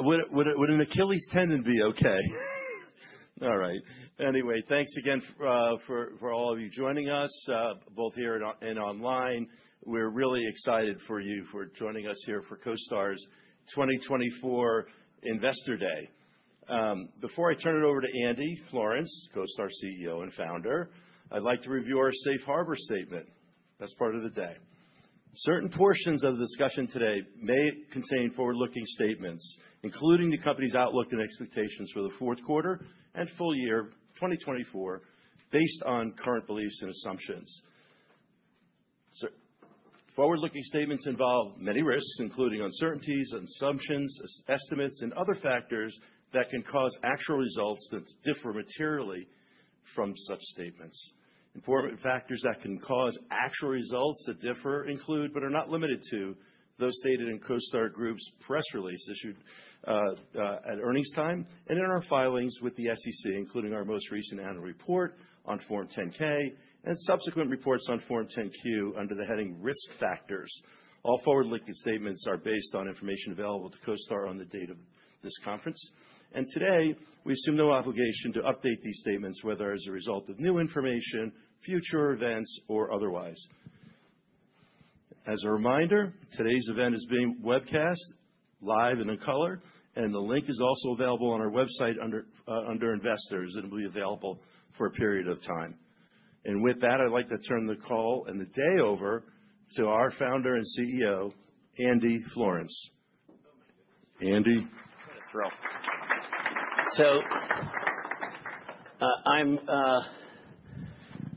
Would an Achilles tendon be okay? All right. Anyway, thanks again for all of you joining us, both here and online. We're really excited for you for joining us here for CoStar's 2024 Investor Day. Before I turn it over to Andy Florance, CoStar CEO and founder, I'd like to review our Safe Harbor Statement. That's part of the day. Certain portions of the discussion today may contain forward-looking statements, including the company's outlook and expectations for the fourth quarter and full year 2024, based on current beliefs and assumptions. Forward-looking statements involve many risks, including uncertainties, assumptions, estimates, and other factors that can cause actual results that differ materially from such statements. Important factors that can cause actual results that differ include, but are not limited to, those stated in CoStar Group's press release issued at earnings time and in our filings with the SEC, including our most recent annual report on Form 10-K and subsequent reports on Form 10-Q under the heading Risk Factors. All forward-looking statements are based on information available to CoStar on the date of this conference. And today, we assume no obligation to update these statements, whether as a result of new information, future events, or otherwise. As a reminder, today's event is being webcast live and in color, and the link is also available on our website under Investors. It'll be available for a period of time. And with that, I'd like to turn the call and the day over to our founder and CEO, Andy Florance. Andy.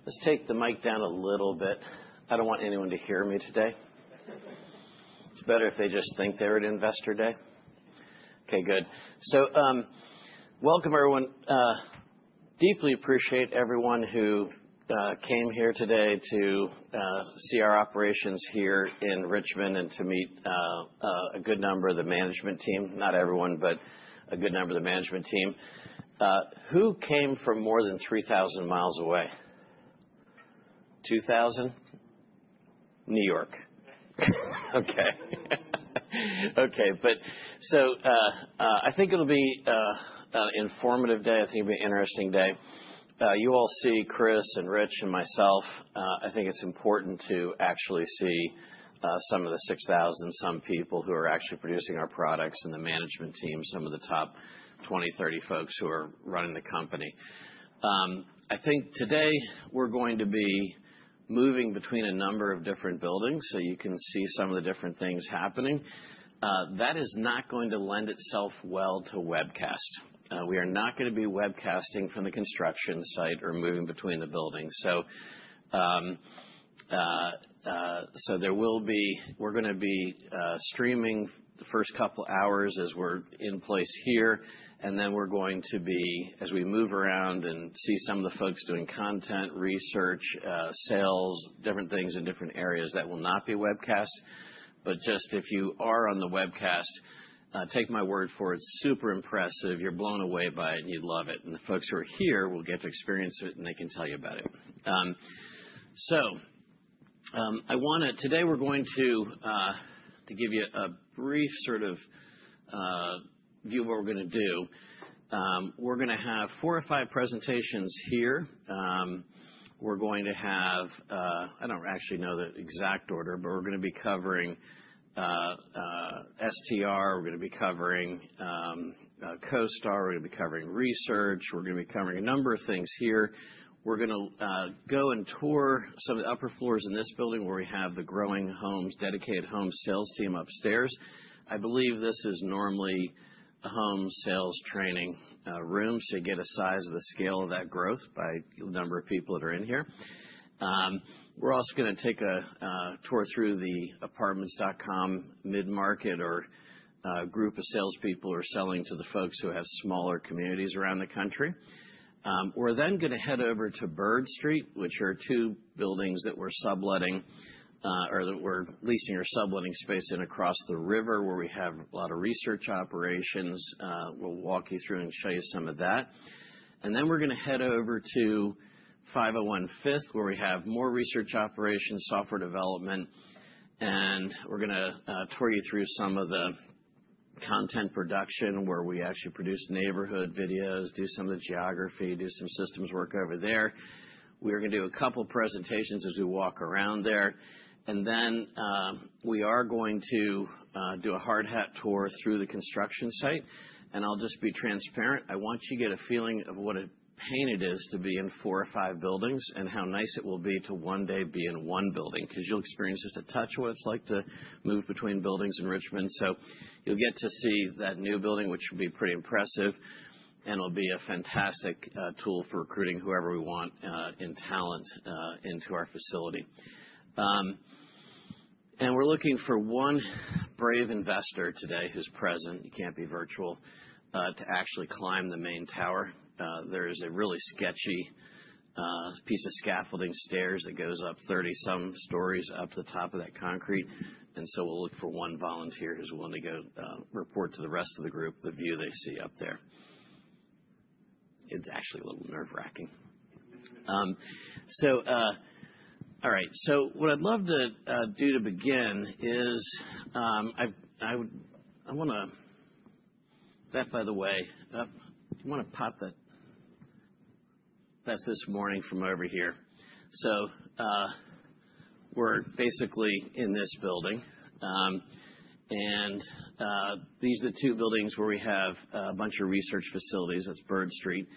Let's take the mic down a little bit. I don't want anyone to hear me today. It's better if they just think they're at Investor Day. Okay, good, so welcome, everyone. Deeply appreciate everyone who came here today to see our operations here in Richmond and to meet a good number of the management team. Not everyone, but a good number of the management team. Who came from more than 3,000 miles away? 2,000? New York. Okay. Okay, but so I think it'll be an informative day. I think it'll be an interesting day. You all see Chris and Rich and myself. I think it's important to actually see some of the 6,000-some people who are actually producing our products and the management team, some of the top 20, 30 folks who are running the company. I think today we're going to be moving between a number of different buildings so you can see some of the different things happening. That is not going to lend itself well to webcast. We are not going to be webcasting from the construction site or moving between the buildings. So there will be. We're going to be streaming the first couple of hours as we're in place here. And then we're going to be, as we move around and see some of the folks doing content, research, sales, different things in different areas, that will not be webcast. But just if you are on the webcast, take my word for it. It's super impressive. You're blown away by it, and you'd love it. And the folks who are here will get to experience it, and they can tell you about it. Today we're going to give you a brief sort of view of what we're going to do. We're going to have four or five presentations here. I don't actually know the exact order, but we're going to be covering STR. We're going to be covering CoStar. We're going to be covering research. We're going to be covering a number of things here. We're going to go and tour some of the upper floors in this building where we have the growing Homes dedicated home sales team upstairs. I believe this is normally a home sales training room, so you get a sense of the scale of that growth by the number of people that are in here. We're also going to take a tour through the Apartments.com mid-market or group of salespeople who are selling to the folks who have smaller communities around the country. We're then going to head over to Byrd Street, which are two buildings that we're subletting or that we're leasing or subletting space in across the river where we have a lot of research operations. We'll walk you through and show you some of that. And then we're going to head over to 501 Fifth, where we have more research operations, software development. And we're going to tour you through some of the content production where we actually produce neighborhood videos, do some of the geography, do some systems work over there. We're going to do a couple of presentations as we walk around there. And then we are going to do a hard hat tour through the construction site. I'll just be transparent. I want you to get a feeling of what a pain it is to be in four or five buildings and how nice it will be to one day be in one building because you'll experience just a touch of what it's like to move between buildings in Richmond. You'll get to see that new building, which will be pretty impressive. It'll be a fantastic tool for recruiting whoever we want in talent into our facility. We're looking for one brave investor today who's present. You can't be virtual to actually climb the main tower. There is a really sketchy piece of scaffolding stairs that goes up 30-some stories up to the top of that concrete. We'll look for one volunteer who's willing to go report to the rest of the group the view they see up there. It's actually a little nerve-wracking. So all right. So what I'd love to do to begin is I want to—that, by the way, you want to pop that? That's this morning from over here. So we're basically in this building. And these are the two buildings where we have a bunch of research facilities. That's Byrd Street.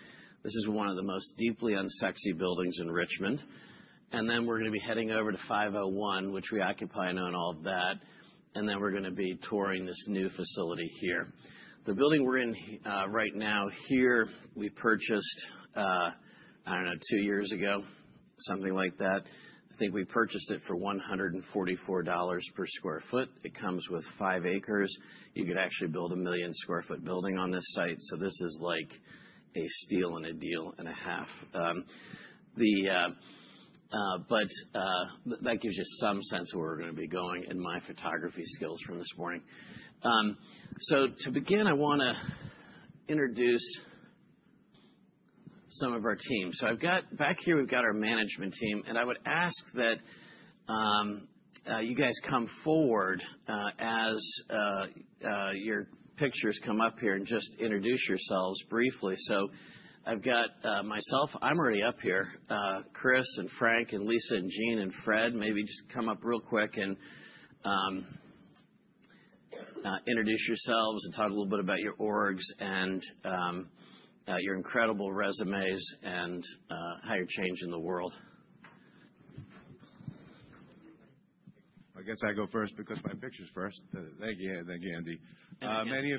This is one of the most deeply unsexy buildings in Richmond. And then we're going to be heading over to 501, which we occupy and own all of that. And then we're going to be touring this new facility here. The building we're in right now here, we purchased, I don't know, two years ago, something like that. I think we purchased it for $144 per sq ft. It comes with five acres. You could actually build a million-sq ft building on this site. So this is like a steal and a deal and a half. But that gives you some sense of where we're going to be going and my photography skills from this morning. So to begin, I want to introduce some of our team. So back here, we've got our management team. And I would ask that you guys come forward as your pictures come up here and just introduce yourselves briefly. So I've got myself. I'm already up here. Chris and Frank and Lisa and Gene and Fred, maybe just come up real quick and introduce yourselves and talk a little bit about your orgs and your incredible resumes and how you're changing the world. I guess I go first because my picture's first. Thank you. Thank you, Andy.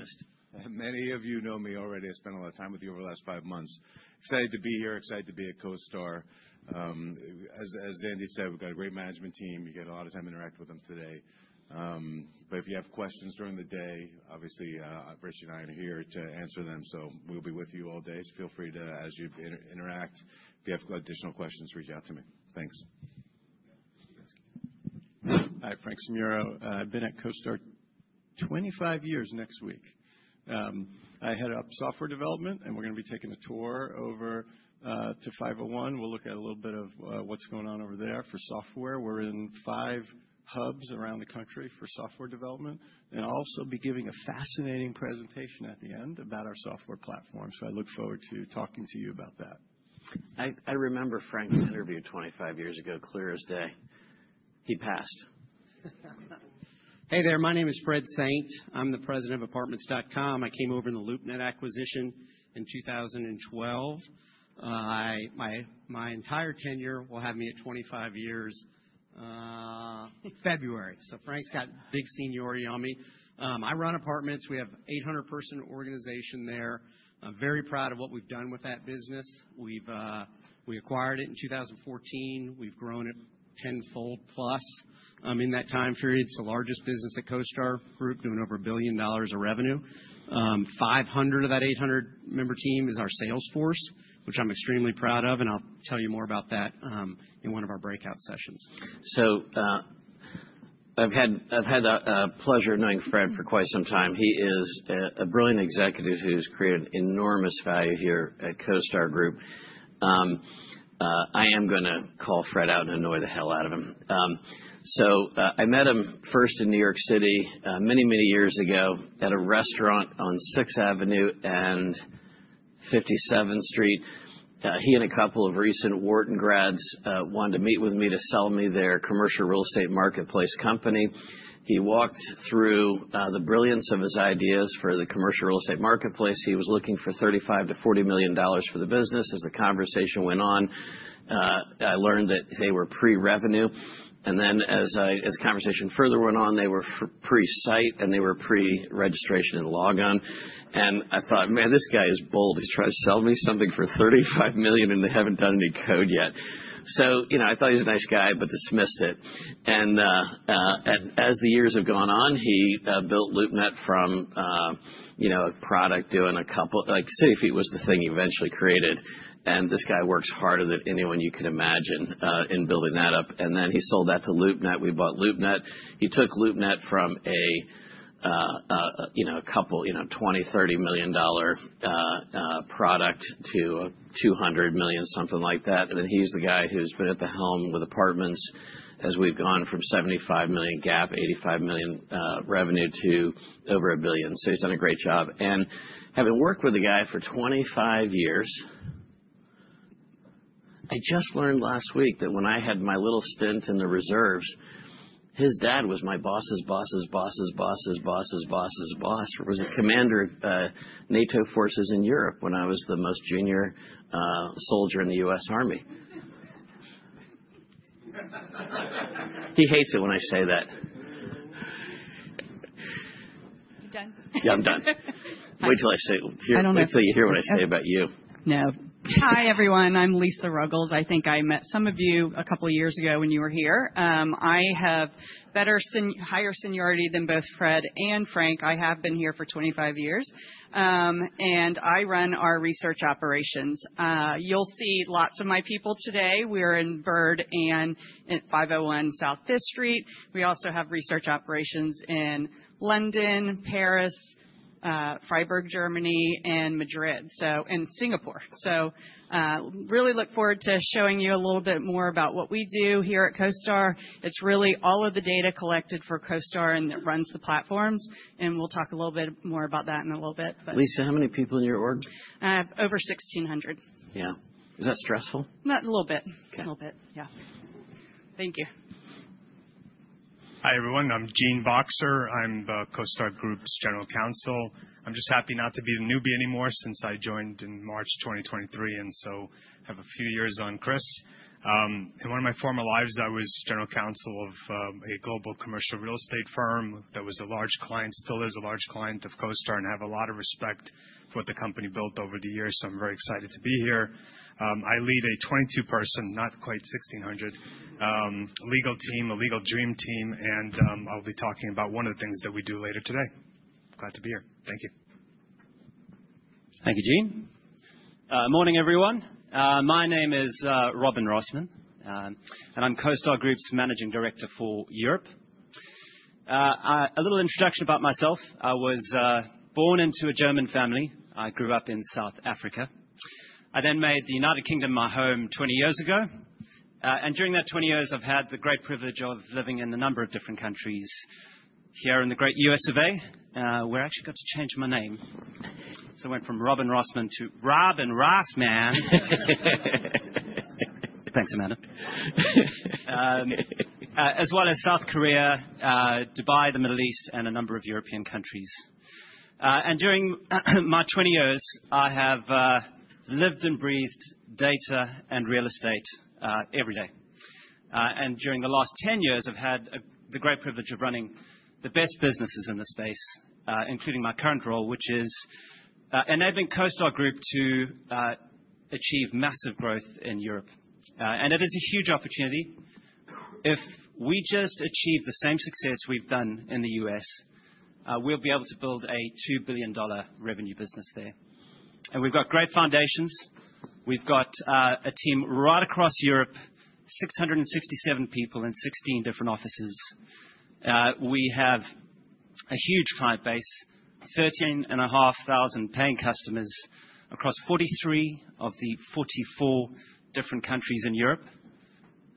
Many of you know me already. I spent a lot of time with you over the last five months. Excited to be here. Excited to be at CoStar. As Andy said, we've got a great management team. You get a lot of time to interact with them today. But if you have questions during the day, obviously, Rich and I are here to answer them. So we'll be with you all day. So feel free to, as you interact, if you have additional questions, reach out to me. Thanks. Hi, Frank Simuro. I've been at CoStar 25 years next week. I head up software development, and we're going to be taking a tour over to 501. We'll look at a little bit of what's going on over there for software. We're in five hubs around the country for software development, and I'll also be giving a fascinating presentation at the end about our software platform, so I look forward to talking to you about that. I remember Frank's interview 25 years ago, clear as day. He passed. Hey there. My name is Fred Saint. I'm the President of Apartments.com. I came over in the LoopNet acquisition in 2012. My entire tenure will have me at 25 years February. So Frank's got big seniority on me. I run Apartments. We have an 800-person organization there. I'm very proud of what we've done with that business. We acquired it in 2014. We've grown it tenfold plus in that time period. It's the largest business at CoStar Group, doing over $1 billion of revenue. 500 of that 800-member team is our sales force, which I'm extremely proud of. And I'll tell you more about that in one of our breakout sessions. So I've had the pleasure of knowing Fred for quite some time. He is a brilliant executive who's created enormous value here at CoStar Group. I am going to call Fred out and annoy the hell out of him. So I met him first in New York City many, many years ago at a restaurant on 6th Avenue and 57th Street. He and a couple of recent Wharton grads wanted to meet with me to sell me their commercial real estate marketplace company. He walked through the brilliance of his ideas for the commercial real estate marketplace. He was looking for $35-$40 million for the business. As the conversation went on, I learned that they were pre-revenue. And then as the conversation further went on, they were pre-site and they were pre-registration and logon. And I thought, "Man, this guy is bold. He's trying to sell me something for $35 million, and they haven't done any code yet." So I thought he was a nice guy, but dismissed it. As the years have gone on, he built LoopNet from a product doing a couple, SafeRent was the thing he eventually created. This guy works harder than anyone you can imagine in building that up. Then he sold that to LoopNet. We bought LoopNet. He took LoopNet from a couple of $20-$30 million product to $200 million, something like that. Then he's the guy who's been at the helm with Apartments as we've gone from $75 million GAAP, $85 million revenue to over a billion. So he's done a great job. Having worked with the guy for 25 years, I just learned last week that when I had my little stint in the reserves, his dad was my boss's boss's boss's boss's boss's boss's boss. He was a commander of NATO forces in Europe when I was the most junior soldier in the U.S. Army. He hates it when I say that. You done? Yeah, I'm done. Wait till I say, wait till you hear what I say about you. No. Hi, everyone. I'm Lisa Ruggles. I think I met some of you a couple of years ago when you were here. I have better higher seniority than both Fred and Frank. I have been here for 25 years, and I run our research operations. You'll see lots of my people today. We're in Byrd and at 501 South 5th Street. We also have research operations in London, Paris, Freiburg, Germany, and Madrid, and Singapore. So really look forward to showing you a little bit more about what we do here at CoStar. It's really all of the data collected for CoStar and that runs the platforms, and we'll talk a little bit more about that in a little bit. Lisa, how many people in your org? Over 1,600. Yeah. Is that stressful? Not a little bit. A little bit. Yeah. Thank you. Hi, everyone. I'm Gene Boxer. I'm CoStar Group's General Counsel. I'm just happy not to be the newbie anymore since I joined in March 2023, and so I have a few years on Chris. In one of my former lives, I was general counsel of a global commercial real estate firm that was a large client, still is a large client of CoStar, and have a lot of respect for what the company built over the years, so I'm very excited to be here. I lead a 22-person, not quite 1,600, legal team, a legal dream team, and I'll be talking about one of the things that we do later today. Glad to be here. Thank you. Thank you, Gene. Morning, everyone. My name is Robin Rossmann, and I'm CoStar Group's managing director for Europe. A little introduction about myself. I was born into a German family. I grew up in South Africa. I then made the United Kingdom my home 20 years ago. During that 20 years, I've had the great privilege of living in a number of different countries. Here in the great US of A, where I actually got to change my name. So I went from Robin Rossmann to Robin Rossmann. Thanks, Amanda. As well as South Korea, Dubai, the Middle East, and a number of European countries. During my 20 years, I have lived and breathed data and real estate every day. And during the last 10 years, I've had the great privilege of running the best businesses in the space, including my current role, which is enabling CoStar Group to achieve massive growth in Europe. And it is a huge opportunity. If we just achieve the same success we've done in the U.S., we'll be able to build a $2 billion revenue business there. And we've got great foundations. We've got a team right across Europe, 667 people in 16 different offices. We have a huge client base, 13,500 paying customers across 43 of the 44 different countries in Europe.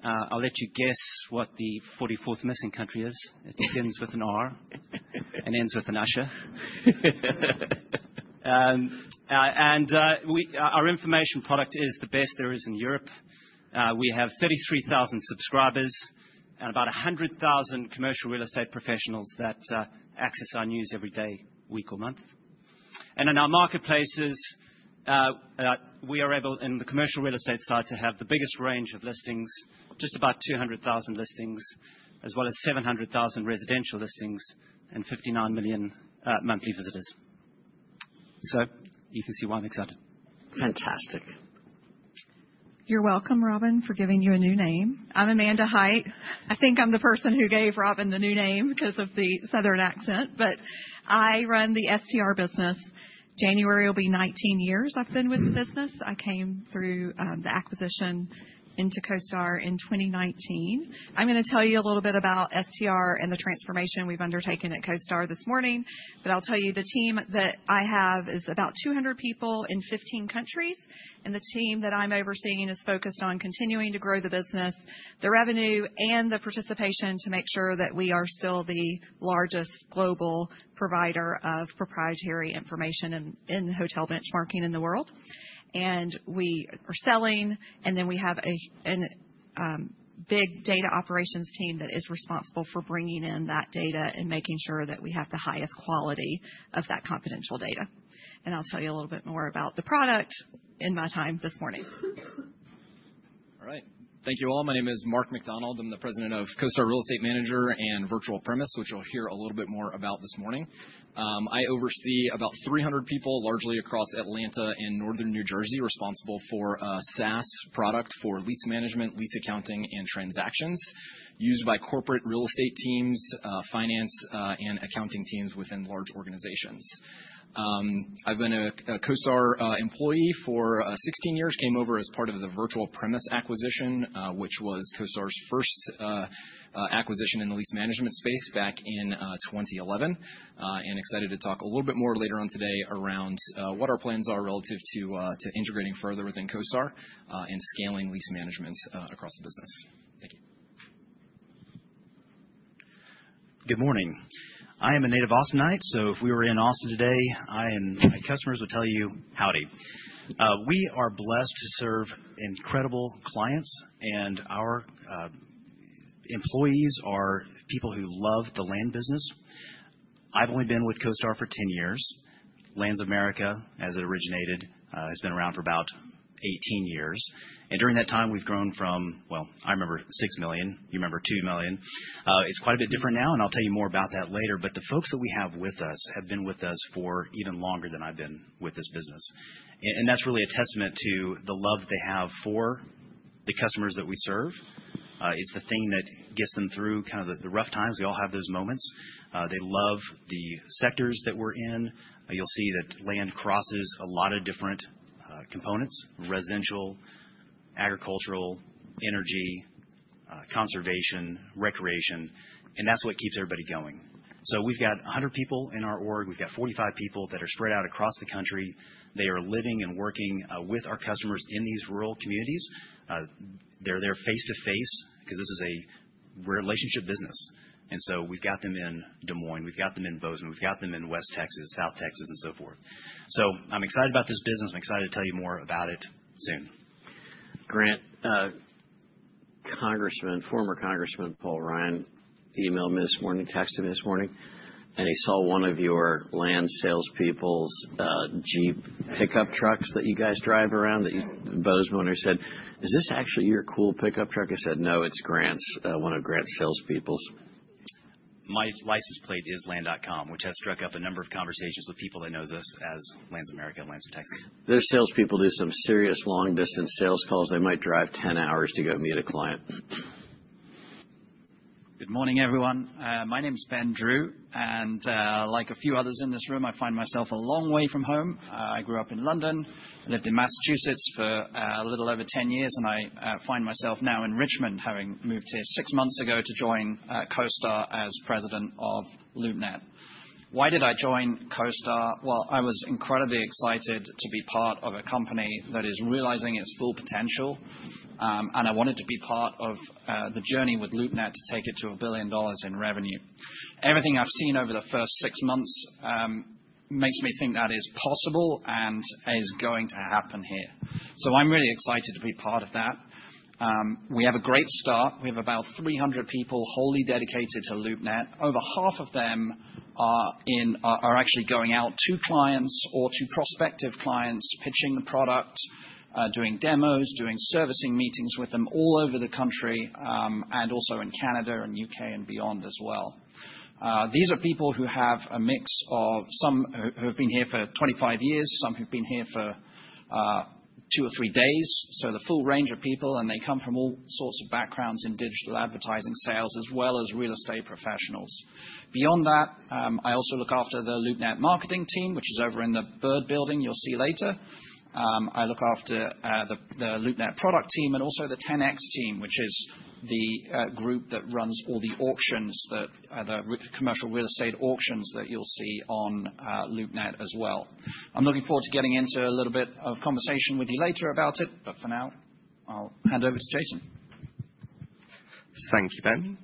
I'll let you guess what the 44th missing country is. It begins with an R and ends with an Usher. And our information product is the best there is in Europe. We have 33,000 subscribers and about 100,000 commercial real estate professionals that access our news every day, week, or month. In our marketplaces, we are able in the commercial real estate side to have the biggest range of listings, just about 200,000 listings, as well as 700,000 residential listings and 59 million monthly visitors. You can see why I'm excited. Fantastic. You're welcome, Robin, for giving you a new name. I'm Amanda Hite. I think I'm the person who gave Robin the new name because of the Southern accent. But I run the STR business. January will be 19 years I've been with the business. I came through the acquisition into CoStar in 2019. I'm going to tell you a little bit about STR and the transformation we've undertaken at CoStar this morning. But I'll tell you the team that I have is about 200 people in 15 countries. The team that I'm overseeing is focused on continuing to grow the business, the revenue, and the participation to make sure that we are still the largest global provider of proprietary information in hotel benchmarking in the world. We are selling. Then we have a big data operations team that is responsible for bringing in that data and making sure that we have the highest quality of that confidential data. I'll tell you a little bit more about the product in my time this morning. All right. Thank you all. My name is Mark McDonald. I'm the President of CoStar Real Estate Manager and Virtual Premise, which you'll hear a little bit more about this morning. I oversee about 300 people largely across Atlanta and northern New Jersey responsible for a SaaS product for lease management, lease accounting, and transactions used by corporate real estate teams, finance, and accounting teams within large organizations. I've been a CoStar employee for 16 years. Came over as part of the Virtual Premise acquisition, which was CoStar's first acquisition in the lease management space back in 2011, and excited to talk a little bit more later on today around what our plans are relative to integrating further within CoStar and scaling lease management across the business. Thank you. Good morning. I am a native Austinite, so if we were in Austin today, my customers would tell you, "Howdy." We are blessed to serve incredible clients, and our employees are people who love the land business. I've only been with CoStar for 10 years. Lands of America, as it originated, has been around for about 18 years, and during that time, we've grown from, well, I remember 6 million. You remember 2 million. It's quite a bit different now, and I'll tell you more about that later, but the folks that we have with us have been with us for even longer than I've been with this business, and that's really a testament to the love that they have for the customers that we serve. It's the thing that gets them through kind of the rough times. We all have those moments. They love the sectors that we're in. You'll see that land crosses a lot of different components: residential, agricultural, energy, conservation, recreation, and that's what keeps everybody going, so we've got 100 people in our org. We've got 45 people that are spread out across the country. They are living and working with our customers in these rural communities. They're there face to face because this is a relationship business, and so we've got them in Des Moines. We've got them in Bozeman. We've got them in West Texas, South Texas, and so forth, so I'm excited about this business. I'm excited to tell you more about it soon. Grant, former Congressman Paul Ryan emailed me this morning, texted me this morning and he saw one of your Land salespeople's Jeep pickup trucks that you guys drive around, Bozeman, and he said, "Is this actually your cool pickup truck?" I said, "No, it's Grant's, one of Grant's salespeople's. My license plate is Land.com, which has struck up a number of conversations with people that know us as Lands of America and Lands of Texas. Their salespeople do some serious long-distance sales calls. They might drive 10 hours to go meet a client. Good morning, everyone. My name's Ben Drew. And like a few others in this room, I find myself a long way from home. I grew up in London. I lived in Massachusetts for a little over 10 years. And I find myself now in Richmond, having moved here six months ago to join CoStar as president of LoopNet. Why did I join CoStar? Well, I was incredibly excited to be part of a company that is realizing its full potential. And I wanted to be part of the journey with LoopNet to take it to $1 billion in revenue. Everything I've seen over the first six months makes me think that is possible and is going to happen here. So I'm really excited to be part of that. We have a great start. We have about 300 people wholly dedicated to LoopNet. Over half of them are actually going out to clients or to prospective clients, pitching the product, doing demos, doing servicing meetings with them all over the country, and also in Canada and the U.K. and beyond as well. These are people who have a mix of some who have been here for 25 years, some who've been here for two or three days. So the full range of people. And they come from all sorts of backgrounds in digital advertising, sales, as well as real estate professionals. Beyond that, I also look after the LoopNet marketing team, which is over in the Byrd building you'll see later. I look after the LoopNet product team and also the Ten-X team, which is the group that runs all the auctions, the commercial real estate auctions that you'll see on LoopNet as well. I'm looking forward to getting into a little bit of conversation with you later about it, but for now, I'll hand over to Jason. Thank you, Ben.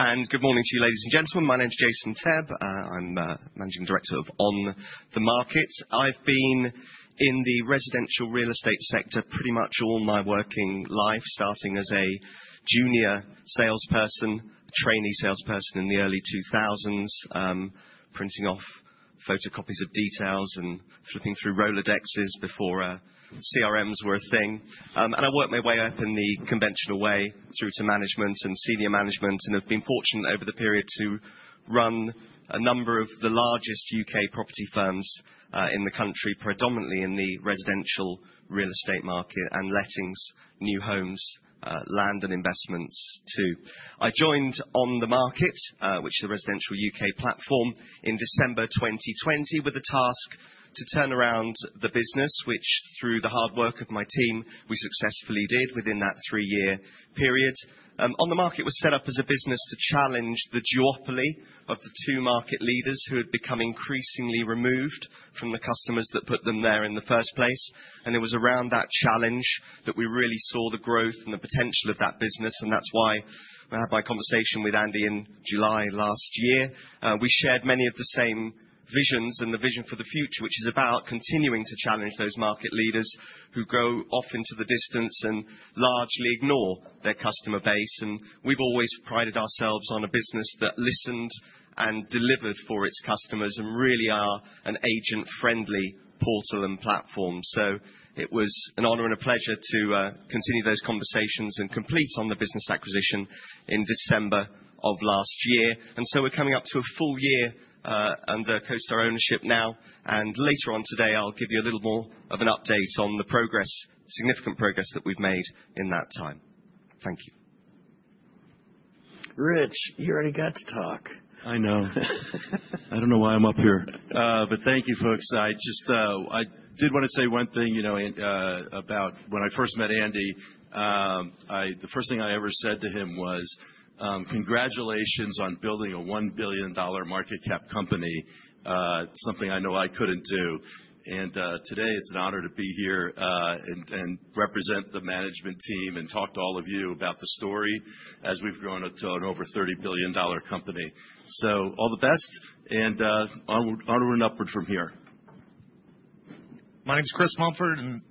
And good morning to you, ladies and gentlemen. My name's Jason Tebb. I'm Managing Director of OnTheMarket. I've been in the residential real estate sector pretty much all my working life, starting as a junior salesperson, trainee salesperson in the early 2000s, printing off photocopies of details and flipping through Rolodexes before CRMs were a thing. And I worked my way up in the conventional way through to management and senior management. And I've been fortunate over the period to run a number of the largest U.K. property firms in the country, predominantly in the residential real estate market and lettings, new homes, Land, and investments too. I joined OnTheMarket, which is a residential U.K. platform, in December 2020 with the task to turn around the business, which through the hard work of my team, we successfully did within that three-year period. OnTheMarket was set up as a business to challenge the duopoly of the two market leaders who had become increasingly removed from the customers that put them there in the first place. And it was around that challenge that we really saw the growth and the potential of that business. And that's why I had my conversation with Andy in July last year. We shared many of the same visions and the vision for the future, which is about continuing to challenge those market leaders who go off into the distance and largely ignore their customer base. And we've always prided ourselves on a business that listened and delivered for its customers and really are an agent-friendly portal and platform. So it was an honor and a pleasure to continue those conversations and complete on the business acquisition in December of last year. And so we're coming up to a full year under CoStar ownership now. And later on today, I'll give you a little more of an update on the progress, significant progress that we've made in that time. Thank you. Rich, you already got to talk. I know. I don't know why I'm up here. But thank you, folks. I just did want to say one thing about when I first met Andy. The first thing I ever said to him was, "Congratulations on building a $1 billion market cap company, something I know I couldn't do." And today, it's an honor to be here and represent the management team and talk to all of you about the story as we've grown up to an over $30 billion company. So all the best and onward and upward from here. My name's Chris Mumford. And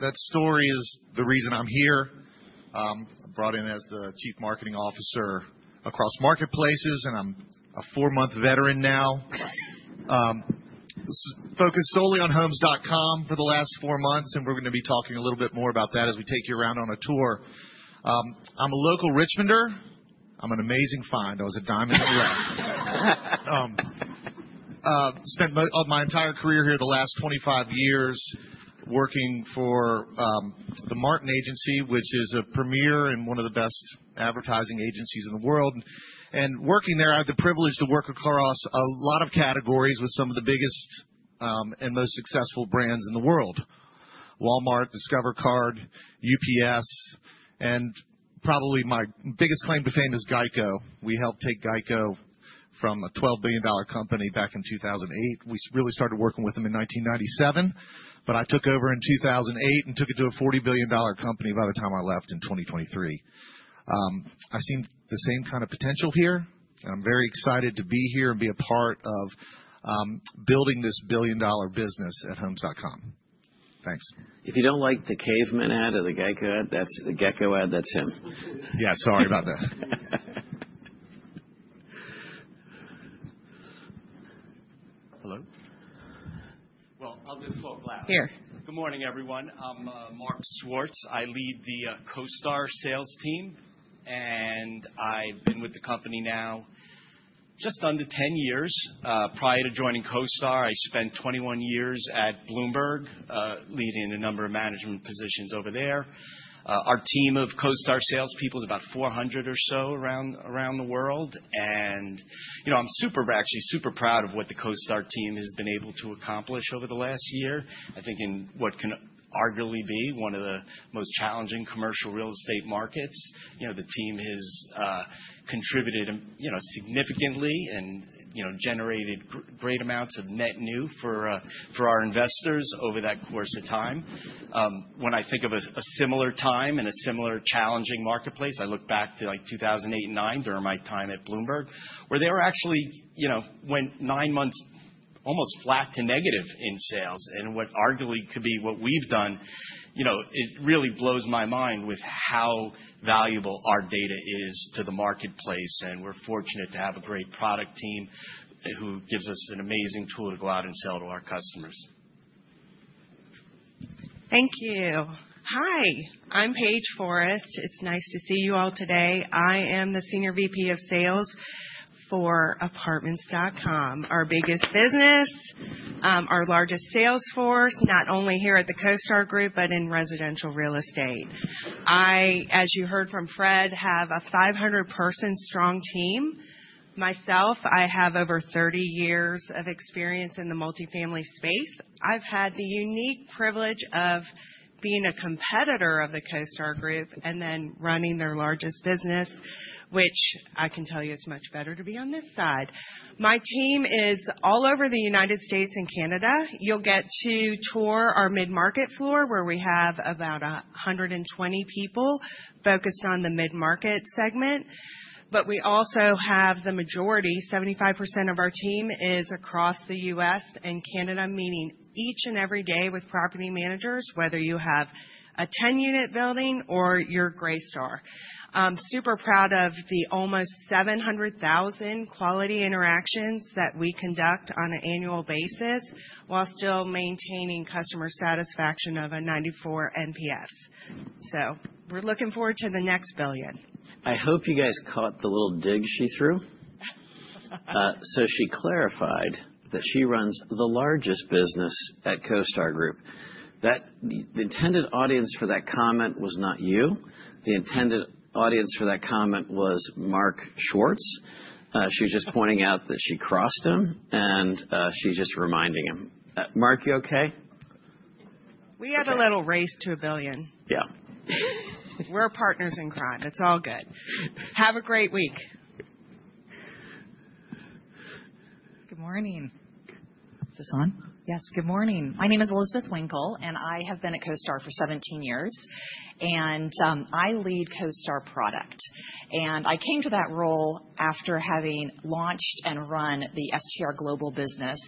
that story is the reason I'm here. I'm brought in as the Chief Marketing Officer across marketplaces. And I'm a four-month veteran now. Focused solely on Homes.com for the last four months. And we're going to be talking a little bit more about that as we take you around on a tour. I'm a local Richmonder. I'm an amazing find. I was a diamond in the rough. Spent my entire career here the last 25 years working for The Martin Agency, which is a premier and one of the best advertising agencies in the world. And working there, I had the privilege to work across a lot of categories with some of the biggest and most successful brands in the world: Walmart, Discover Card, UPS. And probably my biggest claim to fame is GEICO. We helped take GEICO from a $12 billion company back in 2008. We really started working with them in 1997. But I took over in 2008 and took it to a $40 billion company by the time I left in 2023. I've seen the same kind of potential here, and I'm very excited to be here and be a part of building this billion-dollar business at Homes.com. Thanks. If you don't like the caveman ad or the GEICO ad, that's the GEICO ad. That's him. Yeah, sorry about that. Hello? I'll just talk loud. Here. Good morning, everyone. I'm Mark Swartz. I lead the CoStar sales team. And I've been with the company now just under 10 years. Prior to joining CoStar, I spent 21 years at Bloomberg leading a number of management positions over there. Our team of CoStar salespeople is about 400 or so around the world. And I'm actually super proud of what the CoStar team has been able to accomplish over the last year, I think in what can arguably be one of the most challenging commercial real estate markets. The team has contributed significantly and generated great amounts of net new for our investors over that course of time. When I think of a similar time and a similar challenging marketplace, I look back to 2008 and 2009 during my time at Bloomberg, where they were actually went nine months almost flat to negative in sales. What arguably could be what we've done really blows my mind with how valuable our data is to the marketplace. We're fortunate to have a great product team who gives us an amazing tool to go out and sell to our customers. Thank you. Hi, I'm Paige Forrest. It's nice to see you all today. I am the senior VP of sales for Apartments.com, our biggest business, our largest sales force, not only here at the CoStar Group, but in residential real estate. I, as you heard from Fred, have a 500-person strong team. Myself, I have over 30 years of experience in the multifamily space. I've had the unique privilege of being a competitor of the CoStar Group and then running their largest business, which I can tell you is much better to be on this side. My team is all over the United States and Canada. You'll get to tour our mid-market floor, where we have about 120 people focused on the mid-market segment. But we also have the majority, 75% of our team is across the U.S. and Canada, meeting each and every day with property managers, whether you have a 10-unit building or your Greystar. Super proud of the almost 700,000 quality interactions that we conduct on an annual basis while still maintaining customer satisfaction of a 94 NPS. So we're looking forward to the next billion. I hope you guys caught the little dig she threw. So she clarified that she runs the largest business at CoStar Group. The intended audience for that comment was not you. The intended audience for that comment was Mark Swartz. She was just pointing out that she crossed him. And she's just reminding him. Mark, you OK? We had a little race to a billion. Yeah. We're partners in crime. It's all good. Have a great week. Good morning. Is this on? Yes, good morning. My name is Elizabeth Winkle. And I have been at CoStar for 17 years. And I lead CoStar product. And I came to that role after having launched and run the STR Global business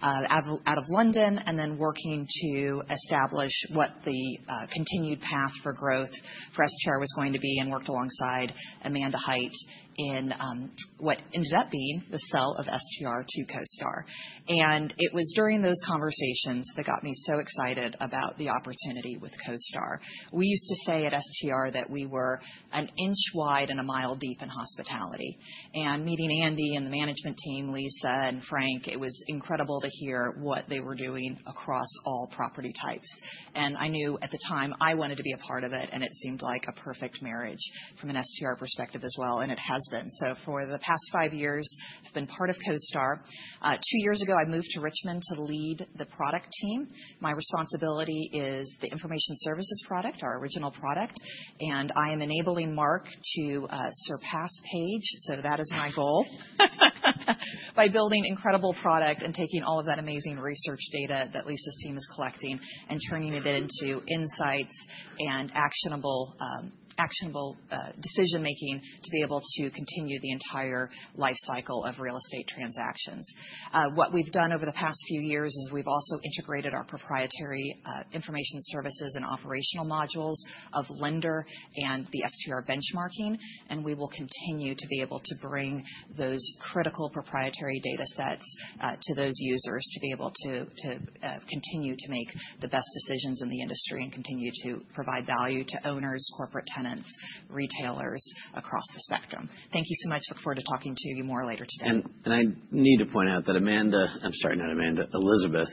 out of London and then working to establish what the continued path for growth for STR was going to be and worked alongside Amanda Hite in what ended up being the sale of STR to CoStar. And it was during those conversations that got me so excited about the opportunity with CoStar. We used to say at STR that we were an inch wide and a mile deep in hospitality. And meeting Andy and the management team, Lisa and Frank, it was incredible to hear what they were doing across all property types. And I knew at the time I wanted to be a part of it. And it seemed like a perfect marriage from an STR perspective as well. And it has been. So for the past five years, I've been part of CoStar. Two years ago, I moved to Richmond to lead the product team. My responsibility is the information services product, our original product. And I am enabling Mark to surpass Paige. So that is my goal by building incredible product and taking all of that amazing research data that Lisa's team is collecting and turning it into insights and actionable decision-making to be able to continue the entire life cycle of real estate transactions. What we've done over the past few years is we've also integrated our proprietary information services and operational modules of Lender and the STR benchmarking. We will continue to be able to bring those critical proprietary data sets to those users to be able to continue to make the best decisions in the industry and continue to provide value to owners, corporate tenants, retailers across the spectrum. Thank you so much. Look forward to talking to you more later today. I need to point out that Amanda, I'm sorry, not Amanda, Elizabeth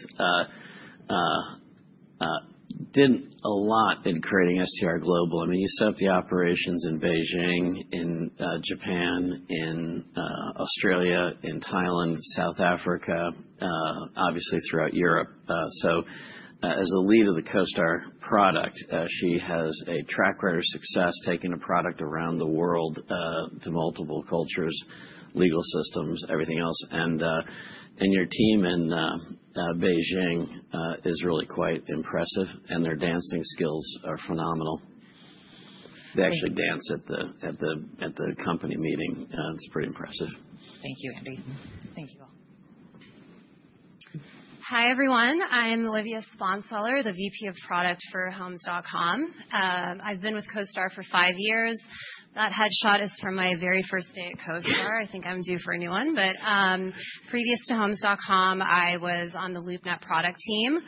did a lot in creating STR Global. I mean, you set up the operations in Beijing, in Japan, in Australia, in Thailand, South Africa, obviously throughout Europe. As the lead of the CoStar product, she has a track record of success taking a product around the world to multiple cultures, legal systems, everything else. Your team in Beijing is really quite impressive. Their dancing skills are phenomenal. They actually dance at the company meeting. It's pretty impressive. Thank you, Andy. Thank you all. Hi, everyone. I'm Livia Sponzeller, the VP of Product for Homes.com. I've been with CoStar for five years. That headshot is from my very first day at CoStar. I think I'm due for a new one. But previous to Homes.com, I was on the LoopNet product team.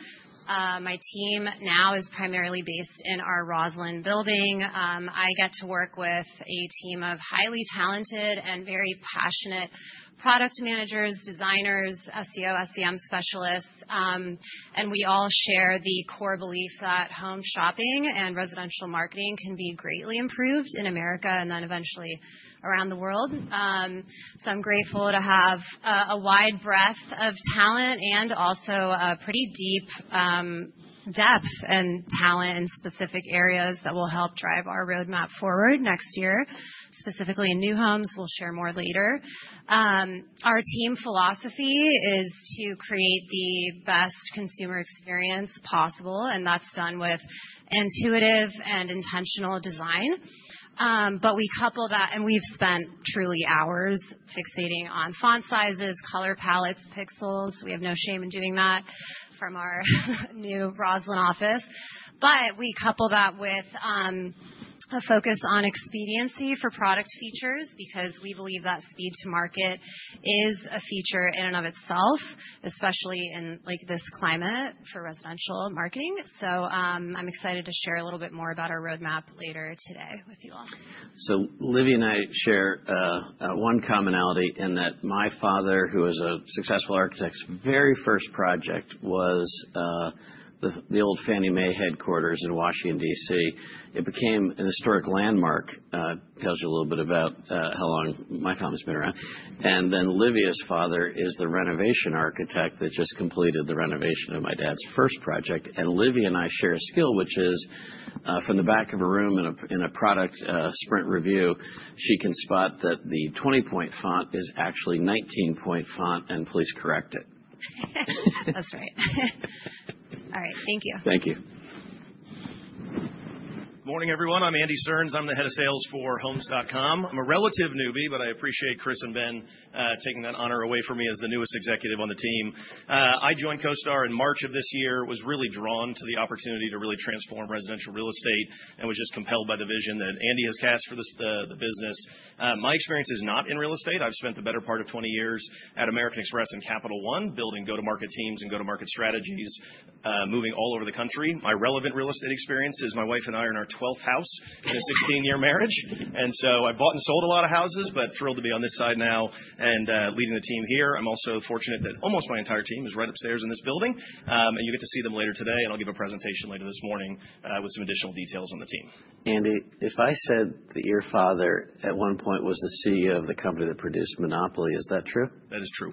My team now is primarily based in our Rosslyn building. I get to work with a team of highly talented and very passionate product managers, designers, SEO, SEM specialists. And we all share the core belief that home shopping and residential marketing can be greatly improved in America and then eventually around the world. So I'm grateful to have a wide breadth of talent and also a pretty deep depth and talent in specific areas that will help drive our roadmap forward next year, specifically in new homes. We'll share more later. Our team philosophy is to create the best consumer experience possible, and that's done with intuitive and intentional design, but we couple that and we've spent truly hours fixating on font sizes, color palettes, pixels. We have no shame in doing that from our new Rosslyn office, but we couple that with a focus on expediency for product features because we believe that speed to market is a feature in and of itself, especially in this climate for residential marketing, so I'm excited to share a little bit more about our roadmap later today with you all. Livia and I share one commonality in that my father, who was a successful architect, his very first project was the old Fannie Mae headquarters in Washington, DC. It became a historic landmark. It tells you a little bit about how long my mom's been around. Livia's father is the renovation architect that just completed the renovation of my dad's first project. Livia and I share a skill, which is from the back of a room in a product sprint review, she can spot that the 20-point font is actually 19-point font and politely correct it. That's right. All right, thank you. Thank you. Morning, everyone. I'm Andy Stearns. I'm the Head of Sales for Homes.com. I'm a relative newbie, but I appreciate Chris and Ben taking that honor away from me as the newest executive on the team. I joined CoStar in March of this year. I was really drawn to the opportunity to really transform residential real estate and was just compelled by the vision that Andy has cast for the business. My experience is not in real estate. I've spent the better part of 20 years at American Express and Capital One building go-to-market teams and go-to-market strategies moving all over the country. My relevant real estate experience is my wife and I are in our 12th house in a 16-year marriage. And so I've bought and sold a lot of houses, but thrilled to be on this side now and leading the team here. I'm also fortunate that almost my entire team is right upstairs in this building. And you get to see them later today. And I'll give a presentation later this morning with some additional details on the team. Andy, if I said that your father at one point was the CEO of the company that produced Monopoly, is that true? That is true.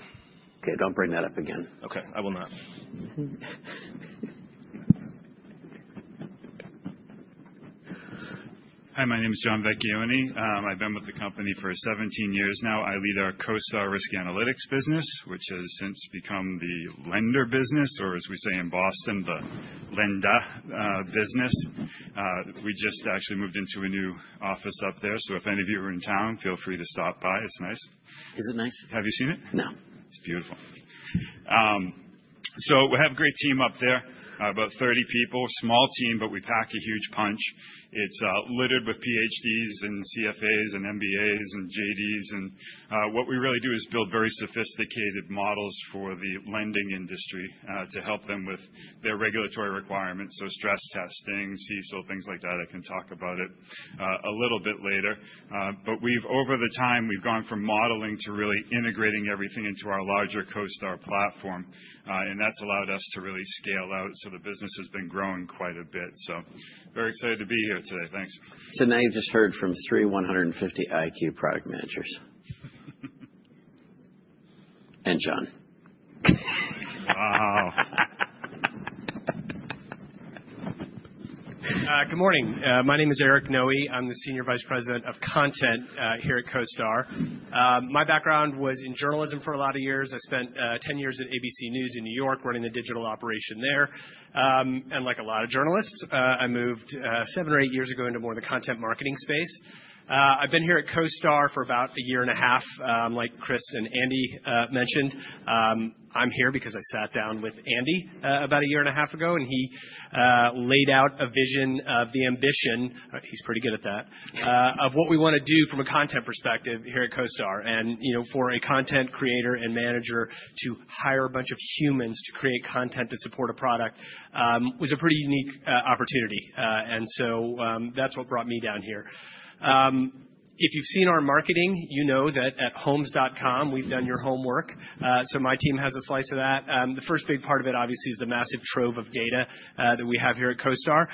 OK, don't bring that up again. OK, I will not. Hi, my name is John Vecchioni. I've been with the company for 17 years now. I lead our CoStar Risk Analytics business, which has since become the Lender business, or as we say in Boston, the Lenda business. We just actually moved into a new office up there. So if any of you are in town, feel free to stop by. It's nice. Is it nice? Have you seen it? No. It's beautiful. So we have a great team up there, about 30 people, small team, but we pack a huge punch. It's littered with PhDs and CFAs and MBAs and JDs. And what we really do is build very sophisticated models for the lending industry to help them with their regulatory requirements. So stress testing, CECL, things like that. I can talk about it a little bit later. But over the time, we've gone from modeling to really integrating everything into our larger CoStar platform. And that's allowed us to really scale out. So the business has been growing quite a bit. So very excited to be here today. Thanks. So now you've just heard from three 150 IQ product managers. And John. Wow. Good morning. My name is Erik Noe. I'm the Senior Vice President of Content here at CoStar. My background was in journalism for a lot of years. I spent 10 years at ABC News in New York running the digital operation there. And like a lot of journalists, I moved seven or eight years ago into more of the content marketing space. I've been here at CoStar for about a year and a half, like Chris and Andy mentioned. I'm here because I sat down with Andy about a year and a half ago. And he laid out a vision of the ambition he's pretty good at that of what we want to do from a content perspective here at CoStar. And for a content creator and manager to hire a bunch of humans to create content to support a product was a pretty unique opportunity. And so that's what brought me down here. If you've seen our marketing, you know that at Homes.com, we've done your homework. So my team has a slice of that. The first big part of it, obviously, is the massive trove of data that we have here at CoStar.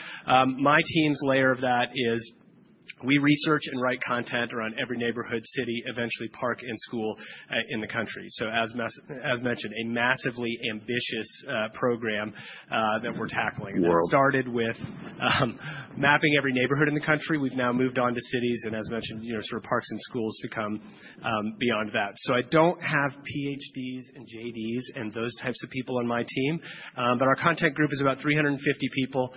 My team's layer of that is we research and write content around every neighborhood, city, eventually park, and school in the country. So as mentioned, a massively ambitious program that we're tackling. We started with mapping every neighborhood in the country. We've now moved on to cities and, as mentioned, sort of parks and schools to come beyond that. So I don't have PhDs and JDs and those types of people on my team. But our content group is about 350 people,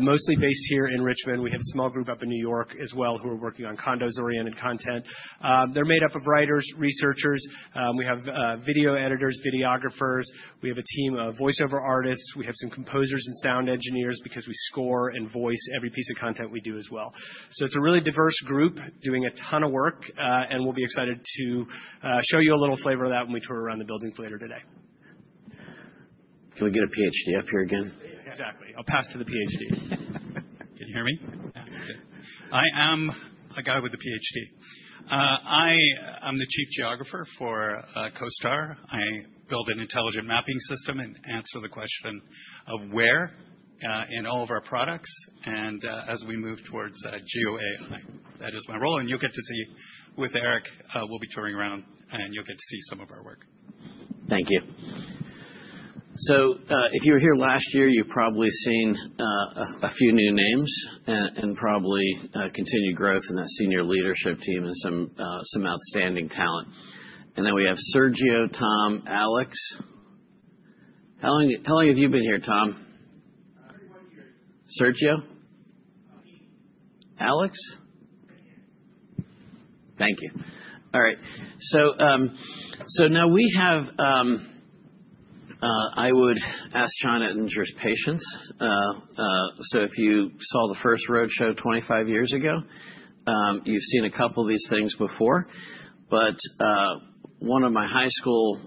mostly based here in Richmond. We have a small group up in New York as well who are working on condos-oriented content. They're made up of writers, researchers. We have video editors, videographers. We have a team of voiceover artists. We have some composers and sound engineers because we score and voice every piece of content we do as well, so it's a really diverse group doing a ton of work, and we'll be excited to show you a little flavor of that when we tour around the buildings later today. Can we get a PhD up here again? Exactly. I'll pass to the PhD. Can you hear me? Yeah. I am a guy with a PhD. I am the Chief Geographer for CoStar. I build an intelligent mapping system and answer the question of where in all of our products and as we move towards GeoAI. That is my role. And you'll get to see with Eric. We'll be touring around. And you'll get to see some of our work. Thank you. So if you were here last year, you've probably seen a few new names and probably continued growth in that senior leadership team and some outstanding talent. And then we have Sergio, Tom, Alex. How long have you been here, Tom? Sergio? Alex? Thank you. All right. So now, I would ask John to endure his patience. So if you saw the first roadshow 25 years ago, you've seen a couple of these things before. But one of my high school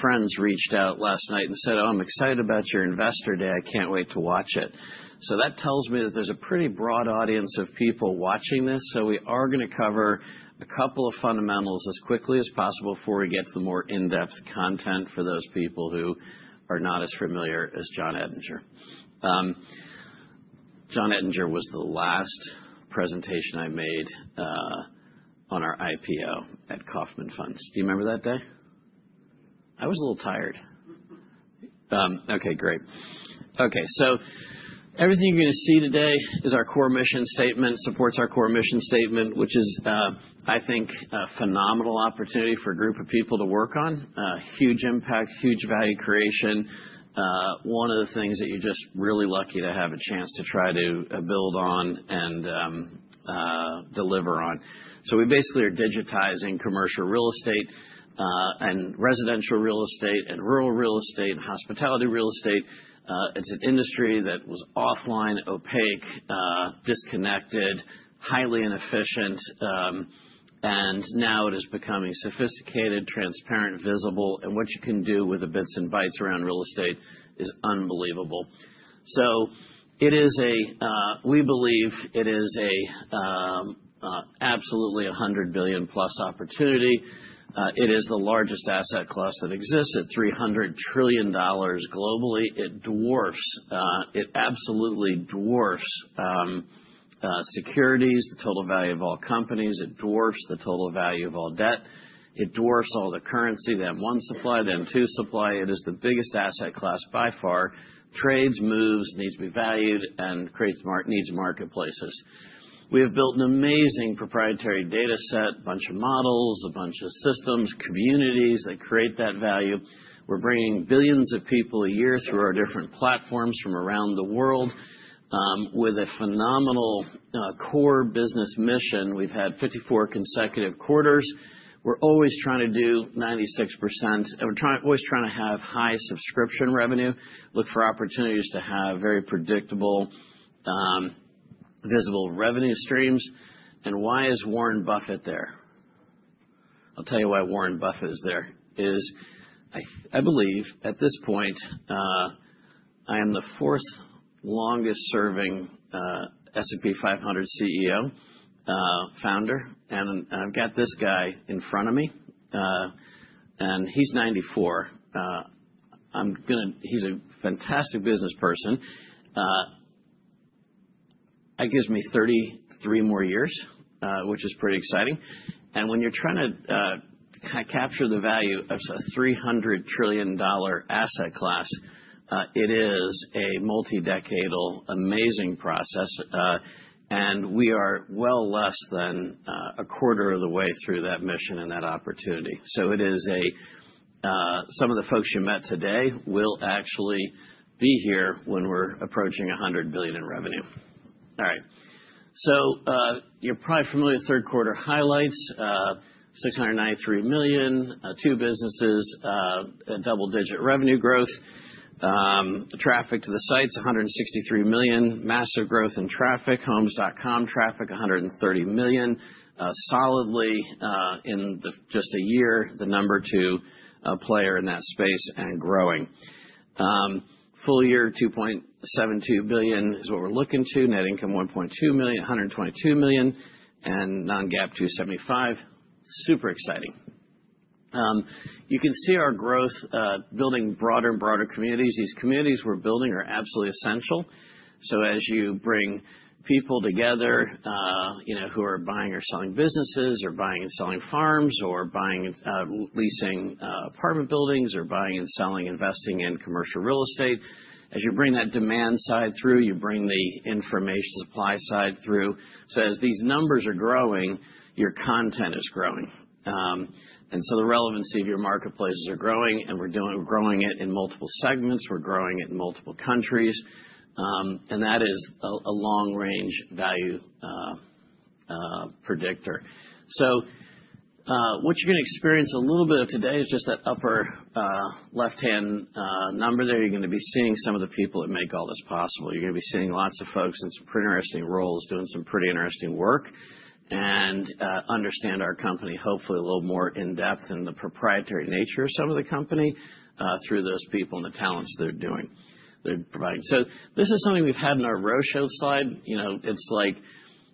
friends reached out last night and said, oh, I'm excited about your investor day. I can't wait to watch it. So that tells me that there's a pretty broad audience of people watching this. So we are going to cover a couple of fundamentals as quickly as possible before we get to the more in-depth content for those people who are not as familiar as John Ettinger. John Ettinger was the last presentation I made on our IPO at Kaufmann Funds. Do you remember that day? I was a little tired. OK, great. OK, so everything you're going to see today is our core mission statement, supports our core mission statement, which is, I think, a phenomenal opportunity for a group of people to work on, huge impact, huge value creation, one of the things that you're just really lucky to have a chance to try to build on and deliver on. So we basically are digitizing commercial real estate and residential real estate and rural real estate and hospitality real estate. It's an industry that was offline, opaque, disconnected, highly inefficient. Now it is becoming sophisticated, transparent, visible. What you can do with the bits and bytes around real estate is unbelievable. We believe it is absolutely a $100 billion-plus opportunity. It is the largest asset class that exists at $300 trillion globally. It dwarfs. It absolutely dwarfs securities, the total value of all companies. It dwarfs the total value of all debt. It dwarfs all the currency, then one supply, then two supply. It is the biggest asset class by far. Trades, moves, needs to be valued, and needs marketplaces. We have built an amazing proprietary data set, a bunch of models, a bunch of systems, communities that create that value. We're bringing billions of people a year through our different platforms from around the world with a phenomenal core business mission. We've had 54 consecutive quarters. We're always trying to do 96%. We're always trying to have high subscription revenue, look for opportunities to have very predictable, visible revenue streams. And why is Warren Buffett there? I'll tell you why Warren Buffett is there. I believe at this point, I am the fourth longest serving S&P 500 CEO founder. And I've got this guy in front of me. And he's 94. He's a fantastic business person. That gives me 33 more years, which is pretty exciting. And when you're trying to capture the value of a $300 trillion asset class, it is a multi-decadal amazing process. And we are well less than a quarter of the way through that mission and that opportunity. So some of the folks you met today will actually be here when we're approaching 100 billion in revenue. All right. So you're probably familiar with third quarter highlights: $693 million, two businesses, double-digit revenue growth, traffic to the sites: 163 million, massive growth in traffic, Homes.com traffic: 130 million. Solidly, in just a year, the number two player in that space and growing. Full year, $2.72 billion is what we're looking to, net income $1.2 million, $122 million, and non-GAAP $275. Super exciting. You can see our growth building broader and broader communities. These communities we're building are absolutely essential. So as you bring people together who are buying or selling businesses or buying and selling farms or buying and leasing apartment buildings or buying and selling, investing in commercial real estate, as you bring that demand side through, you bring the information supply side through. So as these numbers are growing, your content is growing. And so the relevancy of your marketplaces is growing. We're growing it in multiple segments. We're growing it in multiple countries. That is a long-range value predictor. What you're going to experience a little bit of today is just that upper left-hand number there. You're going to be seeing some of the people that make all this possible. You're going to be seeing lots of folks in some pretty interesting roles doing some pretty interesting work and understand our company, hopefully, a little more in depth and the proprietary nature of some of the company through those people and the talents they're providing. This is something we've had in our roadshow slide. It's like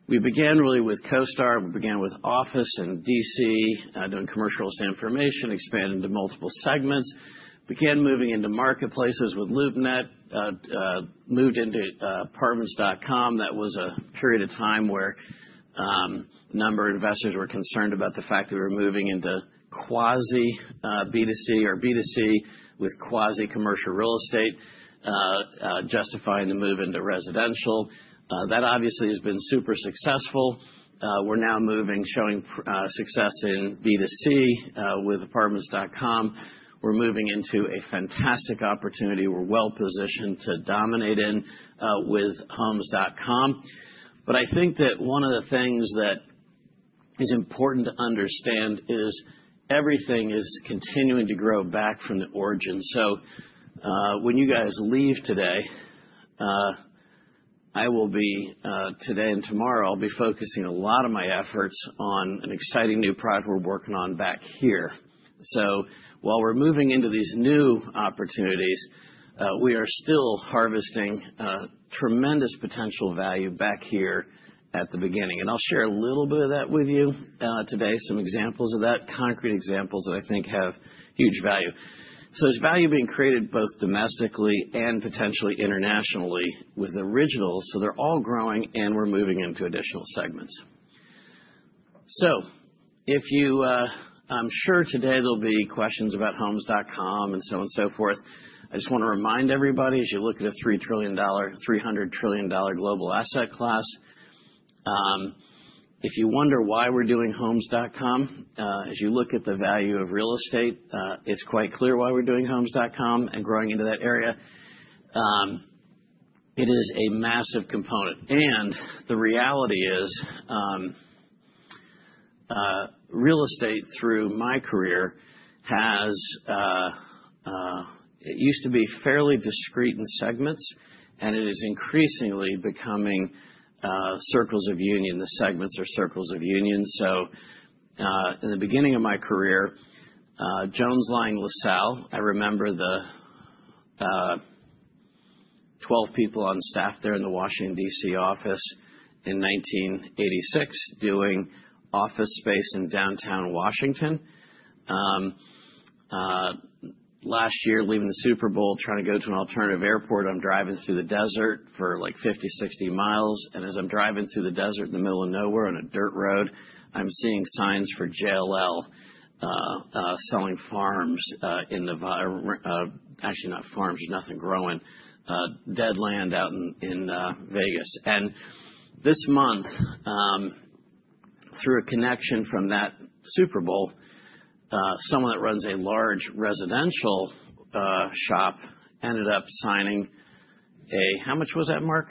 we began really with CoStar. We began with Office in DC doing commercial information, expanding to multiple segments, began moving into marketplaces with LoopNet, moved into Apartments.com. That was a period of time where a number of investors were concerned about the fact that we were moving into quasi-B2C or B2C with quasi-commercial real estate, justifying the move into residential. That obviously has been super successful. We're now moving, showing success in B2C with Apartments.com. We're moving into a fantastic opportunity. We're well positioned to dominate in with Homes.com. But I think that one of the things that is important to understand is everything is continuing to grow back from the origin. So when you guys leave today, I will be today and tomorrow, I'll be focusing a lot of my efforts on an exciting new product we're working on back here. So while we're moving into these new opportunities, we are still harvesting tremendous potential value back here at the beginning. And I'll share a little bit of that with you today, some examples of that, concrete examples that I think have huge value. So there's value being created both domestically and potentially internationally with originals. So they're all growing. And we're moving into additional segments. So I'm sure today there'll be questions about Homes.com and so on and so forth. I just want to remind everybody, as you look at a $300 trillion global asset class, if you wonder why we're doing Homes.com, as you look at the value of real estate, it's quite clear why we're doing Homes.com and growing into that area. It is a massive component. And the reality is real estate, through my career, used to be fairly discrete in segments. And it is increasingly becoming circles of union. The segments are circles of union. In the beginning of my career, Jones Lang LaSalle, I remember the 12 people on staff there in the Washington, D.C. office in 1986 doing office space in downtown Washington. Last year, leaving the Super Bowl, trying to go to an alternative airport, I am driving through the desert for like 50-60 miles. And as I am driving through the desert in the middle of nowhere on a dirt road, I am seeing signs for JLL selling farms in the, actually, not farms. There is nothing growing, dead land out in Vegas. And this month, through a connection from that Super Bowl, someone that runs a large residential shop ended up signing a, how much was that, Mark?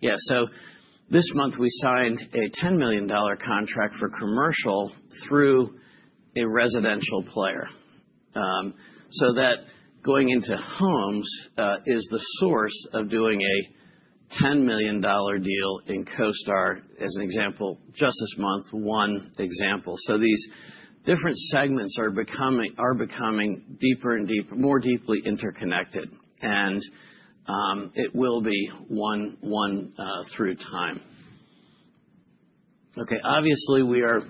Yeah. This month, we signed a $10 million contract for commercial through a residential player. So that going into Homes is the source of doing a $10 million deal in CoStar, as an example, just this month, one example. So these different segments are becoming deeper and more deeply interconnected. And it will be one through time. OK, obviously, we are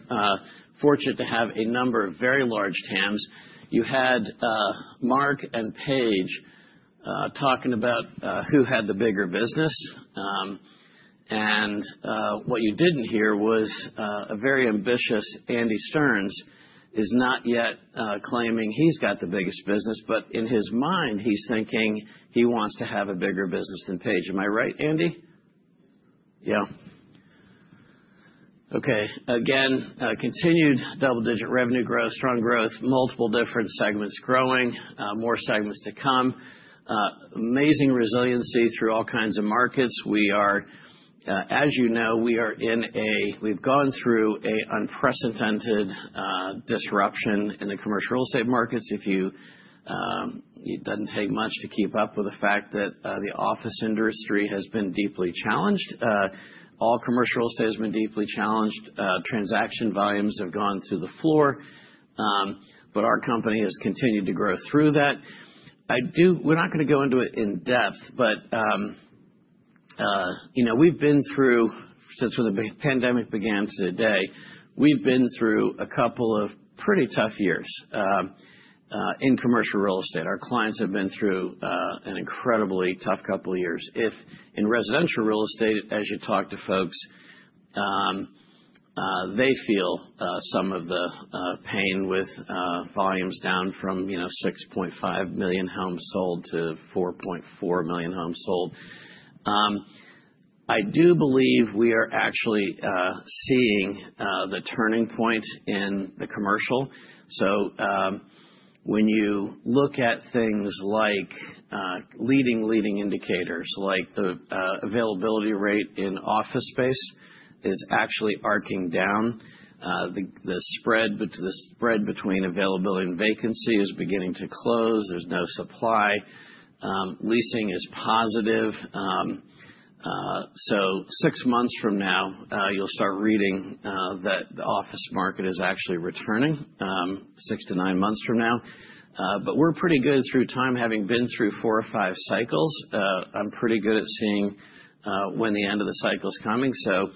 fortunate to have a number of very large TAMs. You had Mark and Paige talking about who had the bigger business. And what you didn't hear was a very ambitious Andy Stearns is not yet claiming he's got the biggest business. But in his mind, he's thinking he wants to have a bigger business than Paige. Am I right, Andy? Yeah. OK, again, continued double-digit revenue growth, strong growth, multiple different segments growing, more segments to come, amazing resiliency through all kinds of markets. As you know, we have gone through an unprecedented disruption in the commercial real estate markets. It doesn't take much to keep up with the fact that the office industry has been deeply challenged. All commercial real estate has been deeply challenged. Transaction volumes have gone through the floor. But our company has continued to grow through that. We're not going to go into it in depth. But we've been through, since when the pandemic began to today, we've been through a couple of pretty tough years in commercial real estate. Our clients have been through an incredibly tough couple of years. In residential real estate, as you talk to folks, they feel some of the pain with volumes down from 6.5 million homes sold to 4.4 million homes sold. I do believe we are actually seeing the turning point in the commercial. So when you look at things like leading indicators, like the availability rate in office space is actually arcing down. The spread between availability and vacancy is beginning to close. There's no supply. Leasing is positive. So six months from now, you'll start reading that the office market is actually returning six to nine months from now. But we're pretty good through time, having been through four or five cycles. I'm pretty good at seeing when the end of the cycle is coming. So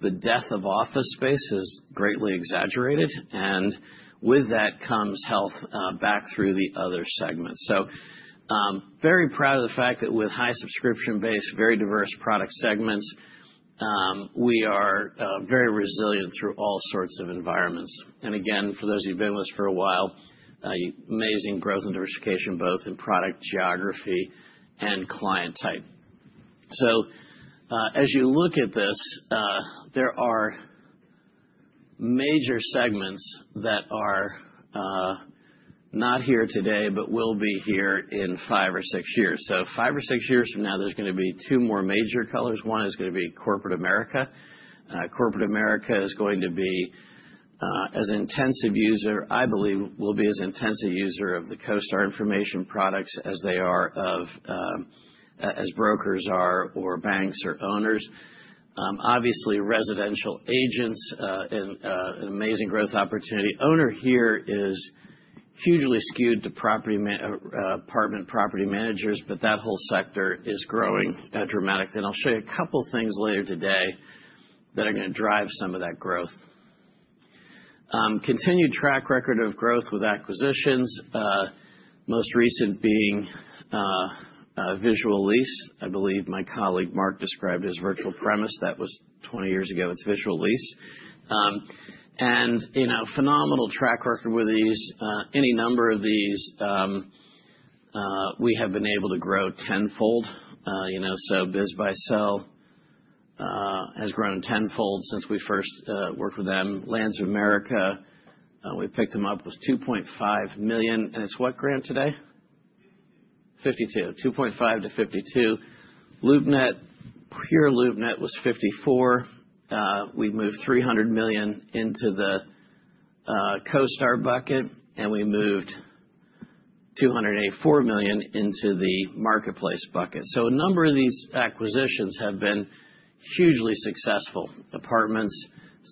the death of office space is greatly exaggerated. And with that comes health back through the other segments. So very proud of the fact that with high subscription base, very diverse product segments, we are very resilient through all sorts of environments. And again, for those of you who've been with us for a while, amazing growth and diversification, both in product geography and client type. So as you look at this, there are major segments that are not here today but will be here in five or six years. So five or six years from now, there's going to be two more major colors. One is going to be corporate America. corporate America is going to be, as intensive user, I believe, will be as intensive user of the CoStar information products as brokers are or banks or owners. Obviously, residential agents are an amazing growth opportunity. Owner here is hugely skewed to apartment property managers. But that whole sector is growing dramatically. And I'll show you a couple of things later today that are going to drive some of that growth. Continued track record of growth with acquisitions, most recent being Visual Lease. I believe my colleague Mark described it as Virtual Premise. That was 20 years ago. It's Visual Lease. Phenomenal track record with any number of these, we have been able to grow tenfold. So BizBuySell has grown tenfold since we first worked with them. Lands of America, we picked them up with $2.5 million. And it's what, Graham, today? $52 million. $52 million. $2.5 million to $52 million. LoopNet, pure LoopNet was $54 million. We moved $300 million into the CoStar bucket. And we moved $284 million into the marketplace bucket. So a number of these acquisitions have been hugely successful. Apartments,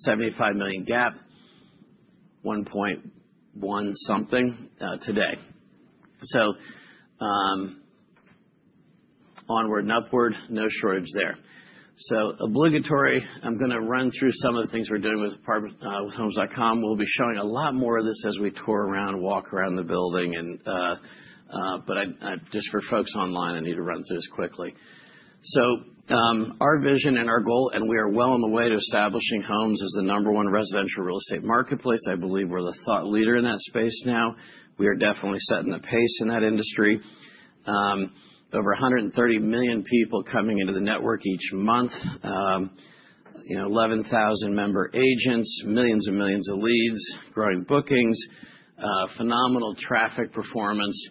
$75 million GAAP, $1.1 billion today. So onward and upward, no shortage there. So obligatory, I'm going to run through some of the things we're doing with Homes.com. We'll be showing a lot more of this as we tour around, walk around the building. But just for folks online, I need to run through this quickly. Our vision and our goal, and we are well on the way to establishing Homes.com as the number one residential real estate marketplace. I believe we're the thought leader in that space now. We are definitely setting the pace in that industry. Over 130 million people coming into the network each month, 11,000 member agents, millions and millions of leads, growing bookings, phenomenal traffic performance.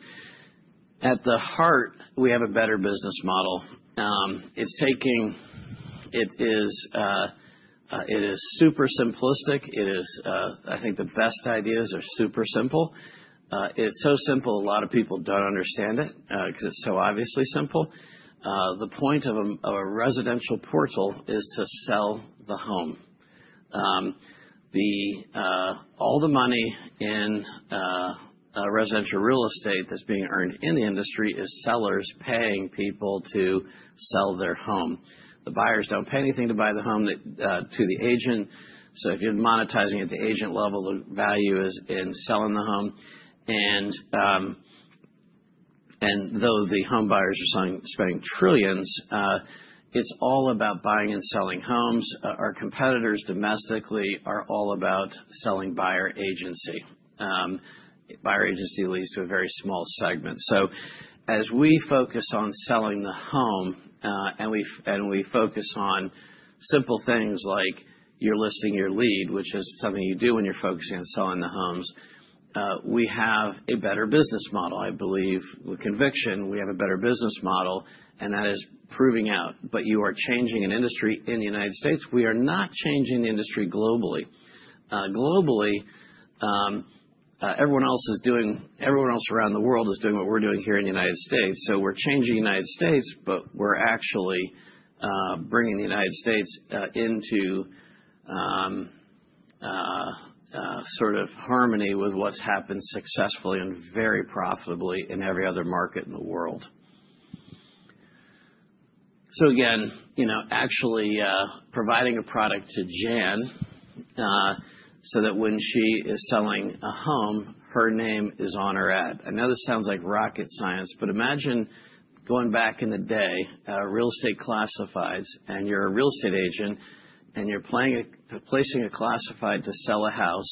At the heart, we have a better business model. It is super simplistic. I think the best ideas are super simple. It's so simple, a lot of people don't understand it because it's so obviously simple. The point of a residential portal is to sell the home. All the money in residential real estate that's being earned in the industry is sellers paying people to sell their home. The buyers don't pay anything to buy the home to the agent. So if you're monetizing at the agent level, the value is in selling the home. And though the home buyers are spending trillions, it's all about buying and selling homes. Our competitors domestically are all about selling buyer agency. Buyer agency leads to a very small segment. So as we focus on selling the home and we focus on simple things like Your Listing, Your Lead, which is something you do when you're focusing on selling the homes, we have a better business model. I believe with conviction, we have a better business model. And that is proving out. But you are changing an industry in the United States. We are not changing the industry globally. Globally, everyone else around the world is doing what we're doing here in the United States. So we're changing the United States. But we're actually bringing the United States into sort of harmony with what's happened successfully and very profitably in every other market in the world. So again, actually providing a product to Jan so that when she is selling a home, her name is on her ad. I know this sounds like rocket science. But imagine going back in the day, Real Estate Classifieds, and you're a real estate agent. And you're placing a classified to sell a house.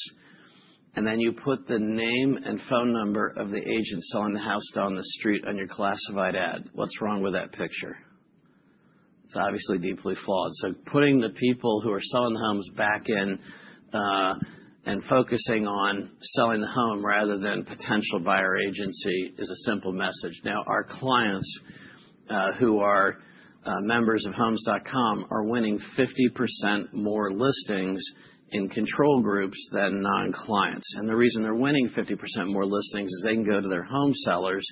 And then you put the name and phone number of the agent selling the house down the street on your classified ad. What's wrong with that picture? It's obviously deeply flawed. So putting the people who are selling the homes back in and focusing on selling the home rather than potential buyer agency is a simple message. Now, our clients who are members of Homes.com are winning 50% more listings in control groups than non-clients. And the reason they're winning 50% more listings is they can go to their home sellers.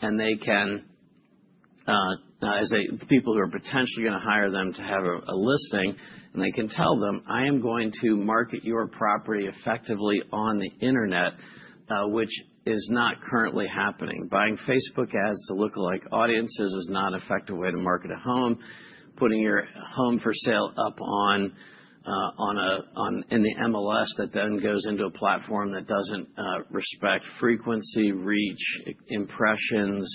And as the people who are potentially going to hire them to have a listing, they can tell them, "I am going to market your property effectively on the internet," which is not currently happening. Buying Facebook ads to lookalike audiences is not an effective way to market a home. Putting your home for sale up in the MLS that then goes into a platform that doesn't respect frequency, reach, impressions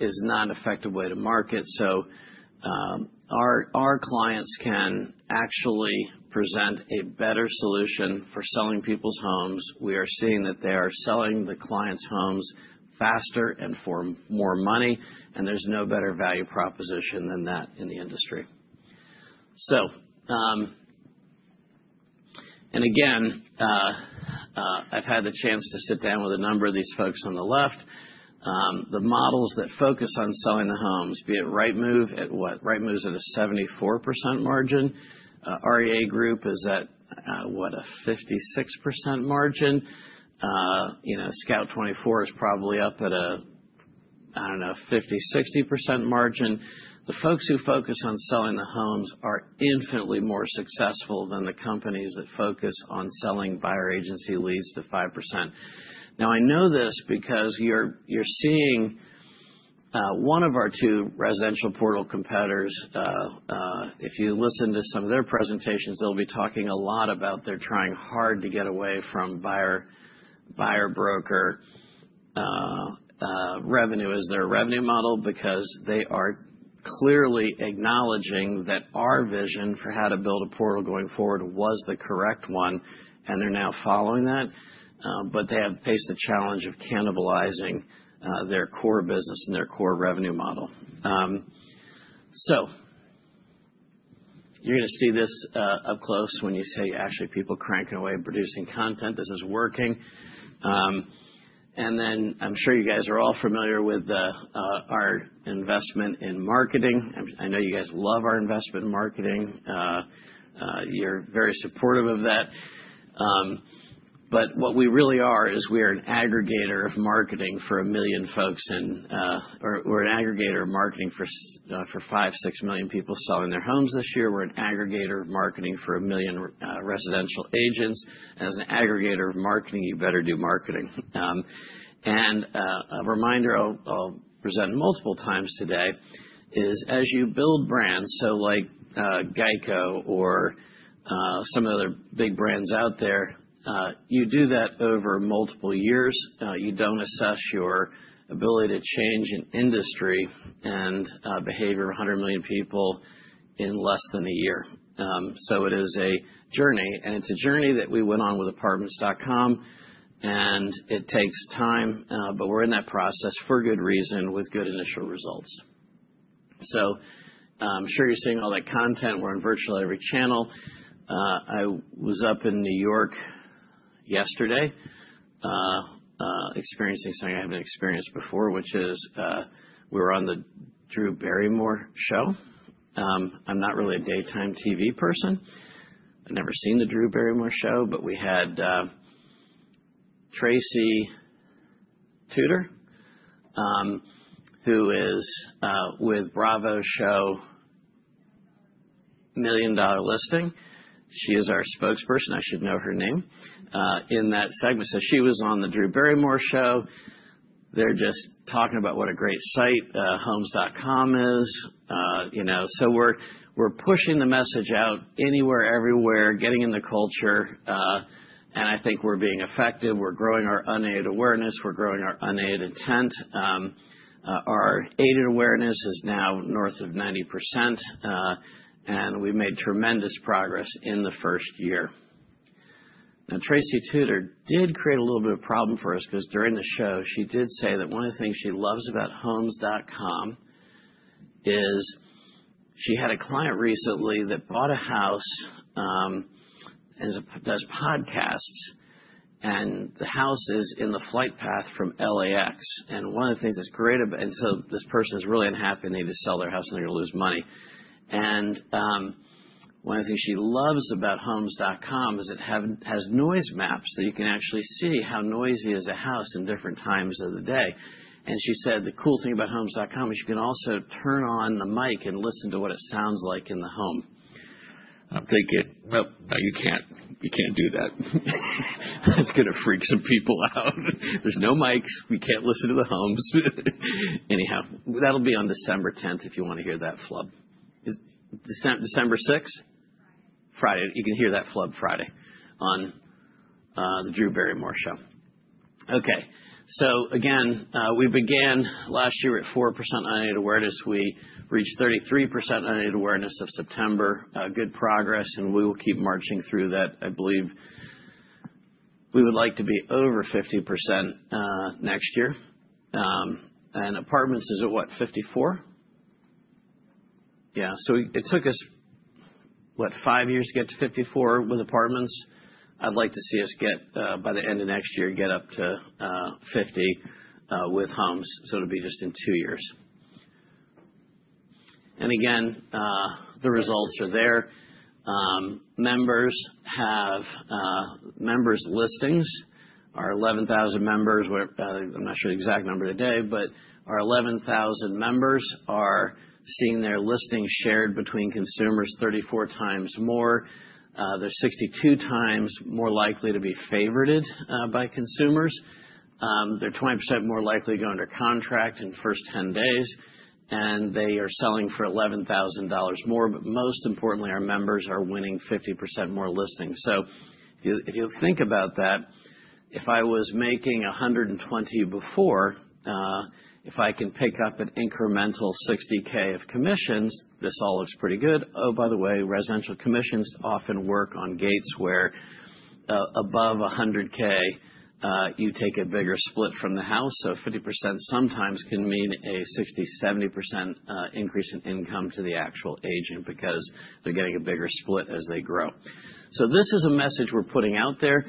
is not an effective way to market. So our clients can actually present a better solution for selling people's homes. We are seeing that they are selling the clients' homes faster and for more money. There's no better value proposition than that in the industry. Again, I've had the chance to sit down with a number of these folks on the left. The models that focus on selling the homes, be it Rightmove at what? Rightmove's at a 74% margin. REA Group is at, what, a 56% margin. Scout24 is probably up at a, I don't know, 50%-60% margin. The folks who focus on selling the homes are infinitely more successful than the companies that focus on selling buyer agency leads to 5%. Now, I know this because you're seeing one of our two residential portal competitors. If you listen to some of their presentations, they'll be talking a lot about they're trying hard to get away from buyer broker revenue as their revenue model because they are clearly acknowledging that our vision for how to build a portal going forward was the correct one. And they're now following that. But they have faced the challenge of cannibalizing their core business and their core revenue model. So you're going to see this up close when you see actually people cranking away producing content. This is working. And then I'm sure you guys are all familiar with our investment in marketing. I know you guys love our investment in marketing. You're very supportive of that. But what we really are is we are an aggregator of marketing for a million folks. And we're an aggregator of marketing for five, six million people selling their homes this year. We're an aggregator of marketing for a million residential agents, and as an aggregator of marketing, you better do marketing. A reminder I'll present multiple times today is as you build brands, so like GEICO or some of the other big brands out there, you do that over multiple years. You don't assess your ability to change an industry and behavior of 100 million people in less than a year, so it is a journey, and it's a journey that we went on with Apartments.com. It takes time, but we're in that process for good reason with good initial results. I'm sure you're seeing all that content. We're on virtually every channel. I was up in New York yesterday experiencing something I haven't experienced before, which is we were on the Drew Barrymore Show. I'm not really a daytime TV person. I've never seen the Drew Barrymore Show. But we had Tracy Tutor, who is with Bravo's show, Million Dollar Listing. She is our spokesperson. I should know her name in that segment. So she was on the Drew Barrymore Show. They're just talking about what a great site Homes.com is. So we're pushing the message out anywhere, everywhere, getting in the culture. And I think we're being effective. We're growing our unaided awareness. We're growing our unaided intent. Our aided awareness is now north of 90%. And we made tremendous progress in the first year. Now, Tracy Tutor did create a little bit of a problem for us because during the show, she did say that one of the things she loves about Homes.com is she had a client recently that bought a house and does podcasts. And the house is in the flight path from LAX. One of the things that's great about it, and so this person is really unhappy and needed to sell their house, and they're going to lose money. One of the things she loves about Homes.com is it has noise maps that you can actually see how noisy is a house in different times of the day. She said the cool thing about Homes.com is you can also turn on the mic and listen to what it sounds like in the home. I'm thinking, well, no, you can't do that. It's going to freak some people out. There's no mics. We can't listen to the homes. Anyhow, that'll be on December 10th if you want to hear that flub. December 6th? Friday. Friday. You can hear that flub Friday on the Drew Barrymore Show. Okay. Again, we began last year at 4% unaided awareness. We reached 33% unaided awareness in September. Good progress. We will keep marching through that. I believe we would like to be over 50% next year. Apartments is at what, 54%? Yeah. It took us, what, five years to get to 54% with Apartments. I'd like to see us by the end of next year get up to 50% with Homes. It'll be just in two years. Again, the results are there. Members listings are 11,000 members. I'm not sure the exact number today. Our 11,000 members are seeing their listing shared between consumers 34 times more. They're 62 times more likely to be favorited by consumers. They're 20% more likely to go under contract in the first 10 days. They are selling for $11,000 more. Most importantly, our members are winning 50% more listings. So if you think about that, if I was making $120K before, if I can pick up an incremental $60K of commissions, this all looks pretty good. Oh, by the way, residential commissions often work on gates where above $100K, you take a bigger split from the house. So 50% sometimes can mean a 60%-70% increase in income to the actual agent because they're getting a bigger split as they grow. So this is a message we're putting out there.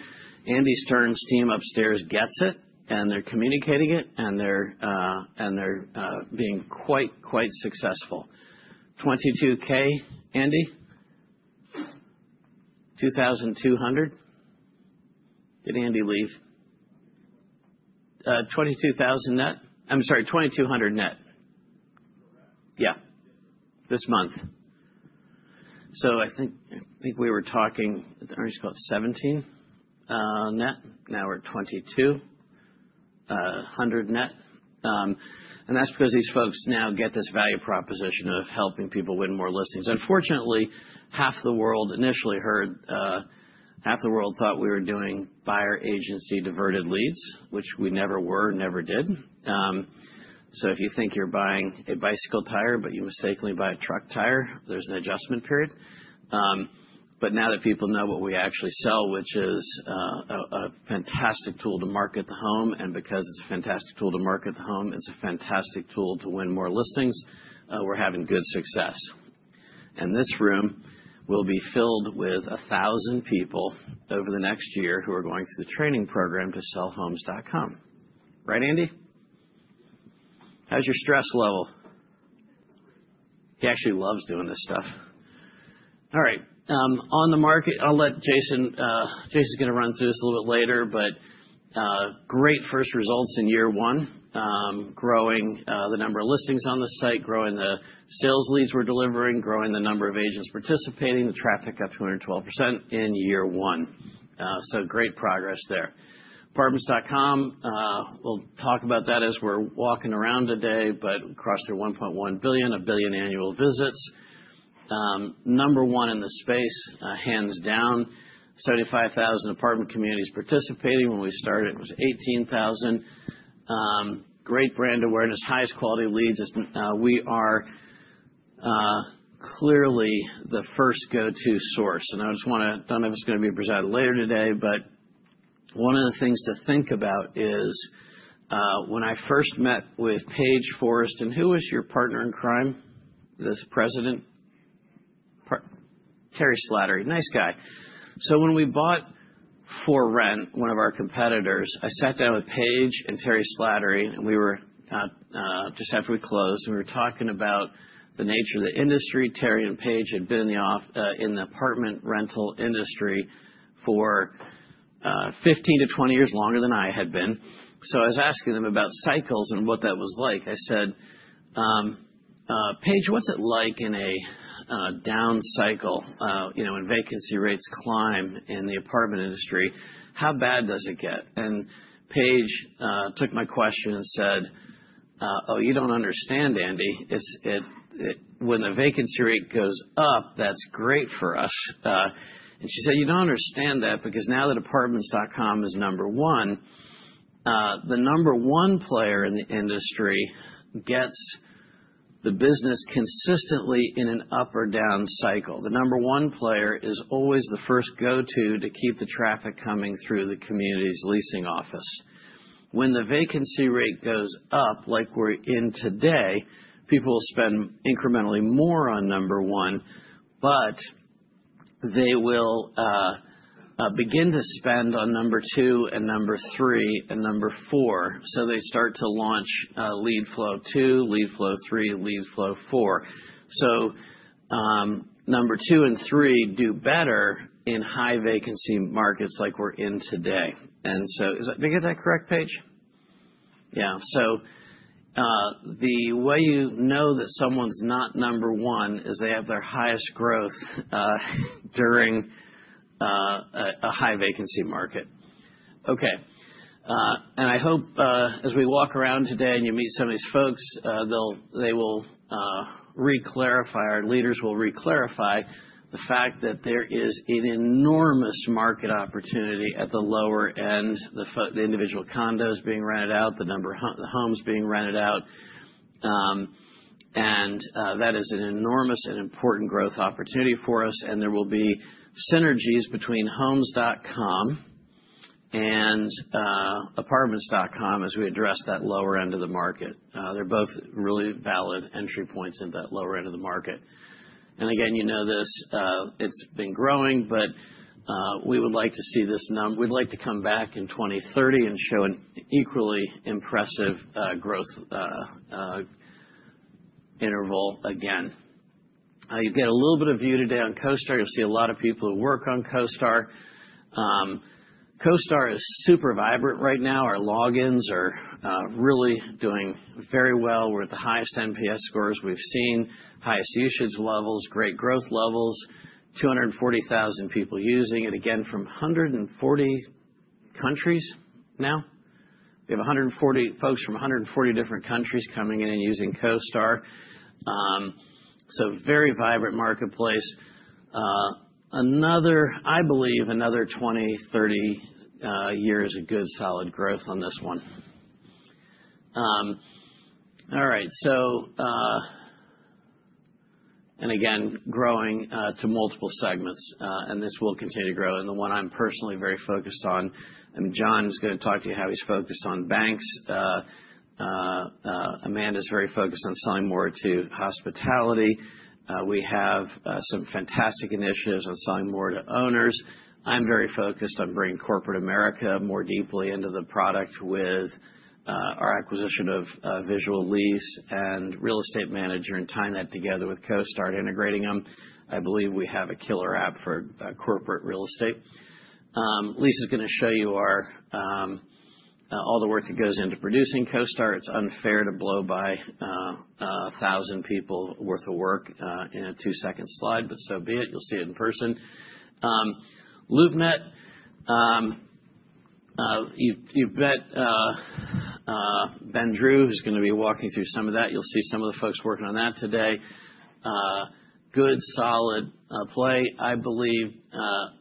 Andy Stearns's team upstairs gets it. And they're communicating it. And they're being quite, quite successful. $22K, Andy? $2,200? Did Andy leave? $22,000 net? I'm sorry, $2,200 net? Correct. Yeah. This month. So I think we were talking. I think it's called 17 net? Now we're at $2,200 net. And that's because these folks now get this value proposition of helping people win more listings. Unfortunately, half the world initially heard half the world thought we were doing buyer agency diverted leads, which we never were, never did. So if you think you're buying a bicycle tire but you mistakenly buy a truck tire, there's an adjustment period. But now that people know what we actually sell, which is a fantastic tool to market the home, and because it's a fantastic tool to market the home, it's a fantastic tool to win more listings, we're having good success. And this room will be filled with 1,000 people over the next year who are going through the training program to sell Homes.com. Right, Andy? How's your stress level? He actually loves doing this stuff. All right. OnTheMarket, I'll let Jason. Jason's going to run through this a little bit later. But great first results in year one, growing the number of listings on the site, growing the sales leads we're delivering, growing the number of agents participating, the traffic up to 112% in year one. So great progress there. Apartments.com, we'll talk about that as we're walking around today. But we crossed through 1.1 billion annual visits. Number one in the space, hands down. 75,000 apartment communities participating. When we started, it was 18,000. Great brand awareness, highest quality leads. We are clearly the first go-to source. And I just want to. I don't know if it's going to be presented later today. But one of the things to think about is when I first met with Paige Forrest, and who was your partner in crime? This president? Terry Slattery. Nice guy. When we bought For Rent, one of our competitors, I sat down with Paige and Terry Slattery. We were just after we closed. We were talking about the nature of the industry. Terry and Paige had been in the apartment rental industry for 15 to 20 years longer than I had been. I was asking them about cycles and what that was like. I said, "Paige, what's it like in a down cycle when vacancy rates climb in the apartment industry? How bad does it get?" Paige took my question and said, "Oh, you don't understand, Andy. When the vacancy rate goes up, that's great for us." She said, "You don't understand that because now that Apartments.com is number one, the number one player in the industry gets the business consistently in an up or down cycle. The number one player is always the first go-to to keep the traffic coming through the community's leasing office. When the vacancy rate goes up, like we're in today, people will spend incrementally more on number one. But they will begin to spend on number two and number three and number four. So they start to launch lead flow two, lead flow three, lead flow four. So number two and three do better in high vacancy markets like we're in today. "And so did I get that correct, Paige? Yeah. So the way you know that someone's not number one is they have their highest growth during a high vacancy market. Okay. I hope as we walk around today and you meet some of these folks, our leaders will reclarify the fact that there is an enormous market opportunity at the lower end, the individual condos being rented out, the homes being rented out. That is an enormous and important growth opportunity for us. There will be synergies between Homes.com and Apartments.com as we address that lower end of the market. They're both really valid entry points into that lower end of the market. And again, you know this. It's been growing. But we would like to see this number. We'd like to come back in 2030 and show an equally impressive growth interval again. You get a little bit of view today on CoStar. You'll see a lot of people who work on CoStar. CoStar is super vibrant right now. Our logins are really doing very well. We're at the highest NPS scores we've seen, highest usage levels, great growth levels, 240,000 people using it. Again, from 140 countries now. We have folks from 140 different countries coming in and using CoStar. So very vibrant marketplace. I believe another 20, 30 years of good solid growth on this one. All right, and again, growing to multiple segments, and this will continue to grow, and the one I'm personally very focused on, I mean, John's going to talk to you how he's focused on banks. Amanda's very focused on selling more to hospitality. We have some fantastic initiatives on selling more to owners. I'm very focused on bringing corporate America more deeply into the product with our acquisition of Visual Lease and Real Estate Manager and tying that together with CoStar and integrating them. I believe we have a killer app for corporate real estate. Lisa's going to show you all the work that goes into producing CoStar. It's unfair to blow by 1,000 people worth of work in a two-second slide. But so be it. You'll see it in person. LoopNet, you bet, Ben Drew, who's going to be walking through some of that. You'll see some of the folks working on that today. Good solid play. I believe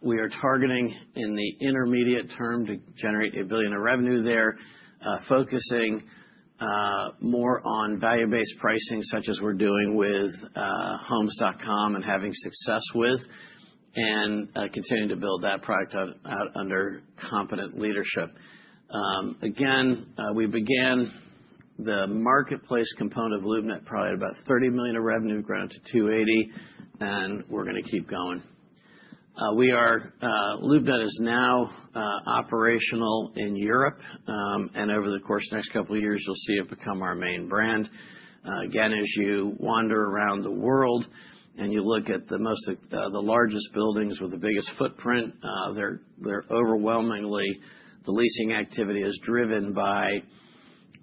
we are targeting in the intermediate term to generate $1 billion of revenue there, focusing more on value-based pricing such as we're doing with Homes.com and having success with, and continuing to build that product out under competent leadership. Again, we began the marketplace component of LoopNet probably at about $30 million of revenue grown to $280 million. And we're going to keep going. LoopNet is now operational in Europe. And over the course of the next couple of years, you'll see it become our main brand. Again, as you wander around the world and you look at the largest buildings with the biggest footprint, they're overwhelmingly the leasing activity is driven by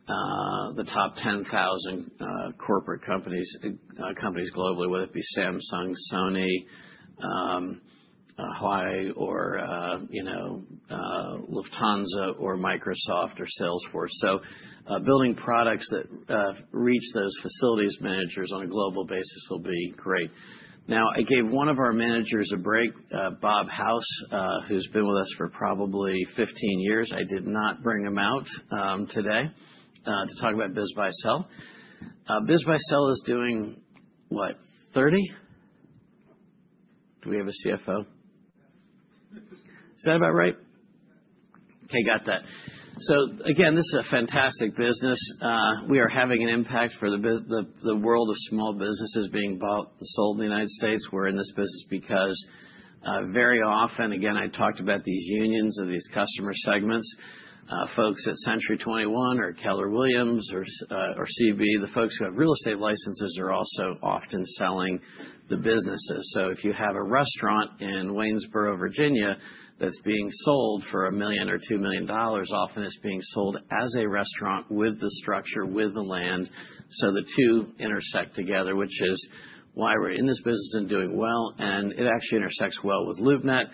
the top 10,000 corporate companies globally, whether it be Samsung, Sony, Huawei, or Lufthansa, or Microsoft, or Salesforce. So building products that reach those facilities managers on a global basis will be great. Now, I gave one of our managers a break, Bob House, who's been with us for probably 15 years. I did not bring him out today to talk about BizBuySell. BizBuySell is doing what, 30? Do we have a CFO? Is that about right? Okay. Got that. So again, this is a fantastic business. We are having an impact for the world of small businesses being bought and sold in the United States. We're in this business because very often, again, I talked about these unions of these customer segments. Folks at Century 21 or Keller Williams or CB, the folks who have real estate licenses are also often selling the businesses. If you have a restaurant in Waynesboro, Virginia that's being sold for $1 million or $2 million, often it's being sold as a restaurant with the structure, with the land. The two intersect together, which is why we're in this business and doing well. It actually intersects well with LoopNet.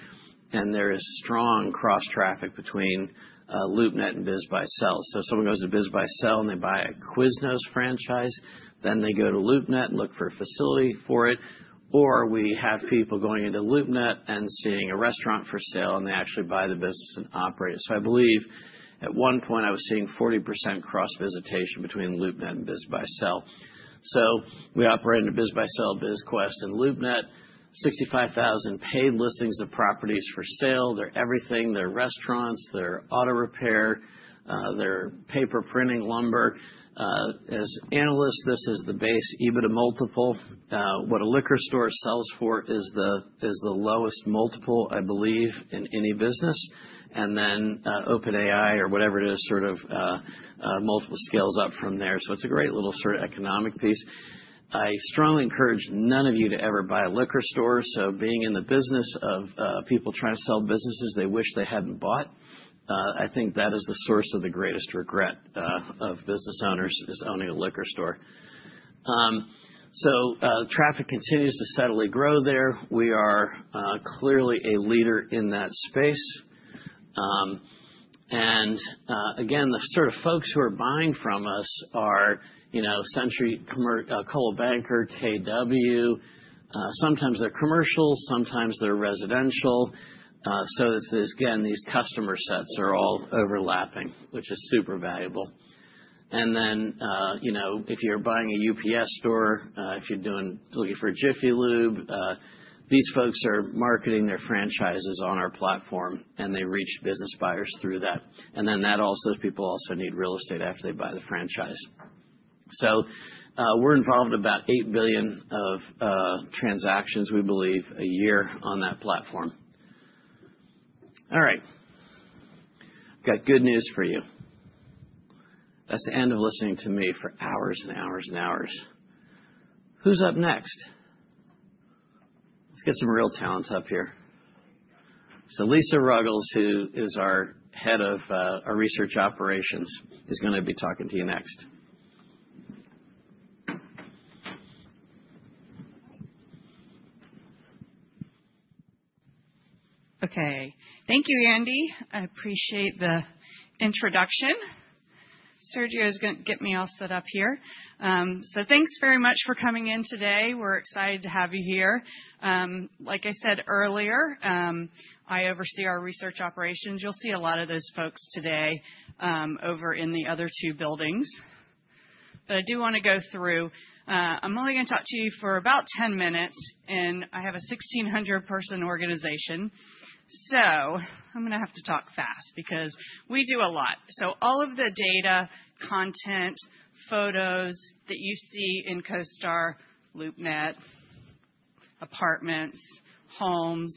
There is strong cross-traffic between LoopNet and BizBuySell. If someone goes to BizBuySell and they buy a Quiznos franchise, then they go to LoopNet and look for a facility for it. We have people going into LoopNet and seeing a restaurant for sale, and they actually buy the business and operate it. I believe at one point I was seeing 40% cross-visitation between LoopNet and BizBuySell. We operate into BizBuySell, BizQuest, and LoopNet 65,000 paid listings of properties for sale. They're everything. They're restaurants. They're auto repair. They're paper printing, lumber. As analysts, this is the base EBITDA multiple. What a liquor store sells for is the lowest multiple, I believe, in any business. And then OpenAI or whatever it is, sort of multiple scales up from there. It's a great little sort of economic piece. I strongly encourage none of you to ever buy a liquor store. Being in the business of people trying to sell businesses they wish they hadn't bought, I think that is the source of the greatest regret of business owners is owning a liquor store. Traffic continues to steadily grow there. We are clearly a leader in that space. And again, the sort of folks who are buying from us are Century 21, Coldwell Banker, KW. Sometimes they're commercial. Sometimes they're residential. So again, these customer sets are all overlapping, which is super valuable. And then if you're buying a UPS store, if you're looking for Jiffy Lube, these folks are marketing their franchises on our platform, and they reach business buyers through that. And then that also people also need real estate after they buy the franchise. So we're involved in about $8 billion of transactions, we believe, a year on that platform. All right. I've got good news for you. That's the end of listening to me for hours and hours and hours. Who's up next? Let's get some real talents up here. So Lisa Ruggles who is our head of our research operations is going to be talking to you next. Okay. Thank you, Andy. I appreciate the introduction. Sergio is going to get me all set up here. So thanks very much for coming in today. We're excited to have you here. Like I said earlier, I oversee our research operations. You'll see a lot of those folks today over in the other two buildings. But I do want to go through. I'm only going to talk to you for about 10 minutes. And I have a 1,600-person organization. So I'm going to have to talk fast because we do a lot. So all of the data, content, photos that you see in CoStar, LoopNet, apartments, homes,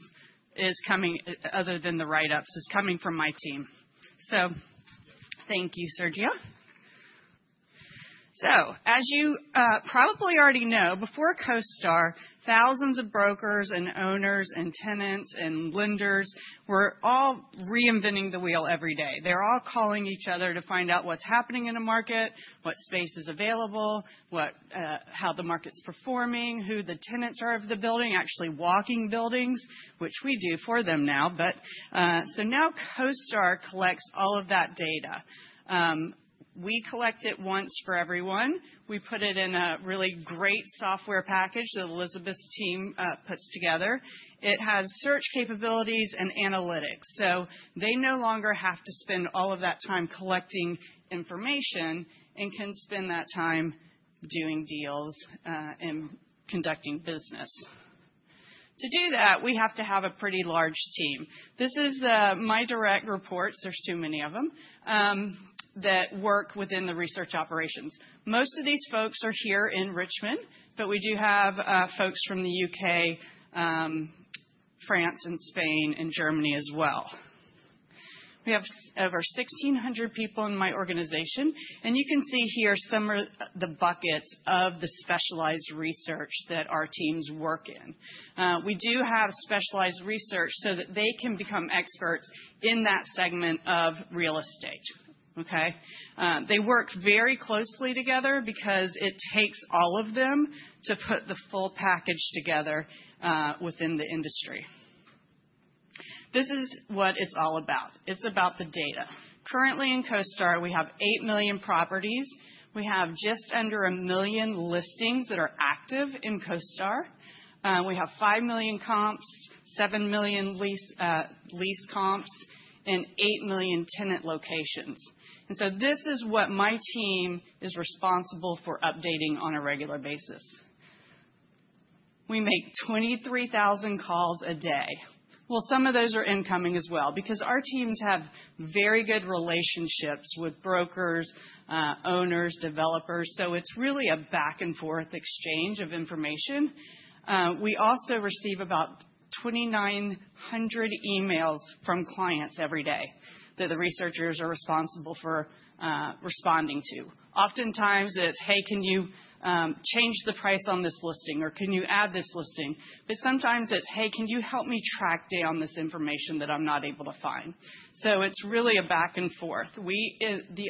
other than the write-ups, is coming from my team. So thank you, Sergio. So as you probably already know, before CoStar, thousands of brokers and owners and tenants and lenders were all reinventing the wheel every day. They're all calling each other to find out what's happening in a market, what space is available, how the market's performing, who the tenants are of the building, actually walking buildings, which we do for them now. But so now CoStar collects all of that data. We collect it once for everyone. We put it in a really great software package that Elizabeth's team puts together. It has search capabilities and analytics. So they no longer have to spend all of that time collecting information and can spend that time doing deals and conducting business. To do that, we have to have a pretty large team. This is my direct reports. There's too many of them that work within the research operations. Most of these folks are here in Richmond. But we do have folks from the UK, France, and Spain, and Germany as well. We have over 1,600 people in my organization. And you can see here some of the buckets of the specialized research that our teams work in. We do have specialized research so that they can become experts in that segment of real estate. Okay? They work very closely together because it takes all of them to put the full package together within the industry. This is what it's all about. It's about the data. Currently, in CoStar, we have 8 million properties. We have just under a million listings that are active in CoStar. We have 5 million comps, 7 million lease comps, and 8 million tenant locations. And so this is what my team is responsible for updating on a regular basis. We make 23,000 calls a day. Well, some of those are incoming as well because our teams have very good relationships with brokers, owners, developers. So it's really a back-and-forth exchange of information. We also receive about 2,900 emails from clients every day that the researchers are responsible for responding to. Oftentimes, it's, "Hey, can you change the price on this listing?" or, "Can you add this listing?" But sometimes it's, "Hey, can you help me track down this information that I'm not able to find?" So it's really a back-and-forth.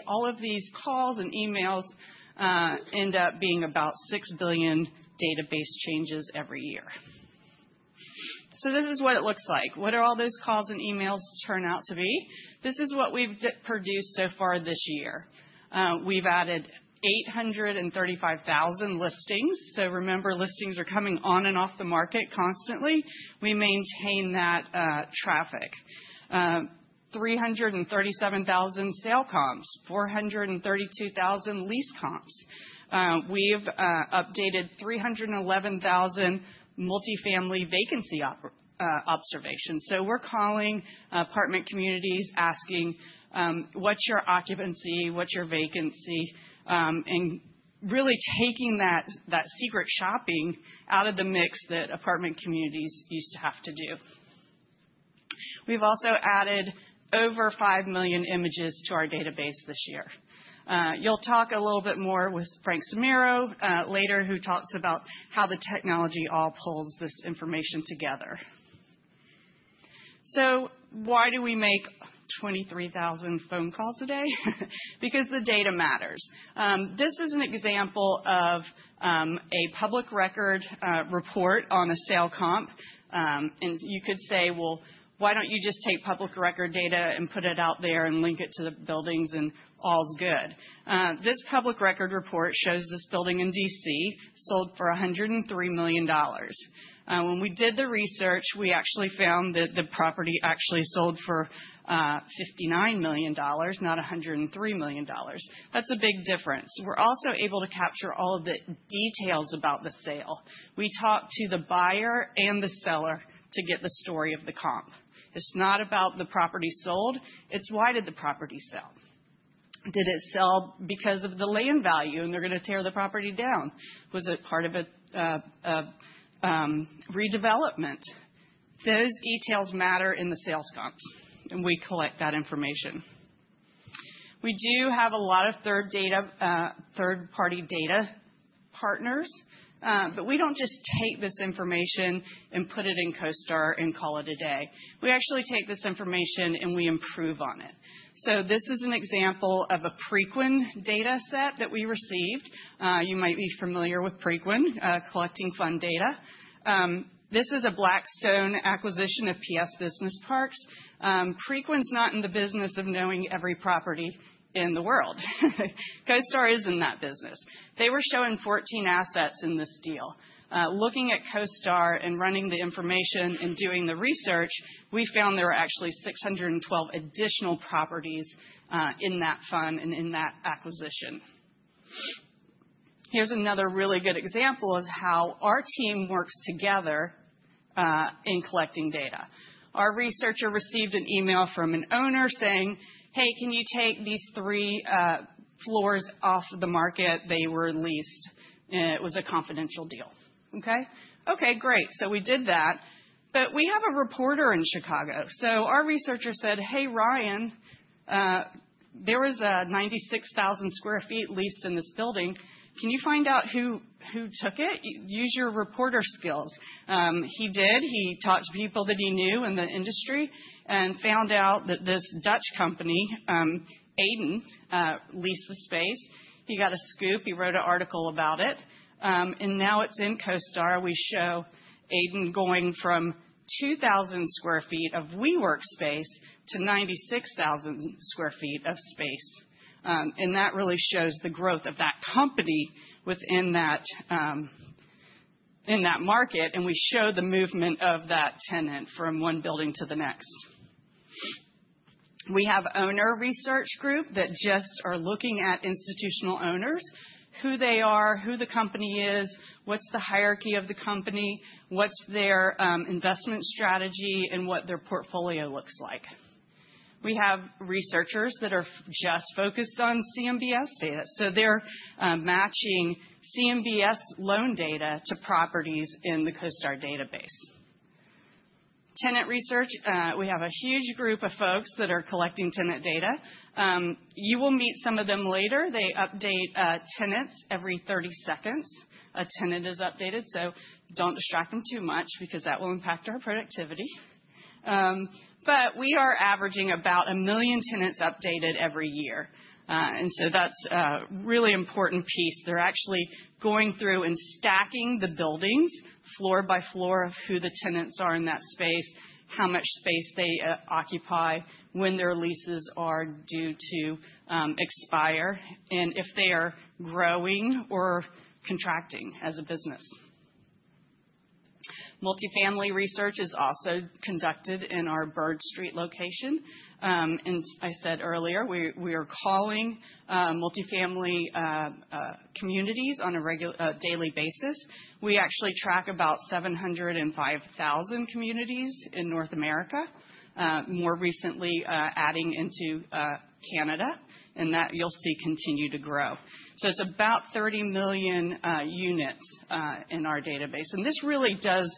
All of these calls and emails end up being about 6 billion database changes every year. So this is what it looks like. What do all those calls and emails turn out to be? This is what we've produced so far this year. We've added 835,000 listings. So remember, listings are coming on and off the market constantly. We maintain that traffic. 337,000 sale comps, 432,000 lease comps. We've updated 311,000 multifamily vacancy observations. So we're calling apartment communities, asking, "What's your occupancy? What's your vacancy?" and really taking that secret shopping out of the mix that apartment communities used to have to do. We've also added over five million images to our database this year. You'll talk a little bit more with Frank Simuro later, who talks about how the technology all pulls this information together. So why do we make 23,000 phone calls a day? Because the data matters. This is an example of a public record report on a sale comp. And you could say, "Well, why don't you just take public record data and put it out there and link it to the buildings and all's good?" This public record report shows this building in DC sold for $103 million. When we did the research, we actually found that the property actually sold for $59 million, not $103 million. That's a big difference. We're also able to capture all of the details about the sale. We talk to the buyer and the seller to get the story of the comp. It's not about the property sold. It's why did the property sell? Did it sell because of the land value, and they're going to tear the property down? Was it part of a redevelopment? Those details matter in the sales comps, and we collect that information. We do have a lot of third-party data partners, but we don't just take this information and put it in CoStar and call it a day. We actually take this information and we improve on it, so this is an example of a Preqin data set that we received. You might be familiar with Preqin, collecting fund data. This is a Blackstone acquisition of PS Business Parks. Preqin's not in the business of knowing every property in the world. CoStar is in that business. They were showing 14 assets in this deal. Looking at CoStar and running the information and doing the research, we found there were actually 612 additional properties in that fund and in that acquisition. Here's another really good example of how our team works together in collecting data. Our researcher received an email from an owner saying, "Hey, can you take these three floors off the market? They were leased. It was a confidential deal." Okay? Okay, great. So we did that. But we have a reporter in Chicago. So our researcher said, "Hey, Ryan, there was a 96,000 sq ft leased in this building. Can you find out who took it? Use your reporter skills." He did. He talked to people that he knew in the industry and found out that this Dutch company, Adyen, leased the space. He got a scoop. He wrote an article about it. And now it's in CoStar. We show Adyen going from 2,000 sq ft of WeWork space to 96,000 sq ft of space. And that really shows the growth of that company in that market. And we show the movement of that tenant from one building to the next. We have owner research group that just are looking at institutional owners, who they are, who the company is, what's the hierarchy of the company, what's their investment strategy, and what their portfolio looks like. We have researchers that are just focused on CMBS. So they're matching CMBS loan data to properties in the CoStar database. Tenant research, we have a huge group of folks that are collecting tenant data. You will meet some of them later. They update tenants every 30 seconds. A tenant is updated. So don't distract them too much because that will impact our productivity. But we are averaging about a million tenants updated every year. And so that's a really important piece. They're actually going through and stacking the buildings floor by floor of who the tenants are in that space, how much space they occupy, when their leases are due to expire, and if they are growing or contracting as a business. Multifamily research is also conducted in our Byrd Street location. And I said earlier, we are calling multifamily communities on a daily basis. We actually track about 705,000 communities in North America, more recently adding into Canada. And that you'll see continue to grow. So it's about 30 million units in our database. This really does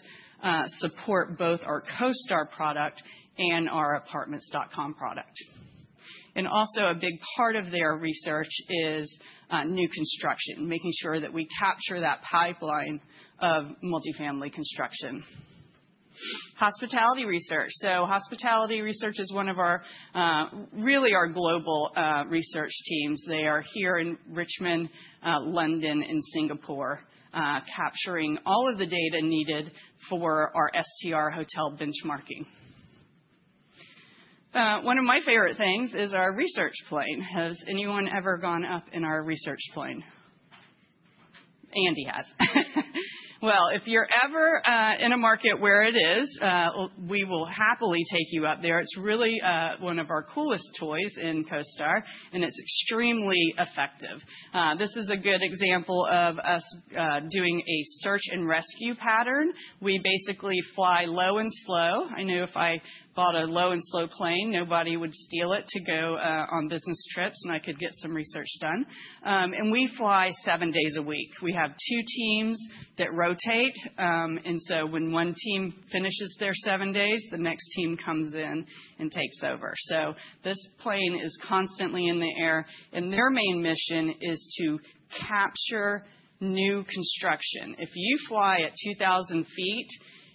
support both our CoStar product and our Apartments.com product. Also, a big part of their research is new construction, making sure that we capture that pipeline of multifamily construction. Hospitality research. Hospitality research is one of really our global research teams. They are here in Richmond, London, and Singapore, capturing all of the data needed for our STR hotel benchmarking. One of my favorite things is our research plane. Has anyone ever gone up in our research plane? Andy has. Well, if you're ever in a market where it is, we will happily take you up there. It's really one of our coolest toys in CoStar. And it's extremely effective. This is a good example of us doing a search and rescue pattern. We basically fly low and slow. I know if I bought a low and slow plane, nobody would steal it to go on business trips, and I could get some research done. And we fly seven days a week. We have two teams that rotate. And so when one team finishes their seven days, the next team comes in and takes over. So this plane is constantly in the air. And their main mission is to capture new construction. If you fly at 2,000 feet,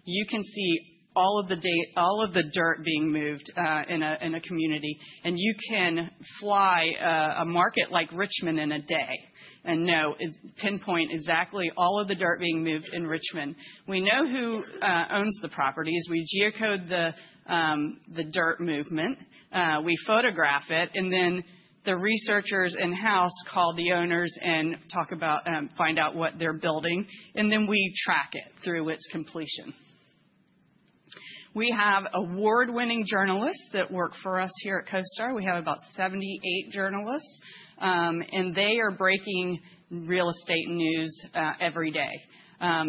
you can see all of the dirt being moved in a community. And you can fly a market like Richmond in a day and know, pinpoint exactly all of the dirt being moved in Richmond. We know who owns the properties. We geocode the dirt movement. We photograph it. And then the researchers in-house call the owners and find out what they're building. And then we track it through its completion. We have award-winning journalists that work for us here at CoStar. We have about 78 journalists. And they are breaking real estate news every day. I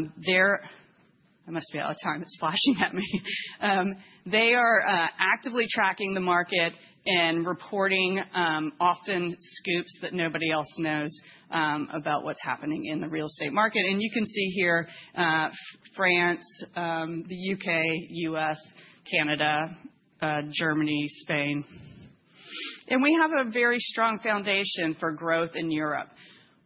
must be out of time. It's flashing at me. They are actively tracking the market and reporting often scoops that nobody else knows about what's happening in the real estate market. And you can see here France, the U.K., U.S., Canada, Germany, Spain. And we have a very strong foundation for growth in Europe.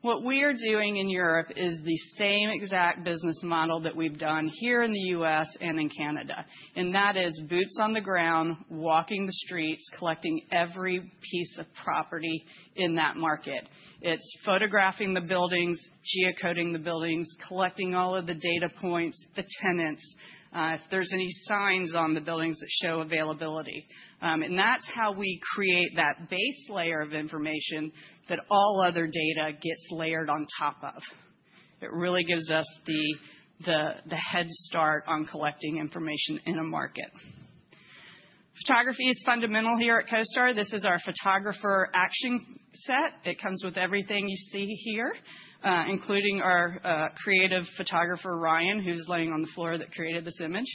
What we are doing in Europe is the same exact business model that we've done here in the U.S. and in Canada. And that is boots on the ground, walking the streets, collecting every piece of property in that market. It's photographing the buildings, geocoding the buildings, collecting all of the data points, the tenants, if there's any signs on the buildings that show availability. And that's how we create that base layer of information that all other data gets layered on top of. It really gives us the head start on collecting information in a market. Photography is fundamental here at CoStar. This is our photographer action set. It comes with everything you see here, including our creative photographer, Ryan, who's laying on the floor that created this image.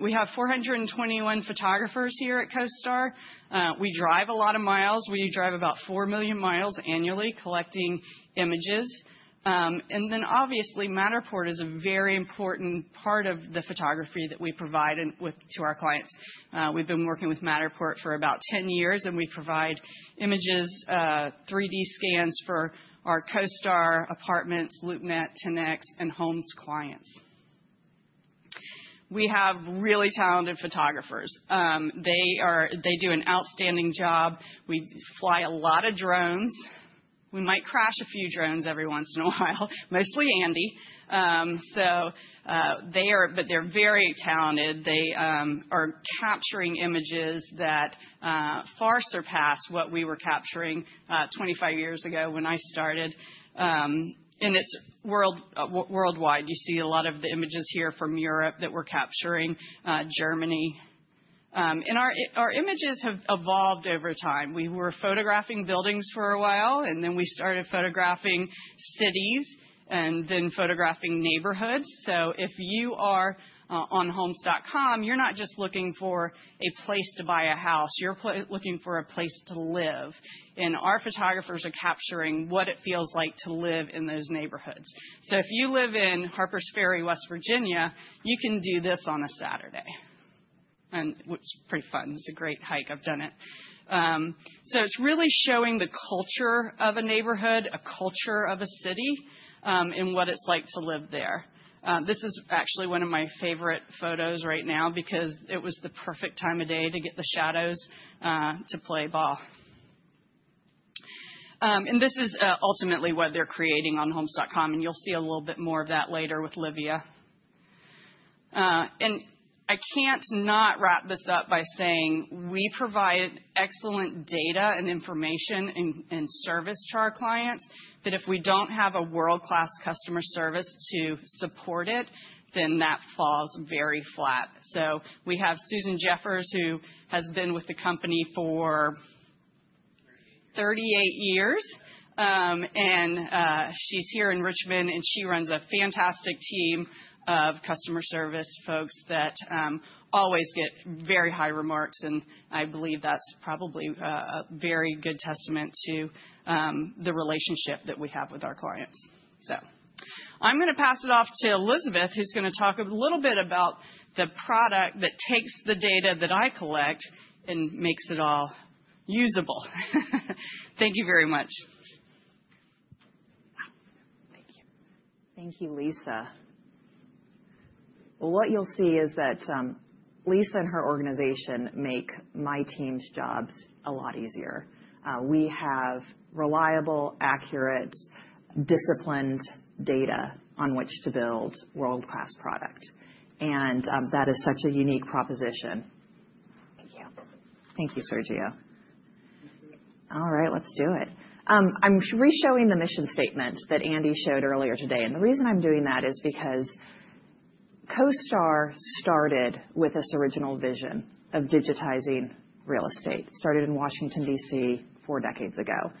We have 421 photographers here at CoStar. We drive a lot of miles. We drive about 4 million miles annually collecting images. And then obviously, Matterport is a very important part of the photography that we provide to our clients. We've been working with Matterport for about 10 years. And we provide images, 3D scans for our CoStar apartments, LoopNet, tenants, and homes clients. We have really talented photographers. They do an outstanding job. We fly a lot of drones. We might crash a few drones every once in a while, mostly Andy, but they're very talented. They are capturing images that far surpass what we were capturing 25 years ago when I started, and it's worldwide. You see a lot of the images here from Europe that we're capturing, Germany, and our images have evolved over time. We were photographing buildings for a while, and then we started photographing cities and then photographing neighborhoods. So if you are on Homes.com, you're not just looking for a place to buy a house. You're looking for a place to live, and our photographers are capturing what it feels like to live in those neighborhoods. So if you live in Harpers Ferry, West Virginia, you can do this on a Saturday, and it's pretty fun. It's a great hike. I've done it. It's really showing the culture of a neighborhood, a culture of a city, and what it's like to live there. This is actually one of my favorite photos right now because it was the perfect time of day to get the shadows to play ball. And this is ultimately what they're creating on Homes.com. And you'll see a little bit more of that later with Livia. And I can't not wrap this up by saying we provide excellent data and information and service to our clients, that if we don't have a world-class customer service to support it, then that falls very flat. We have Susan Jeffers, who has been with the company for 38 years. And she's here in Richmond. And she runs a fantastic team of customer service folks that always get very high remarks. I believe that's probably a very good testament to the relationship that we have with our clients. I'm going to pass it off to Elizabeth, who's going to talk a little bit about the product that takes the data that I collect and makes it all usable. Thank you very much. Thank you. Thank you, Lisa. What you'll see is that Lisa and her organization make my team's jobs a lot easier. We have reliable, accurate, disciplined data on which to build world-class product. That is such a unique proposition. Thank you. Thank you, Sergio. All right, let's do it. I'm reshowing the mission statement that Andy showed earlier today, and the reason I'm doing that is because CoStar started with this original vision of digitizing real estate, started in Washington, D.C., four decades ago,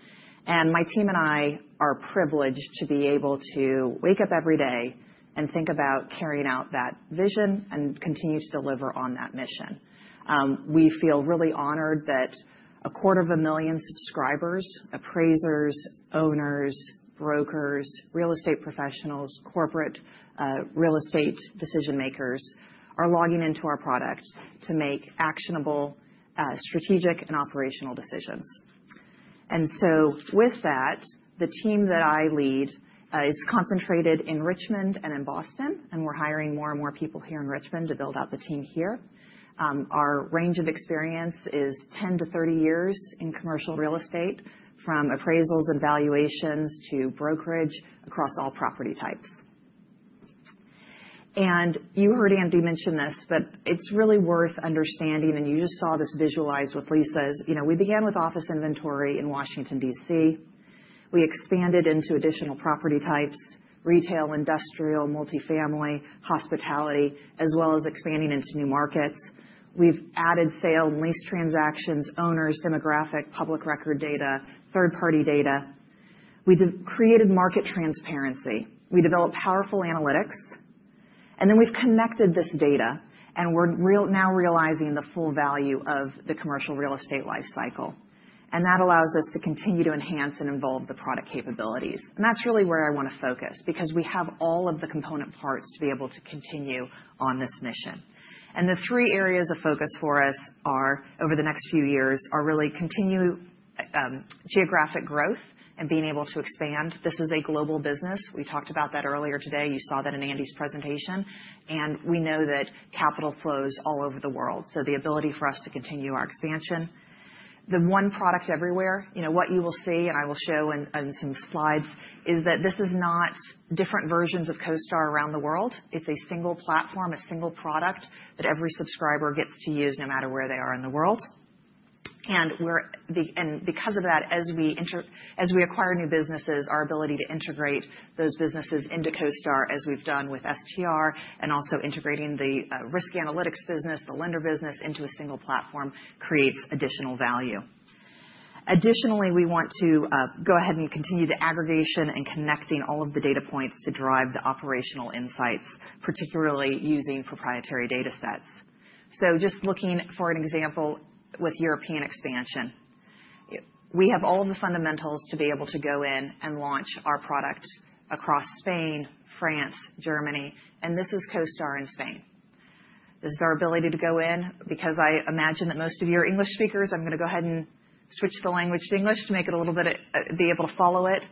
and my team and I are privileged to be able to wake up every day and think about carrying out that vision and continue to deliver on that mission. We feel really honored that a quarter of a million subscribers, appraisers, owners, brokers, real estate professionals, corporate real estate decision-makers are logging into our product to make actionable, strategic, and operational decisions, and so with that, the team that I lead is concentrated in Richmond and in Boston. And we're hiring more and more people here in Richmond to build out the team here. Our range of experience is 10-30 years in commercial real estate, from appraisals and valuations to brokerage across all property types, and you heard Andy mention this, but it's really worth understanding, and you just saw this visualized with Lisa. We began with office inventory in Washington, D.C. We expanded into additional property types: retail, industrial, multifamily, hospitality, as well as expanding into new markets. We've added sale and lease transactions, owners, demographic, public record data, third-party data. We created market transparency. We developed powerful analytics, and then we've connected this data, and we're now realizing the full value of the commercial real estate life cycle, and that allows us to continue to enhance and evolve the product capabilities, and that's really where I want to focus because we have all of the component parts to be able to continue on this mission. And the three areas of focus for us over the next few years are really continued geographic growth and being able to expand. This is a global business. We talked about that earlier today. You saw that in Andy's presentation. And we know that capital flows all over the world. So the ability for us to continue our expansion. The one product everywhere, what you will see and I will show in some slides, is that this is not different versions of CoStar around the world. It's a single platform, a single product that every subscriber gets to use no matter where they are in the world. And because of that, as we acquire new businesses, our ability to integrate those businesses into CoStar, as we've done with STR, and also integrating the risk analytics business, the lender business into a single platform creates additional value. Additionally, we want to go ahead and continue the aggregation and connecting all of the data points to drive the operational insights, particularly using proprietary data sets. So just looking for an example with European expansion. We have all of the fundamentals to be able to go in and launch our product across Spain, France, Germany. And this is CoStar in Spain. This is our ability to go in because I imagine that most of you are English speakers. I'm going to go ahead and switch the language to English to make it a little bit be able to follow it.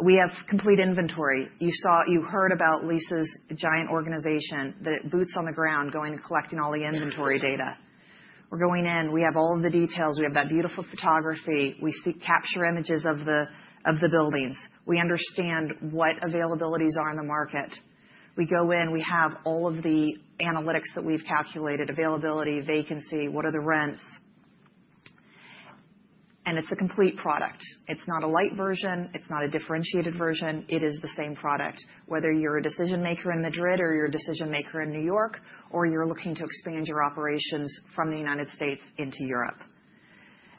We have complete inventory. You heard about Lisa's giant organization, that boots on the ground, going and collecting all the inventory data. We're going in. We have all of the details. We have that beautiful photography. We capture images of the buildings. We understand what availabilities are in the market. We go in. We have all of the analytics that we've calculated: availability, vacancy, what are the rents. And it's a complete product. It's not a light version. It's not a differentiated version. It is the same product, whether you're a decision maker in Madrid or you're a decision maker in New York or you're looking to expand your operations from the United States into Europe.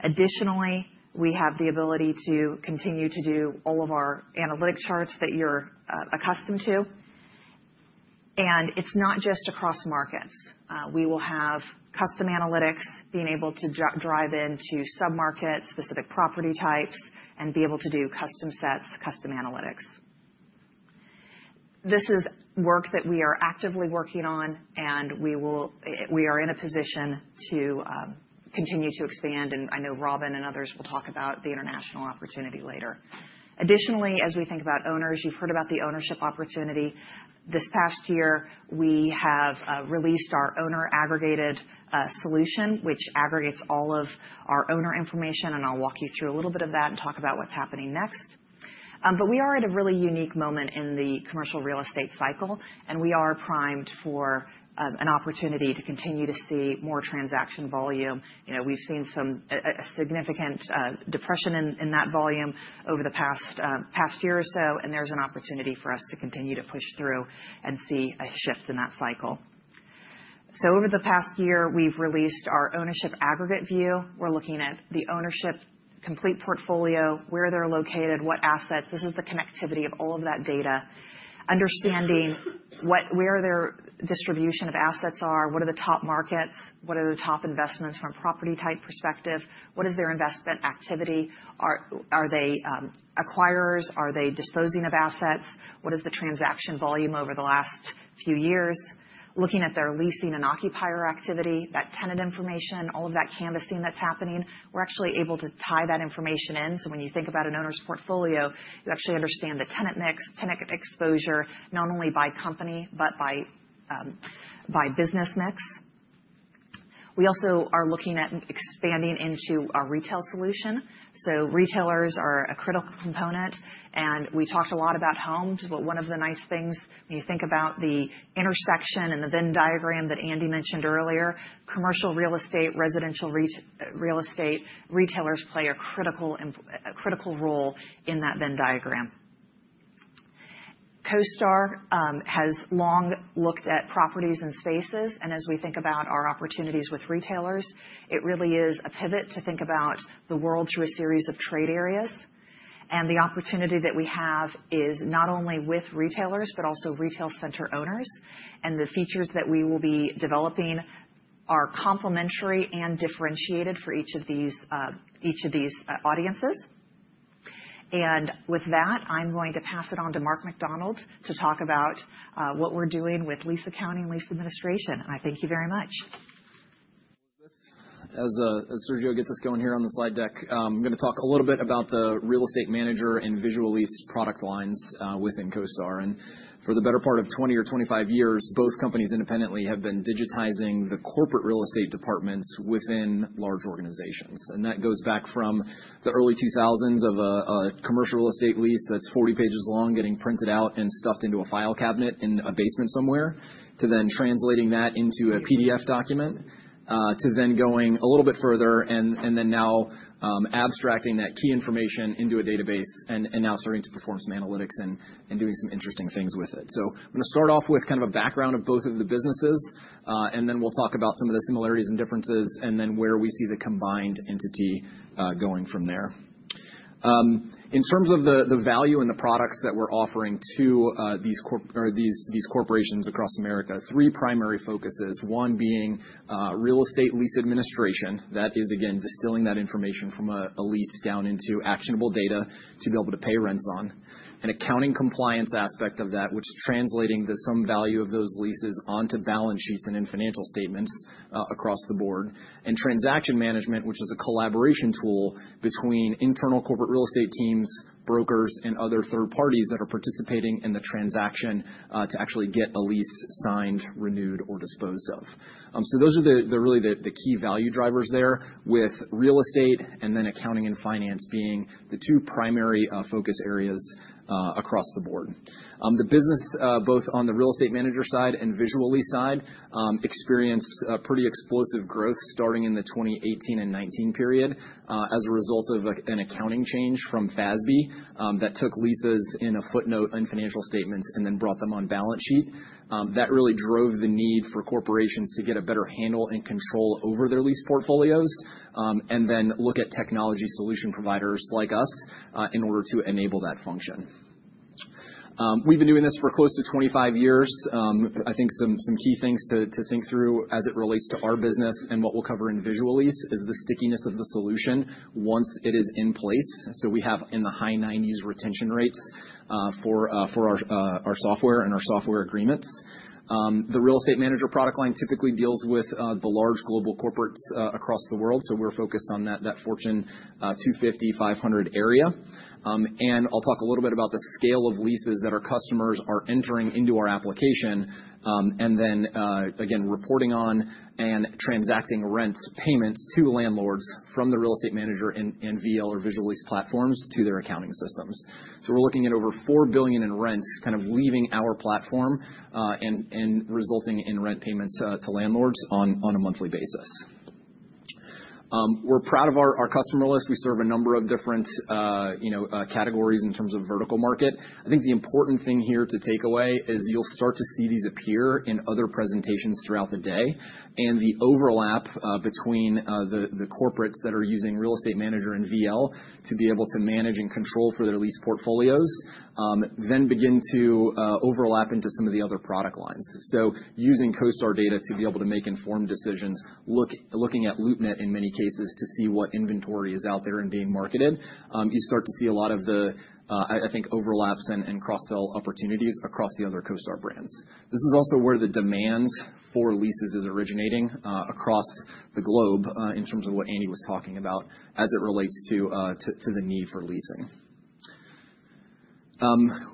Additionally, we have the ability to continue to do all of our analytic charts that you're accustomed to. And it's not just across markets. We will have custom analytics, being able to drive into sub-markets, specific property types, and be able to do custom sets, custom analytics. This is work that we are actively working on. And we are in a position to continue to expand. I know Robin and others will talk about the international opportunity later. Additionally, as we think about owners, you've heard about the ownership opportunity. This past year, we have released our owner-aggregated solution, which aggregates all of our owner information. And I'll walk you through a little bit of that and talk about what's happening next. But we are at a really unique moment in the commercial real estate cycle. And we are primed for an opportunity to continue to see more transaction volume. We've seen a significant depression in that volume over the past year or so. And there's an opportunity for us to continue to push through and see a shift in that cycle. So over the past year, we've released our ownership aggregate view. We're looking at the ownership complete portfolio, where they're located, what assets. This is the connectivity of all of that data, understanding where their distribution of assets are, what are the top markets, what are the top investments from a property type perspective, what is their investment activity, are they acquirers, are they disposing of assets, what is the transaction volume over the last few years, looking at their leasing and occupier activity, that tenant information, all of that canvassing that's happening. We're actually able to tie that information in, so when you think about an owner's portfolio, you actually understand the tenant mix, tenant exposure, not only by company but by business mix. We also are looking at expanding into our retail solution, so retailers are a critical component, and we talked a lot about homes. But one of the nice things, when you think about the intersection and the Venn diagram that Andy mentioned earlier, commercial real estate, residential real estate, retailers play a critical role in that Venn diagram. CoStar has long looked at properties and spaces. And as we think about our opportunities with retailers, it really is a pivot to think about the world through a series of trade areas. And the opportunity that we have is not only with retailers but also retail center owners. And the features that we will be developing are complementary and differentiated for each of these audiences. And with that, I'm going to pass it on to Mark McDonald to talk about what we're doing with lease accounting and lease administration. And I thank you very much. As Sergio gets us going here on the slide deck, I'm going to talk a little bit about the Real Estate Manager and Visual Lease product lines within CoStar, and for the better part of 20 or 25 years, both companies independently have been digitizing the corporate real estate departments within large organizations, and that goes back from the early 2000s of a commercial real estate lease that's 40 pages long getting printed out and stuffed into a file cabinet in a basement somewhere to then translating that into a PDF document, to then going a little bit further and then now abstracting that key information into a database and now starting to perform some analytics and doing some interesting things with it, so I'm going to start off with kind of a background of both of the businesses. And then we'll talk about some of the similarities and differences and then where we see the combined entity going from there. In terms of the value and the products that we're offering to these corporations across America, three primary focuses, one being real estate lease administration. That is, again, distilling that information from a lease down into actionable data to be able to pay rents on, an accounting compliance aspect of that, which is translating some value of those leases onto balance sheets and in financial statements across the board, and transaction management, which is a collaboration tool between internal corporate real estate teams, brokers, and other third parties that are participating in the transaction to actually get a lease signed, renewed, or disposed of. So those are really the key value drivers there with real estate and then accounting and finance being the two primary focus areas across the board. The business, both on the Real Estate Manager side and Visual Lease side, experienced pretty explosive growth starting in the 2018 and 2019 period as a result of an accounting change from FASB that took leases in a footnote in financial statements and then brought them on balance sheet. That really drove the need for corporations to get a better handle and control over their lease portfolios and then look at technology solution providers like us in order to enable that function. We've been doing this for close to 25 years. I think some key things to think through as it relates to our business and what we'll cover in Visual Lease is the stickiness of the solution once it is in place. So we have in the high 90s retention rates for our software and our software agreements. The Real Estate Manager product line typically deals with the large global corporates across the world. So we're focused on that Fortune 250-500 area. And I'll talk a little bit about the scale of leases that our customers are entering into our application and then, again, reporting on and transacting rent payments to landlords from the Real Estate Manager and VL or Visual Lease platforms to their accounting systems. So we're looking at over $4 billion in rent kind of leaving our platform and resulting in rent payments to landlords on a monthly basis. We're proud of our customer list. We serve a number of different categories in terms of vertical market. I think the important thing here to take away is you'll start to see these appear in other presentations throughout the day, and the overlap between the corporates that are using Real Estate Manager and VL to be able to manage and control for their lease portfolios then begin to overlap into some of the other product lines, so using CoStar data to be able to make informed decisions, looking at LoopNet in many cases to see what inventory is out there and being marketed, you start to see a lot of the, I think, overlaps and cross-sell opportunities across the other CoStar brands. This is also where the demand for leases is originating across the globe in terms of what Andy was talking about as it relates to the need for leasing.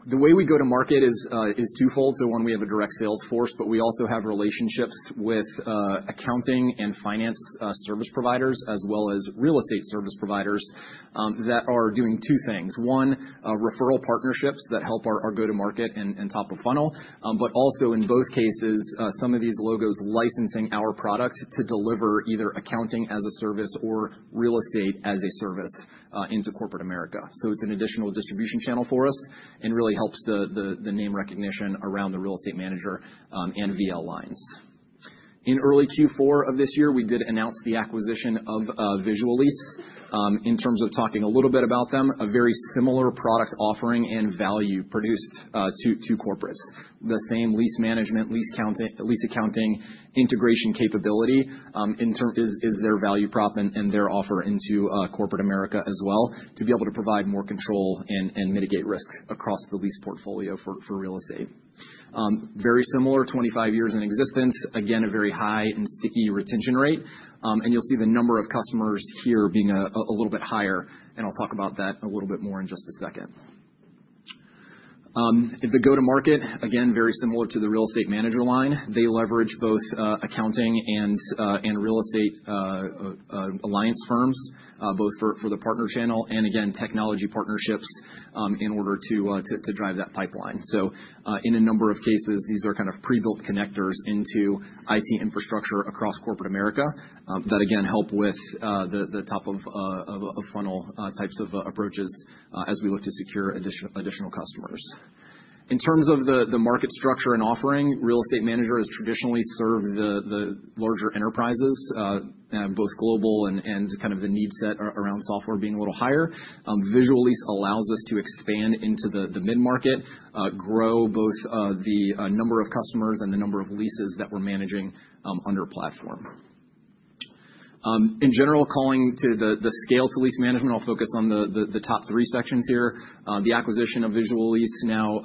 The way we go to market is twofold. So one, we have a direct sales force, but we also have relationships with accounting and finance service providers as well as real estate service providers that are doing two things. One, referral partnerships that help our go-to-market and top-of-funnel, but also in both cases, some of these logos licensing our product to deliver either accounting as a service or real estate as a service into corporate America. So it's an additional distribution channel for us and really helps the name recognition around the Real Estate Manager and VL lines. In early Q4 of this year, we did announce the acquisition of Visual Lease. In terms of talking a little bit about them, a very similar product offering and value produced to corporates. The same lease management, lease accounting integration capability is their value prop and their offer into corporate America as well, to be able to provide more control and mitigate risk across the lease portfolio for real estate. Very similar, 25 years in existence, again a very high and sticky retention rate, and you'll see the number of customers here being a little bit higher, and I'll talk about that a little bit more in just a second. The go-to-market, again very similar to the Real Estate Manager line. They leverage both accounting and real estate alliance firms, both for the partner channel and, again, technology partnerships in order to drive that pipeline, so in a number of cases, these are kind of pre-built connectors into IT infrastructure across corporate America that, again, help with the top-of-funnel types of approaches as we look to secure additional customers. In terms of the market structure and offering, Real Estate Manager has traditionally served the larger enterprises, both global and kind of the need set around software being a little higher. Visual Lease allows us to expand into the mid-market, grow both the number of customers and the number of leases that we're managing under platform. In general, calling to the scale to lease management, I'll focus on the top three sections here. The acquisition of Visual Lease now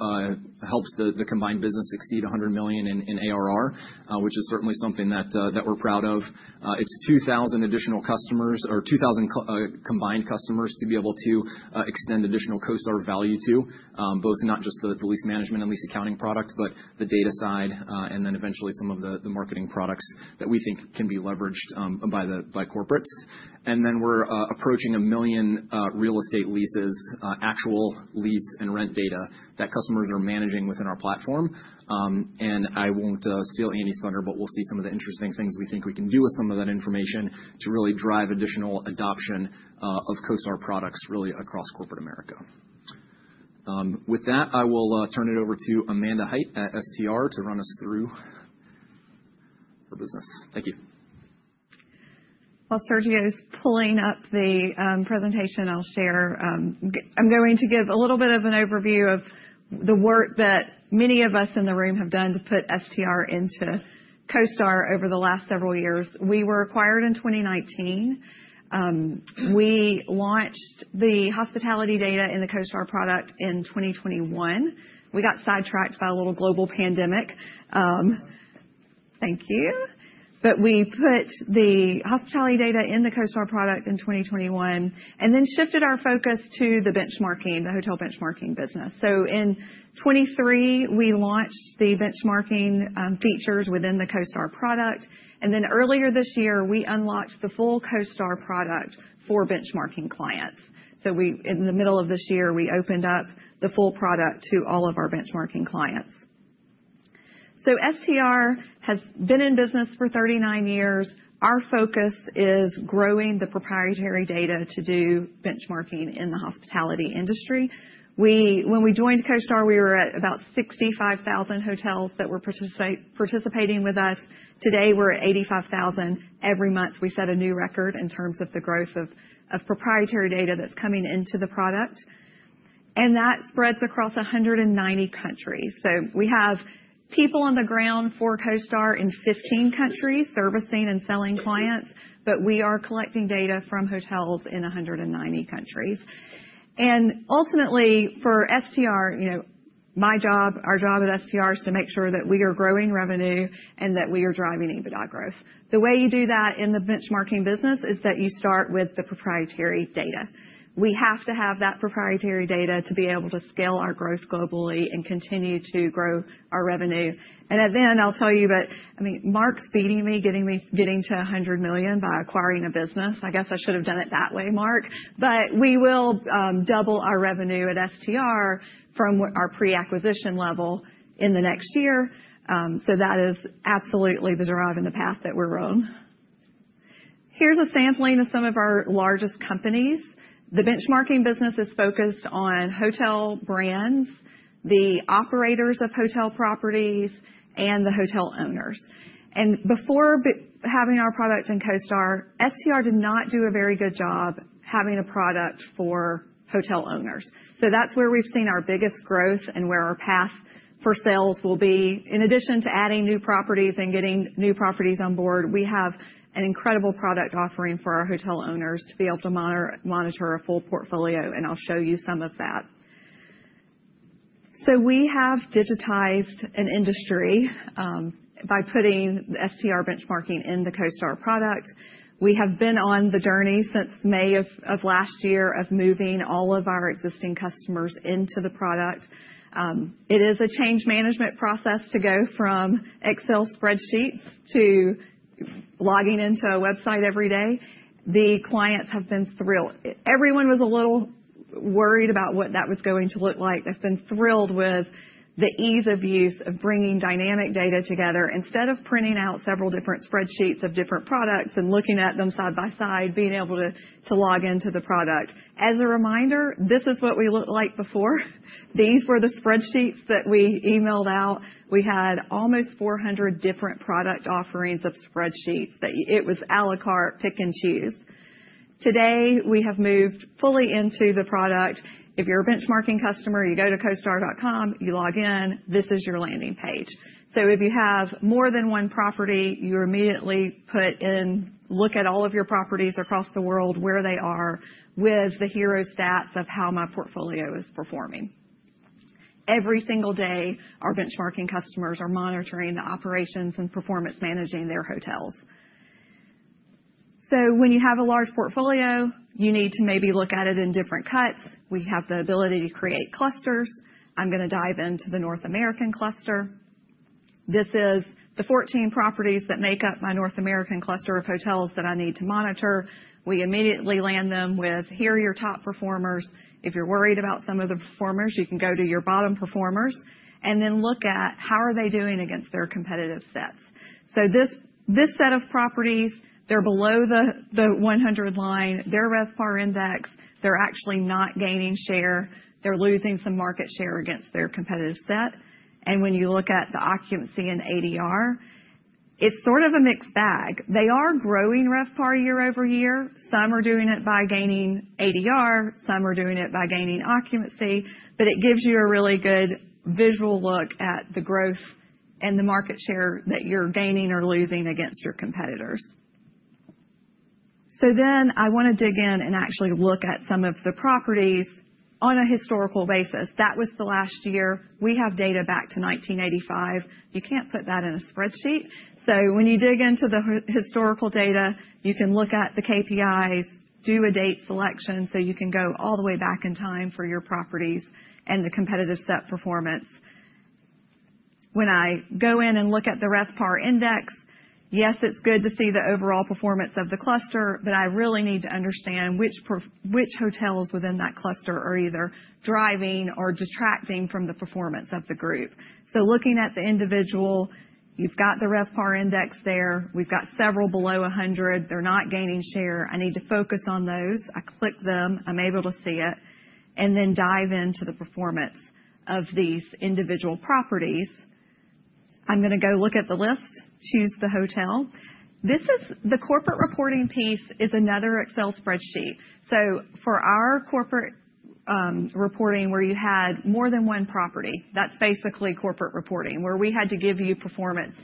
helps the combined business exceed $100 million in ARR, which is certainly something that we're proud of. It's 2,000 additional customers or 2,000 combined customers to be able to extend additional CoStar value to, both not just the lease management and lease accounting product, but the data side and then eventually some of the marketing products that we think can be leveraged by corporates. And then we're approaching a million real estate leases, actual lease and rent data that customers are managing within our platform. And I won't steal Andy's thunder, but we'll see some of the interesting things we think we can do with some of that information to really drive additional adoption of CoStar products really across corporate America. With that, I will turn it over to Amanda Hite at STR to run us through her business. Thank you. While Sergio is pulling up the presentation, I'll share. I'm going to give a little bit of an overview of the work that many of us in the room have done to put STR into CoStar over the last several years. We were acquired in 2019. We launched the hospitality data in the CoStar product in 2021. We got sidetracked by a little global pandemic. Thank you. But we put the hospitality data in the CoStar product in 2021 and then shifted our focus to the benchmarking, the hotel benchmarking business. So in 2023, we launched the benchmarking features within the CoStar product. And then earlier this year, we unlocked the full CoStar product for benchmarking clients. So in the middle of this year, we opened up the full product to all of our benchmarking clients. So STR has been in business for 39 years. Our focus is growing the proprietary data to do benchmarking in the hospitality industry. When we joined CoStar, we were at about 65,000 hotels that were participating with us. Today, we're at 85,000. Every month, we set a new record in terms of the growth of proprietary data that's coming into the product. And that spreads across 190 countries. So we have people on the ground for CoStar in 15 countries servicing and selling clients, but we are collecting data from hotels in 190 countries. And ultimately, for STR, my job, our job at STR is to make sure that we are growing revenue and that we are driving EBITDA growth. The way you do that in the benchmarking business is that you start with the proprietary data. We have to have that proprietary data to be able to scale our growth globally and continue to grow our revenue. And then I'll tell you, but I mean, Mark's beating me, getting to $100 million by acquiring a business. I guess I should have done it that way, Mark. But we will double our revenue at STR from our pre-acquisition level in the next year. So that is absolutely the drive in the path that we're on. Here's a sampling of some of our largest companies. The benchmarking business is focused on hotel brands, the operators of hotel properties, and the hotel owners. And before having our product in CoStar, STR did not do a very good job having a product for hotel owners. So that's where we've seen our biggest growth and where our path for sales will be. In addition to adding new properties and getting new properties on board, we have an incredible product offering for our hotel owners to be able to monitor a full portfolio. I'll show you some of that. We have digitized an industry by putting the STR benchmarking in the CoStar product. We have been on the journey since May of last year of moving all of our existing customers into the product. It is a change management process to go from Excel spreadsheets to logging into a website every day. The clients have been thrilled. Everyone was a little worried about what that was going to look like. They've been thrilled with the ease of use of bringing dynamic data together instead of printing out several different spreadsheets of different products and looking at them side by side, being able to log into the product. As a reminder, this is what we looked like before. These were the spreadsheets that we emailed out. We had almost 400 different product offerings of spreadsheets. It was à la carte pick and choose. Today, we have moved fully into the product. If you're a benchmarking customer, you go to CoStar.com, you log in, this is your landing page. So if you have more than one property, you're immediately put in, look at all of your properties across the world, where they are with the hero stats of how my portfolio is performing. Every single day, our benchmarking customers are monitoring the operations and performance managing their hotels. So when you have a large portfolio, you need to maybe look at it in different cuts. We have the ability to create clusters. I'm going to dive into the North American cluster. This is the 14 properties that make up my North American cluster of hotels that I need to monitor. We immediately Land them with, here are your top performers. If you're worried about some of the performers, you can go to your bottom performers and then look at how are they doing against their competitive sets. So this set of properties, they're below the 100 line, their RevPAR index, they're actually not gaining share. They're losing some market share against their competitive set. And when you look at the occupancy and ADR, it's sort of a mixed bag. They are growing RevPAR year over year. Some are doing it by gaining ADR. Some are doing it by gaining occupancy. But it gives you a really good visual look at the growth and the market share that you're gaining or losing against your competitors. So then I want to dig in and actually look at some of the properties on a historical basis. That was the last year. We have data back to 1985. You can't put that in a spreadsheet, so when you dig into the historical data, you can look at the KPIs, do a date selection so you can go all the way back in time for your properties and the competitive set performance. When I go in and look at the RevPAR index, yes, it's good to see the overall performance of the cluster, but I really need to understand which hotels within that cluster are either driving or detracting from the performance of the group, so looking at the individual, you've got the RevPAR index there. We've got several below 100. They're not gaining share. I need to focus on those. I click them. I'm able to see it and then dive into the performance of these individual properties. I'm going to go look at the list, choose the hotel. This is the corporate reporting piece is another Excel spreadsheet. So for our corporate reporting where you had more than one property, that's basically corporate reporting where we had to give you performance.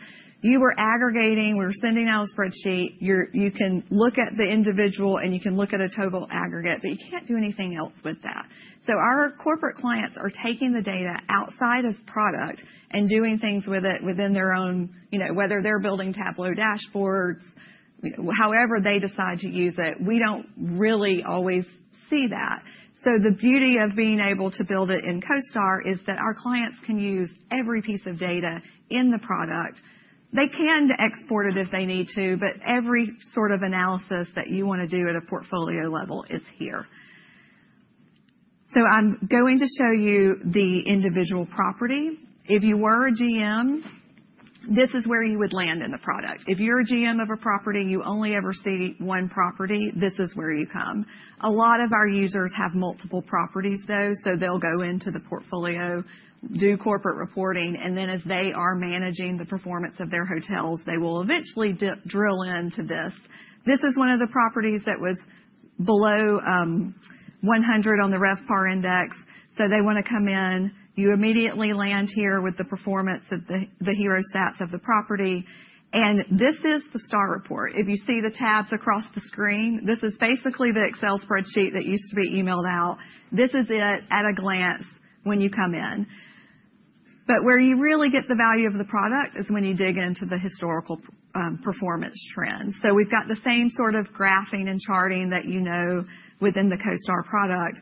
You were aggregating. We were sending out a spreadsheet. You can look at the individual and you can look at a total aggregate, but you can't do anything else with that. So our corporate clients are taking the data outside of product and doing things with it within their own, whether they're building Tableau dashboards, however they decide to use it. We don't really always see that. So the beauty of being able to build it in CoStar is that our clients can use every piece of data in the product. They can export it if they need to, but every sort of analysis that you want to do at a portfolio level is here. So I'm going to show you the individual property. If you were a GM, this is where you would Land in the product. If you're a GM of a property, you only ever see one property, this is where you come. A lot of our users have multiple properties, though, so they'll go into the portfolio, do corporate reporting, and then as they are managing the performance of their hotels, they will eventually drill into this. This is one of the properties that was below 100 on the RevPAR index. So they want to come in. You immediately Land here with the performance of the hero stats of the property. And this is the STAR Report. If you see the tabs across the screen, this is basically the Excel spreadsheet that used to be emailed out. This is it at a glance when you come in. But where you really get the value of the product is when you dig into the historical performance trends. So we've got the same sort of graphing and charting that you know within the CoStar product.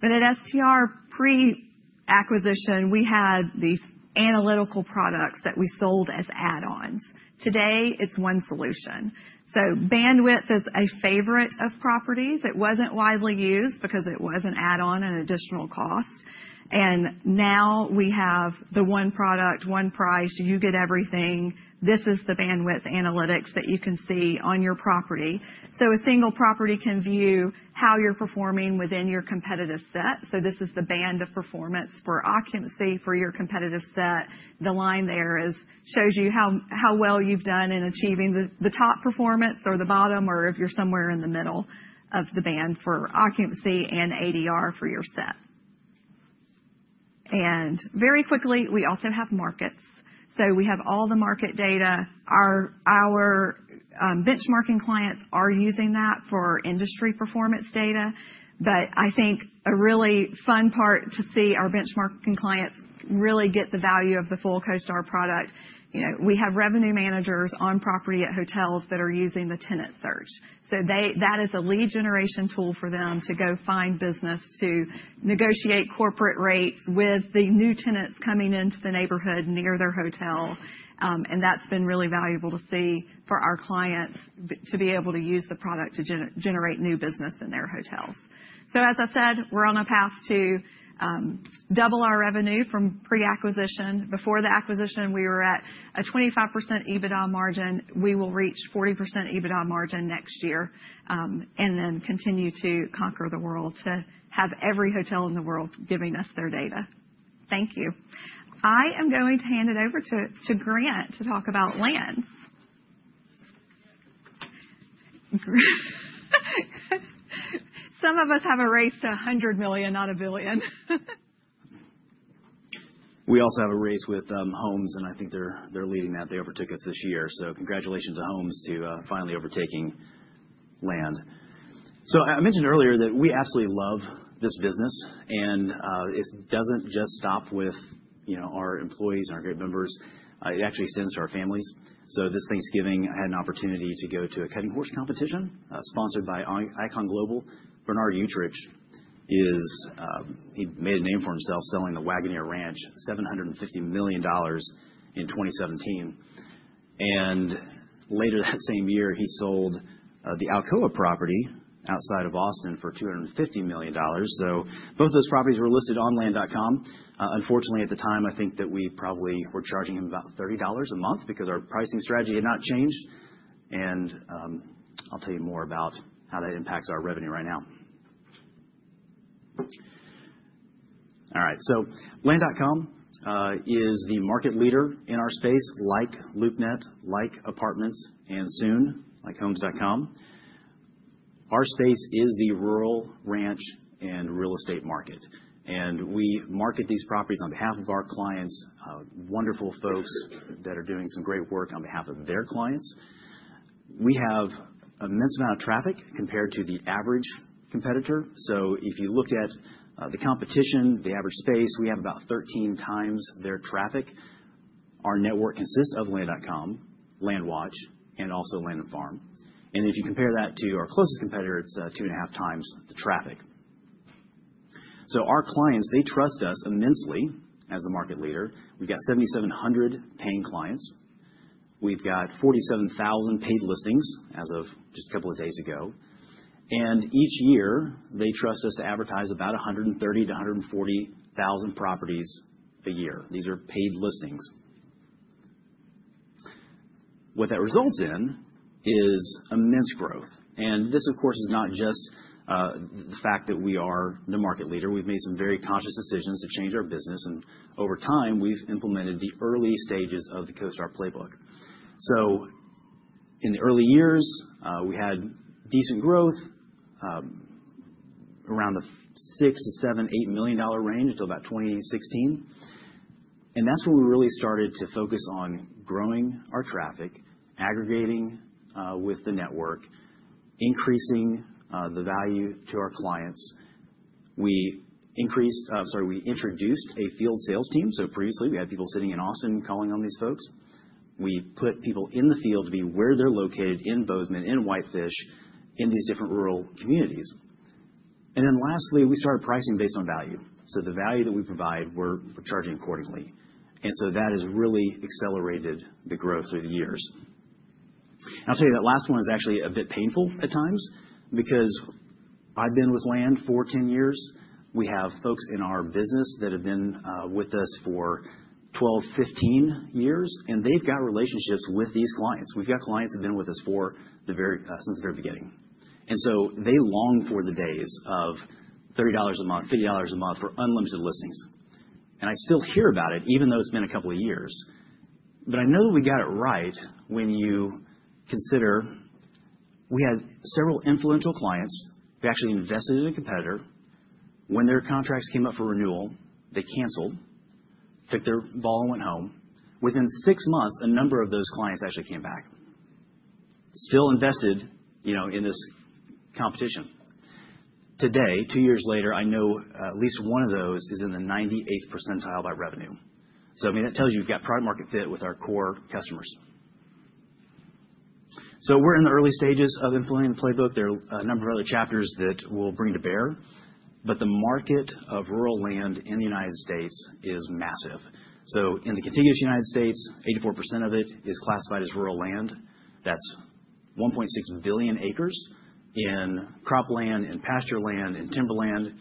But at STR pre-acquisition, we had these analytical products that we sold as add-ons. Today, it's one solution. So Bandwidth is a favorite of properties. It wasn't widely used because it was an add-on, an additional cost. And now we have the one product, one price. You get everything. This is the Bandwidth analytics that you can see on your property. So a single property can view how you're performing within your competitive set. So this is the band of performance for occupancy for your competitive set. The line there shows you how well you've done in achieving the top performance or the bottom, or if you're somewhere in the middle of the band for occupancy and ADR for your set, and very quickly we also have markets, so we have all the market data. Our benchmarking clients are using that for industry performance data, but I think a really fun part to see our benchmarking clients really get the value of the full CoStar product. We have revenue managers on property at hotels that are using the tenant search, so that is a lead generation tool for them to go find business to negotiate corporate rates with the new tenants coming into the neighborhood near their hotel, and that's been really valuable to see for our clients to be able to use the product to generate new business in their hotels. So as I said, we're on a path to double our revenue from pre-acquisition. Before the acquisition, we were at a 25% EBITDA margin. We will reach 40% EBITDA margin next year and then continue to conquer the world to have every hotel in the world giving us their data. Thank you. I am going to hand it over to Grant to talk about lands. Some of us have a race to 100 million, not a billion. We also have a race with Homes, and I think they're leading that. They overtook us this year. So congratulations to Homes to finally overtaking Land. So I mentioned earlier that we absolutely love this business, and it doesn't just stop with our employees and our great members. It actually extends to our families. So this Thanksgiving, I had an opportunity to go to a cutting horse competition sponsored by Icon Global. Bernard Uechtritz, he made a name for himself selling the Waggoner Ranch, $750 million in 2017. And later that same year, he sold the Alcoa property outside of Austin for $250 million. So both those properties were listed on Land.com. Unfortunately, at the time, I think that we probably were charging him about $30 a month because our pricing strategy had not changed. And I'll tell you more about how that impacts our revenue right now. All right. So Land.com is the market leader in our space, like LoopNet, like Apartments, and soon like Homes.com. Our space is the rural ranch and real estate market. And we market these properties on behalf of our clients, wonderful folks that are doing some great work on behalf of their clients. We have an immense amount of traffic compared to the average competitor. So if you look at the competition, the average space, we have about 13 times their traffic. Our network consists of Land.com, LandWatch, and also Land and Farm. And if you compare that to our closest competitor, it's two and a half times the traffic. So our clients, they trust us immensely as a market leader. We've got 7,700 paying clients. We've got 47,000 paid listings as of just a couple of days ago. Each year, they trust us to advertise about 130,000-140,000 properties a year. These are paid listings. What that results in is immense growth. This, of course, is not just the fact that we are the market leader. We've made some very conscious decisions to change our business. Over time, we've implemented the early stages of the CoStar playbook. In the early years, we had decent growth around the $6-$8 million range until about 2016. That's when we really started to focus on growing our traffic, aggregating with the network, increasing the value to our clients. We introduced a field sales team. Previously, we had people sitting in Austin calling on these folks. We put people in the field to be where they're located in Bozeman, in Whitefish, in these different rural communities. And then lastly, we started pricing based on value. So the value that we provide, we're charging accordingly. And so that has really accelerated the growth through the years. I'll tell you that last one is actually a bit painful at times because I've been with Land for 10 years. We have folks in our business that have been with us for 12, 15 years, and they've got relationships with these clients. We've got clients who have been with us since the very beginning. And so they long for the days of $30 a month, $50 a month for unlimited listings. And I still hear about it, even though it's been a couple of years. But I know that we got it right when you consider we had several influential clients. We actually invested in a competitor. When their contracts came up for renewal, they canceled, took their ball and went home. Within six months, a number of those clients actually came back, still invested in this competition. Today, two years later, I know at least one of those is in the 98th percentile by revenue. So I mean, that tells you we've got product-market fit with our core customers. So we're in the early stages of implementing the playbook. There are a number of other chapters that we'll bring to bear. But the market of rural land in the United States is massive. So in the contiguous United States, 84% of it is classified as rural land. That's 1.6 billion acres in cropland and pasture land and timberland.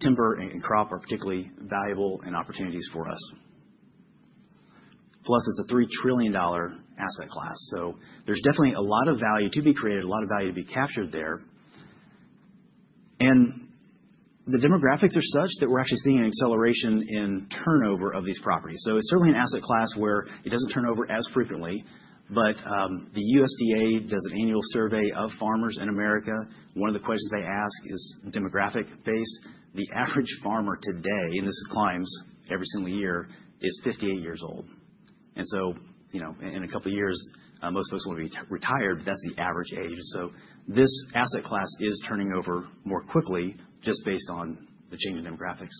Timber and crop are particularly valuable and opportunities for us. Plus, it's a $3 trillion asset class. There's definitely a lot of value to be created, a lot of value to be captured there. The demographics are such that we're actually seeing an acceleration in turnover of these properties. It's certainly an asset class where it doesn't turn over as frequently. The USDA does an annual survey of farmers in America. One of the questions they ask is demographic-based. The average farmer today, and this climbs every single year, is 58 years old. In a couple of years, most folks will be retired, but that's the average age. This asset class is turning over more quickly just based on the change in demographics.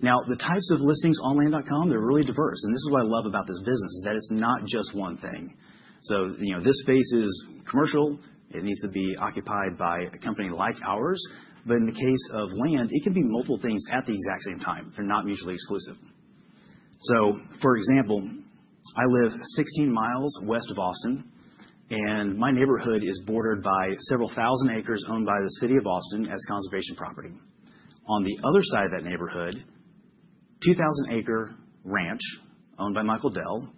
The types of listings on Land.com, they're really diverse. This is what I love about this business, is that it's not just one thing. This space is commercial. It needs to be occupied by a company like ours. But in the case of Land, it can be multiple things at the exact same time. They're not mutually exclusive. So for example, I live 16 miles west of Austin, and my neighborhood is bordered by several thousand acres owned by the city of Austin as conservation property. On the other side of that neighborhood, a 2,000-acre ranch owned by Michael Dell.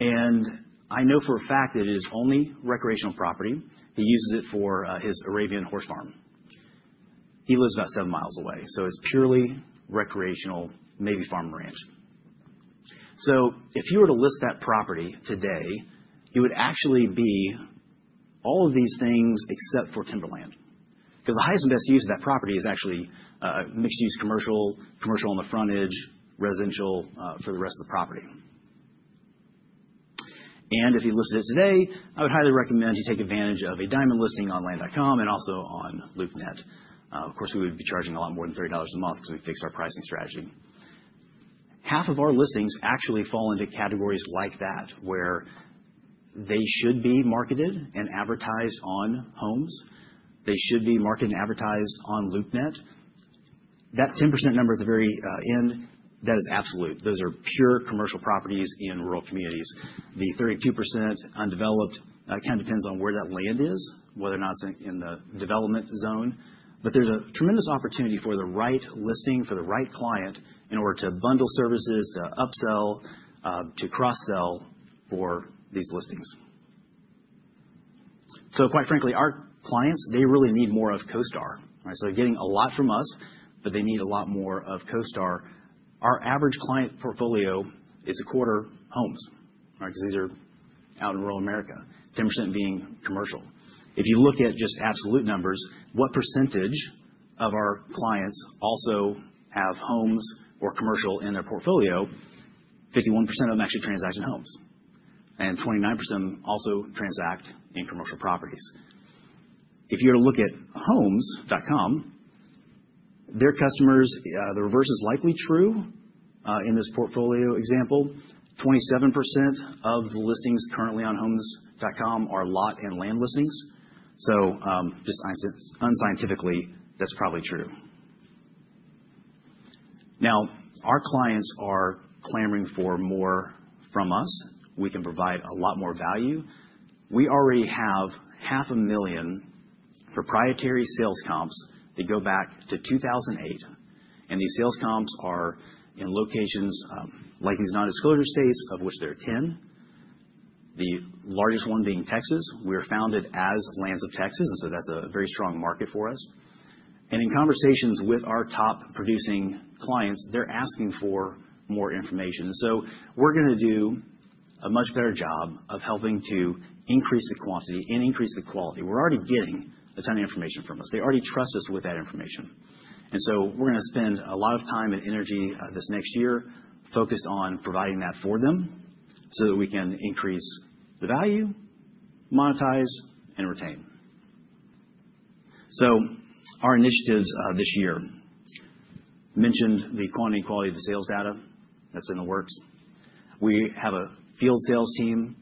And I know for a fact that it is only recreational property. He uses it for his Arabian horse farm. He lives about seven miles away. So it's purely recreational, maybe farm ranch. So if you were to list that property today, it would actually be all of these things except for timberland. Because the highest and best use of that property is actually mixed-use commercial, commercial on the frontage, residential for the rest of the property. And if you listed it today, I would highly recommend you take advantage of a Diamond listing on Land.com and also on LoopNet. Of course, we would be charging a lot more than $30 a month because we fixed our pricing strategy. Half of our listings actually fall into categories like that, where they should be marketed and advertised on Homes. They should be marketed and advertised on LoopNet. That 10% number at the very end, that is absolute. Those are pure commercial properties in rural communities. The 32% undeveloped kind of depends on where that Land is, whether or not it's in the development zone. But there's a tremendous opportunity for the right listing for the right client in order to bundle services, to upsell, to cross-sell for these listings. So quite frankly, our clients, they really need more of CoStar. So they're getting a lot from us, but they need a lot more of CoStar. Our average client portfolio is a quarter Homes because these are out in rural America, 10% being commercial. If you look at just absolute numbers, what percentage of our clients also have Homes or commercial in their portfolio? 51% of them actually transact in Homes. And 29% of them also transact in commercial properties. If you were to look at Homes.com, their customers. The reverse is likely true in this portfolio example. 27% of the listings currently on Homes.com are lot and land listings. So just unscientifically, that's probably true. Now, our clients are clamoring for more from us. We can provide a lot more value. We already have 500,000 proprietary sales comps that go back to 2008. And these sales comps are in locations like these nondisclosure states, of which there are 10. The largest one being Texas. We were founded as Lands of Texas, and so that's a very strong market for us. And in conversations with our top producing clients, they're asking for more information. And so we're going to do a much better job of helping to increase the quantity and increase the quality. We're already getting a ton of information from us. They already trust us with that information. And so we're going to spend a lot of time and energy this next year focused on providing that for them so that we can increase the value, monetize, and retain. So our initiatives this year mentioned the quantity and quality of the sales data. That's in the works. We have a field sales team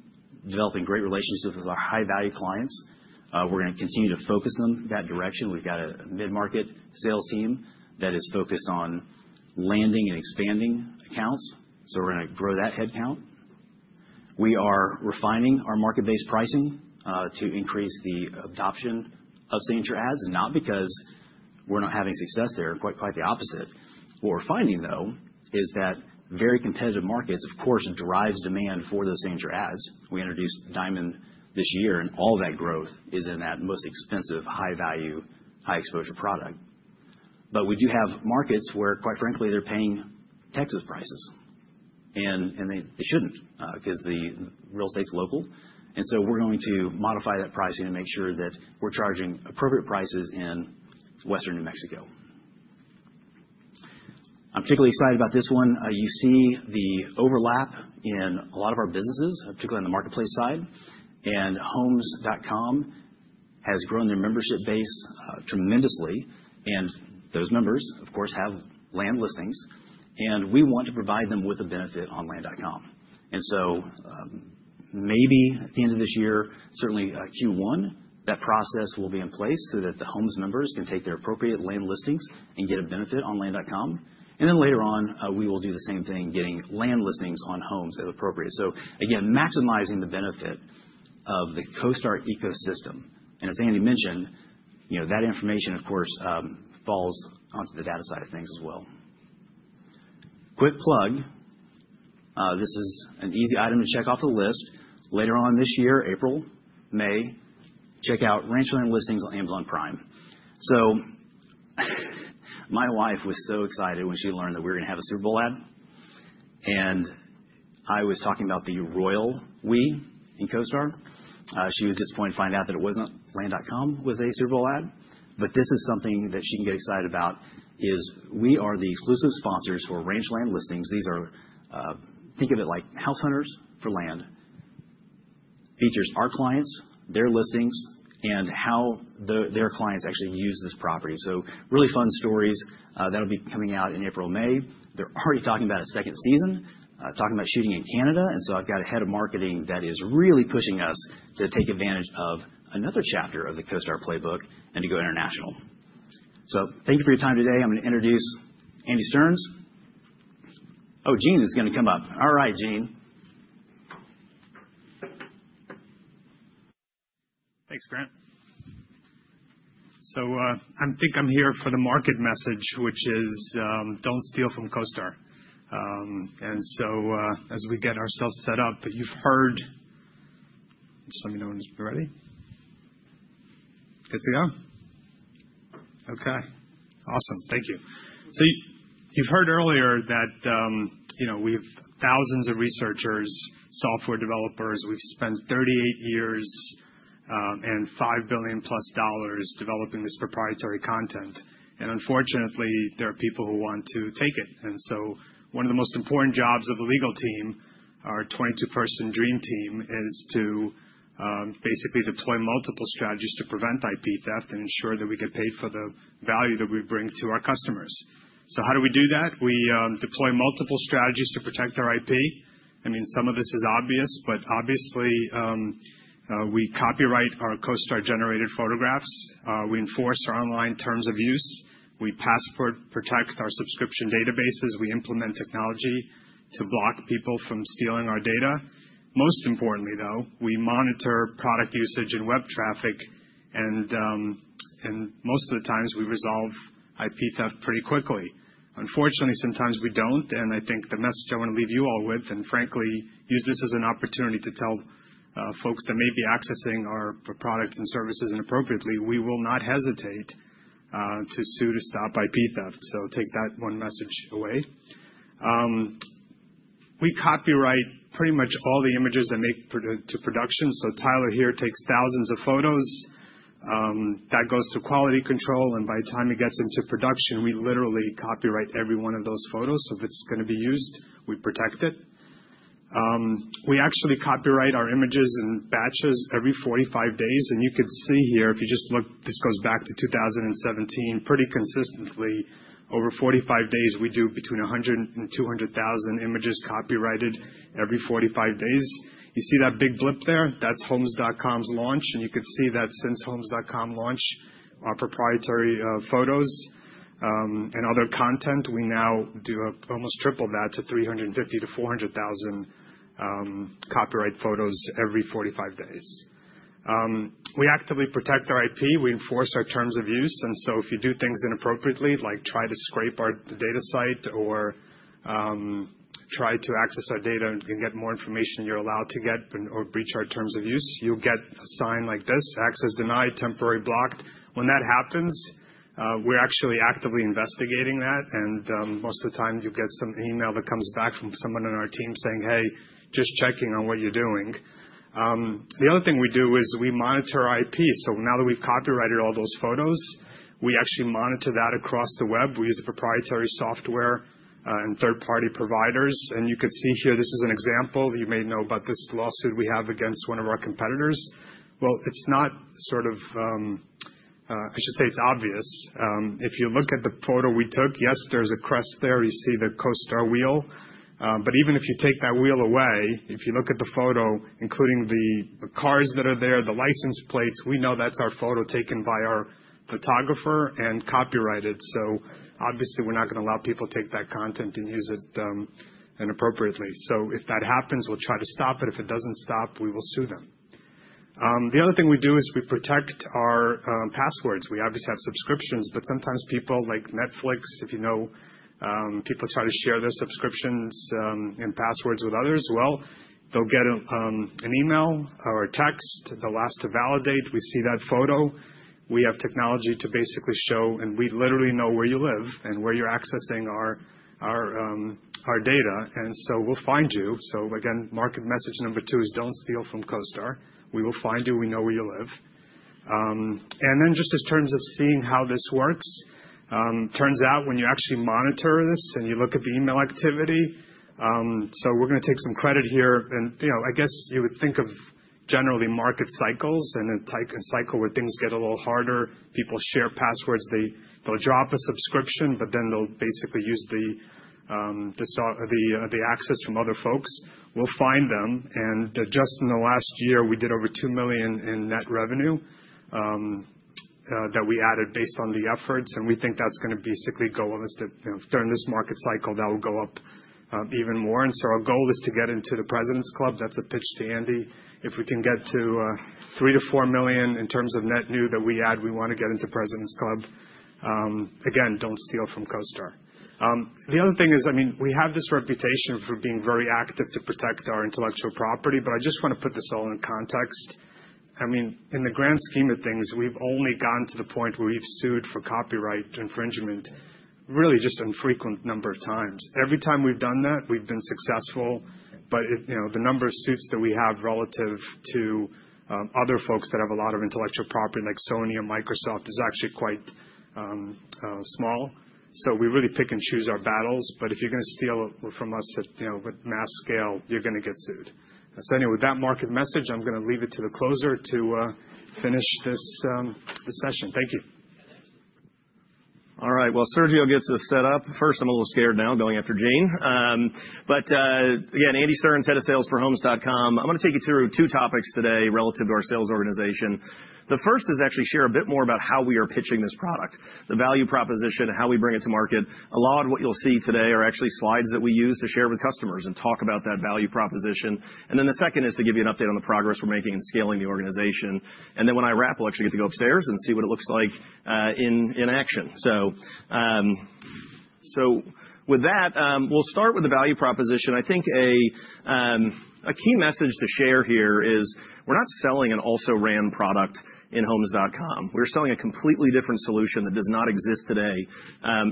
developing great relationships with our high-value clients. We're going to continue to focus them that direction. We've got a mid-market sales team that is focused on landing and expanding accounts. So we're going to grow that headcount. We are refining our market-based pricing to increase the adoption of Signature Ads, not because we're not having success there, quite the opposite. What we're finding, though, is that very competitive markets, of course, drive demand for those Signature Ads. We introduced Diamond this year, and all that growth is in that most expensive, high-value, high-exposure product. But we do have markets where, quite frankly, they're paying Texas prices, and they shouldn't because the real estate's local, and so we're going to modify that pricing to make sure that we're charging appropriate prices in Western New Mexico. I'm particularly excited about this one. You see the overlap in a lot of our businesses, particularly on the marketplace side. Homes.com has grown their membership base tremendously. Those members, of course, have land listings. We want to provide them with a benefit on Land.com. So maybe at the end of this year, certainly Q1, that process will be in place so that the Homes members can take their appropriate land listings and get a benefit on Land.com. Then later on, we will do the same thing, getting land listings on Homes as appropriate. Again, maximizing the benefit of the CoStar ecosystem. As Andy mentioned, that information, of course, falls onto the data side of things as well. Quick plug. This is an easy item to check off the list. Later on this year, April, May, check out Ranchland listings on Amazon Prime. My wife was so excited when she learned that we were going to have a Super Bowl ad. I was talking about the royal we in CoStar. She was disappointed to find out that it wasn't Land.com with a Super Bowl ad. But this is something that she can get excited about, is we are the exclusive sponsors for Ranchland listings. Think of it like House Hunters for land. Features our clients, their listings, and how their clients actually use this property. So really fun stories that'll be coming out in April, May. They're already talking about a second season, talking about shooting in Canada. I've got a head of marketing that is really pushing us to take advantage of another chapter of the CoStar playbook and to go international. Thank you for your time today. I'm going to introduce Andy Stearns. Oh, Gene is going to come up. All right, Gene. Thanks, Grant. So I think I'm here for the market message, which is, don't steal from CoStar. And so as we get ourselves set up, you've heard. Just let me know when it's ready. Good to go? Okay. Awesome. Thank you. So you've heard earlier that we have thousands of researchers, software developers. We've spent 38 years and $5 billion plus developing this proprietary content. And unfortunately, there are people who want to take it. And so one of the most important jobs of the legal team, our 22-person dream team, is to basically deploy multiple strategies to prevent IP theft and ensure that we get paid for the value that we bring to our customers. So how do we do that? We deploy multiple strategies to protect our IP. I mean, some of this is obvious, but obviously, we copyright our CoStar-generated photographs. We enforce our online terms of use. We password protect our subscription databases. We implement technology to block people from stealing our data. Most importantly, though, we monitor product usage and web traffic, and most of the times, we resolve IP theft pretty quickly. Unfortunately, sometimes we don't. I think the message I want to leave you all with, and frankly, use this as an opportunity to tell folks that may be accessing our products and services inappropriately, we will not hesitate to sue to stop IP theft. Take that one message away. We copyright pretty much all the images that make it to production. Tyler here takes thousands of photos. That goes to quality control. By the time it gets into production, we literally copyright every one of those photos. If it's going to be used, we protect it. We actually copyright our images in batches every 45 days. You could see here, if you just look, this goes back to 2017, pretty consistently. Over 45 days, we do between 100,000 and 200,000 images copyrighted every 45 days. You see that big blip there? That's Homes.com's launch. You could see that since Homes.com launch, our proprietary photos and other content, we now do almost triple that to 350,000 to 400,000 copyright photos every 45 days. We actively protect our IP. We enforce our terms of use. So if you do things inappropriately, like try to scrape our data site or try to access our data and get more information you're allowed to get or breach our terms of use, you'll get a sign like this, access denied, temporarily blocked. When that happens, we're actually actively investigating that. Most of the time, you'll get some email that comes back from someone on our team saying, "Hey, just checking on what you're doing." The other thing we do is we monitor our IP. So now that we've copyrighted all those photos, we actually monitor that across the web. We use proprietary software and third-party providers. And you could see here, this is an example. You may know about this lawsuit we have against one of our competitors. Well, it's not sort of, I should say it's obvious. If you look at the photo we took, yes, there's a crest there. You see the CoStar wheel. But even if you take that wheel away, if you look at the photo, including the cars that are there, the license plates, we know that's our photo taken by our photographer and copyrighted. So obviously, we're not going to allow people to take that content and use it inappropriately. So if that happens, we'll try to stop it. If it doesn't stop, we will sue them. The other thing we do is we protect our passwords. We obviously have subscriptions, but sometimes people like Netflix, if you know people try to share their subscriptions and passwords with others, well, they'll get an email or a text. They'll ask to validate. We see that photo. We have technology to basically show, and we literally know where you live and where you're accessing our data. And so we'll find you. So again, marketing message number two is, don't steal from CoStar. We will find you. We know where you live. And then, just in terms of seeing how this works, turns out when you actually monitor this and you look at the email activity, so we're going to take some credit here. And I guess you would think of generally market cycles and a cycle where things get a little harder. People share passwords. They'll drop a subscription, but then they'll basically use the access from other folks. We'll find them. And just in the last year, we did over $2 million in net revenue that we added based on the efforts. And we think that's going to basically go up. During this market cycle, that will go up even more. And so our goal is to get into the President's Club. That's a pitch to Andy. If we can get to 3-4 million in terms of net new that we add, we want to get into President's Club. Again, don't steal from CoStar. The other thing is, I mean, we have this reputation for being very active to protect our intellectual property, but I just want to put this all in context. I mean, in the grand scheme of things, we've only gotten to the point where we've sued for copyright infringement, really just an infrequent number of times. Every time we've done that, we've been successful. But the number of suits that we have relative to other folks that have a lot of intellectual property, like Sony or Microsoft, is actually quite small. So we really pick and choose our battles. But if you're going to steal from us at mass scale, you're going to get sued. So anyway, with that market message, I'm going to leave it to the closer to finish this session. Thank you. All right. Well, Sergio gets us set up. First, I'm a little scared now going after Gene. But again, Andy Stearns, Head of Sales for Homes.com. I'm going to take you through two topics today relative to our sales organization. The first is actually share a bit more about how we are pitching this product, the value proposition, and how we bring it to market. A lot of what you'll see today are actually slides that we use to share with customers and talk about that value proposition. And then the second is to give you an update on the progress we're making in scaling the organization. And then when I wrap, we'll actually get to go upstairs and see what it looks like in action. So with that, we'll start with the value proposition. I think a key message to share here is we're not selling an also-ran product in Homes.com. We're selling a completely different solution that does not exist today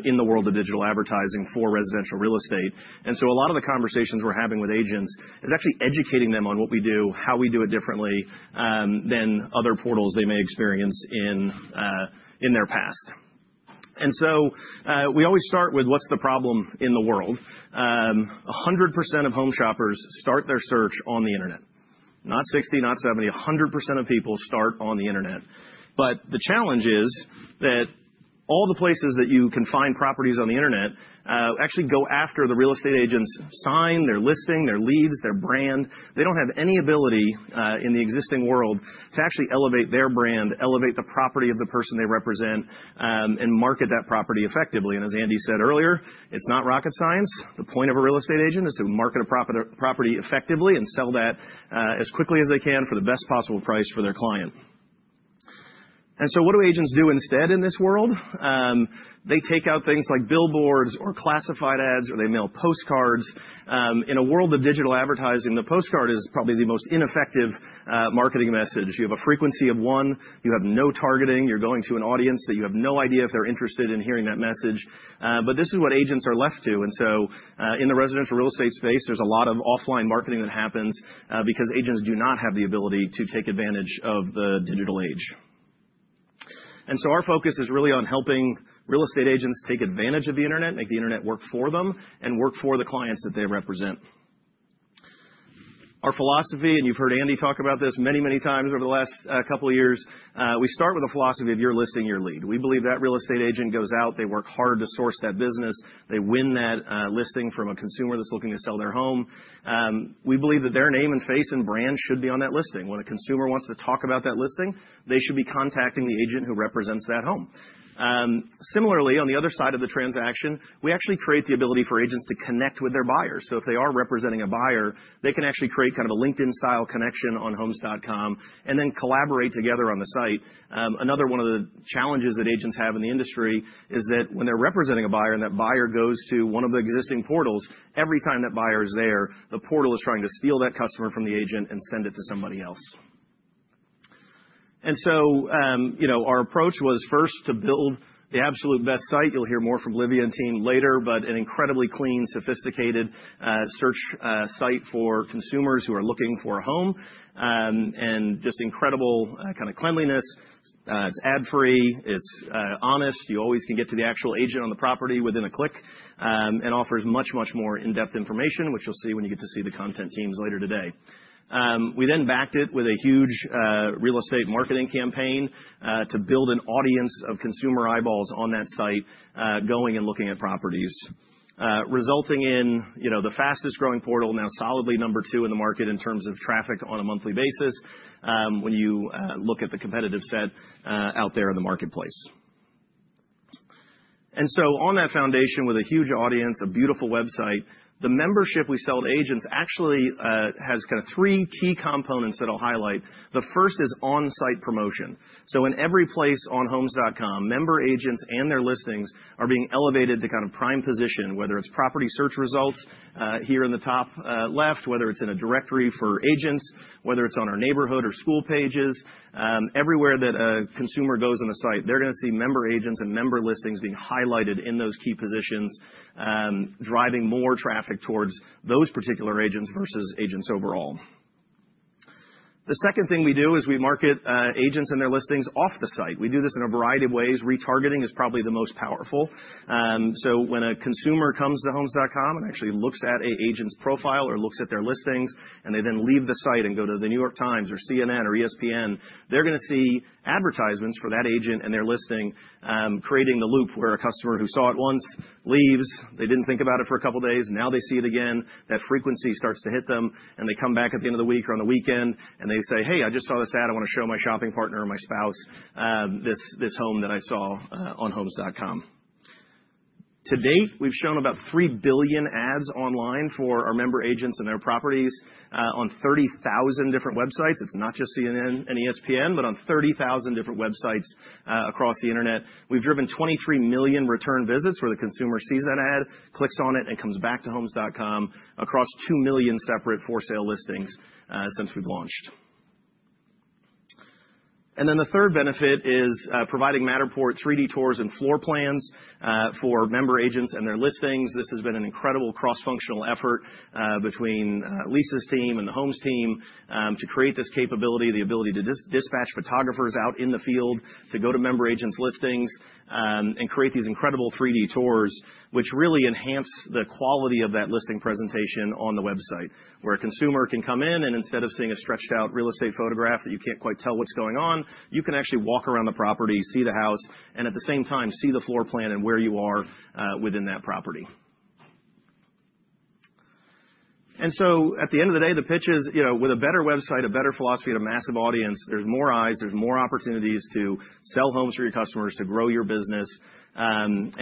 in the world of digital advertising for residential real estate. And so a lot of the conversations we're having with agents is actually educating them on what we do, how we do it differently than other portals they may experience in their past. And so we always start with what's the problem in the world. 100% of home shoppers start their search on the internet. Not 60%, not 70%, 100% of people start on the internet. But the challenge is that all the places that you can find properties on the internet actually go after the real estate agent's sign, their listing, their leads, their brand. They don't have any ability in the existing world to actually elevate their brand, elevate the property of the person they represent, and market that property effectively. And as Andy said earlier, it's not rocket science. The point of a real estate agent is to market a property effectively and sell that as quickly as they can for the best possible price for their client. And so what do agents do instead in this world? They take out things like billboards or classified ads, or they mail postcards. In a world of digital advertising, the postcard is probably the most ineffective marketing message. You have a frequency of one. You have no targeting. You're going to an audience that you have no idea if they're interested in hearing that message. But this is what agents are left to. And so in the residential real estate space, there's a lot of offline marketing that happens because agents do not have the ability to take advantage of the digital age. And so our focus is really on helping real estate agents take advantage of the internet, make the internet work for them, and work for the clients that they represent. Our philosophy, and you've heard Andy talk about this many, many times over the last couple of years, we start with a philosophy of your listing, your lead. We believe that real estate agent goes out. They work hard to source that business. They win that listing from a consumer that's looking to sell their home. We believe that their name and face and brand should be on that listing. When a consumer wants to talk about that listing, they should be contacting the agent who represents that home. Similarly, on the other side of the transaction, we actually create the ability for agents to connect with their buyers. So if they are representing a buyer, they can actually create kind of a LinkedIn-style connection on Homes.com and then collaborate together on the site. Another one of the challenges that agents have in the industry is that when they're representing a buyer and that buyer goes to one of the existing portals, every time that buyer is there, the portal is trying to steal that customer from the agent and send it to somebody else. And so our approach was first to build the absolute best site. You'll hear more from Livia and team later, but an incredibly clean, sophisticated search site for consumers who are looking for a home and just incredible kind of cleanliness. It's ad-free. It's honest. You always can get to the actual agent on the property within a click and offers much, much more in-depth information, which you'll see when you get to see the content teams later today. We then backed it with a huge real estate marketing campaign to build an audience of consumer eyeballs on that site going and looking at properties, resulting in the fastest-growing portal, now solidly number two in the market in terms of traffic on a monthly basis when you look at the competitive set out there in the marketplace. And so on that foundation with a huge audience, a beautiful website, the membership we sell to agents actually has kind of three key components that I'll highlight. The first is on-site promotion. In every place on Homes.com, member agents and their listings are being elevated to kind of prime position, whether it's property search results here in the top left, whether it's in a directory for agents, whether it's on our neighborhood or school pages. Everywhere that a consumer goes on a site, they're going to see member agents and member listings being highlighted in those key positions, driving more traffic towards those particular agents versus agents overall. The second thing we do is we market agents and their listings off the site. We do this in a variety of ways. Retargeting is probably the most powerful. When a consumer comes to Homes.com and actually looks at an agent's profile or looks at their listings, and they then leave the site and go to The New York Times or CNN or ESPN, they're going to see advertisements for that agent and their listing, creating the loop where a customer who saw it once leaves. They didn't think about it for a couple of days. Now they see it again. That frequency starts to hit them, and they come back at the end of the week or on the weekend, and they say, "Hey, I just saw this ad. I want to show my shopping partner or my spouse this home that I saw on Homes.com." To date, we've shown about 3 billion ads online for our member agents and their properties on 30,000 different websites. It's not just CNN and ESPN, but on 30,000 different websites across the internet. We've driven 23 million return visits where the consumer sees that ad, clicks on it, and comes back to Homes.com across 2 million separate for-sale listings since we've launched, and then the third benefit is providing Matterport 3D tours and floor plans for member agents and their listings. This has been an incredible cross-functional effort between Lisa's team and the Homes team to create this capability, the ability to dispatch photographers out in the field to go to member agents' listings and create these incredible 3D tours, which really enhance the quality of that listing presentation on the website where a consumer can come in, and instead of seeing a stretched-out real estate photograph that you can't quite tell what's going on, you can actually walk around the property, see the house, and at the same time, see the floor plan and where you are within that property, and so at the end of the day, the pitch is with a better website, a better philosophy, and a massive audience, there's more eyes. There's more opportunities to sell homes for your customers, to grow your business, and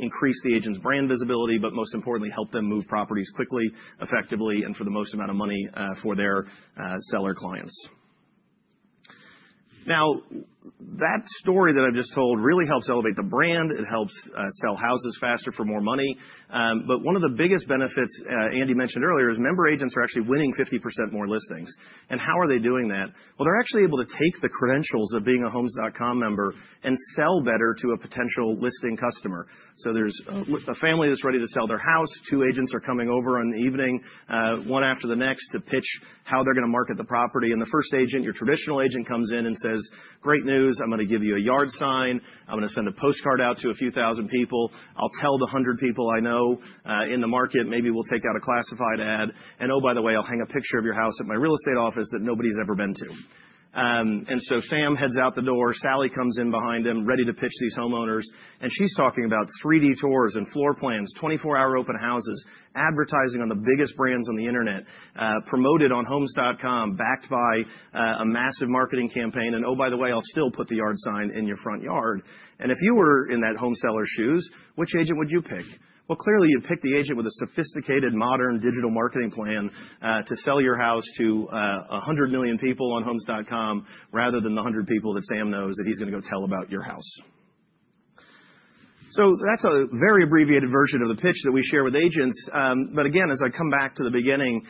increase the agent's brand visibility, but most importantly, help them move properties quickly, effectively, and for the most amount of money for their seller clients. Now, that story that I've just told really helps elevate the brand. It helps sell houses faster for more money. But one of the biggest benefits Andy mentioned earlier is member agents are actually winning 50% more listings. And how are they doing that? Well, they're actually able to take the credentials of being a Homes.com member and sell better to a potential listing customer. So there's a family that's ready to sell their house. Two agents are coming over on the evening, one after the next, to pitch how they're going to market the property. And the first agent, your traditional agent, comes in and says, "Great news. I'm going to give you a yard sign. I'm going to send a postcard out to a few thousand people. I'll tell the 100 people I know in the market. Maybe we'll take out a classified ad. And oh, by the way, I'll hang a picture of your house at my real estate office that nobody's ever been to." And so Sam heads out the door. Sally comes in behind him, ready to pitch these homeowners. And she's talking about 3D tours and floor plans, 24-hour open houses, advertising on the biggest brands on the internet, promoted on Homes.com, backed by a massive marketing campaign. And oh, by the way, I'll still put the yard sign in your front yard. And if you were in that home seller's shoes, which agent would you pick? Clearly, you'd pick the agent with a sophisticated, modern digital marketing plan to sell your house to 100 million people on Homes.com rather than the 100 people that Sam knows that he's going to go tell about your house, so that's a very abbreviated version of the pitch that we share with agents, but again, as I come back to the beginning,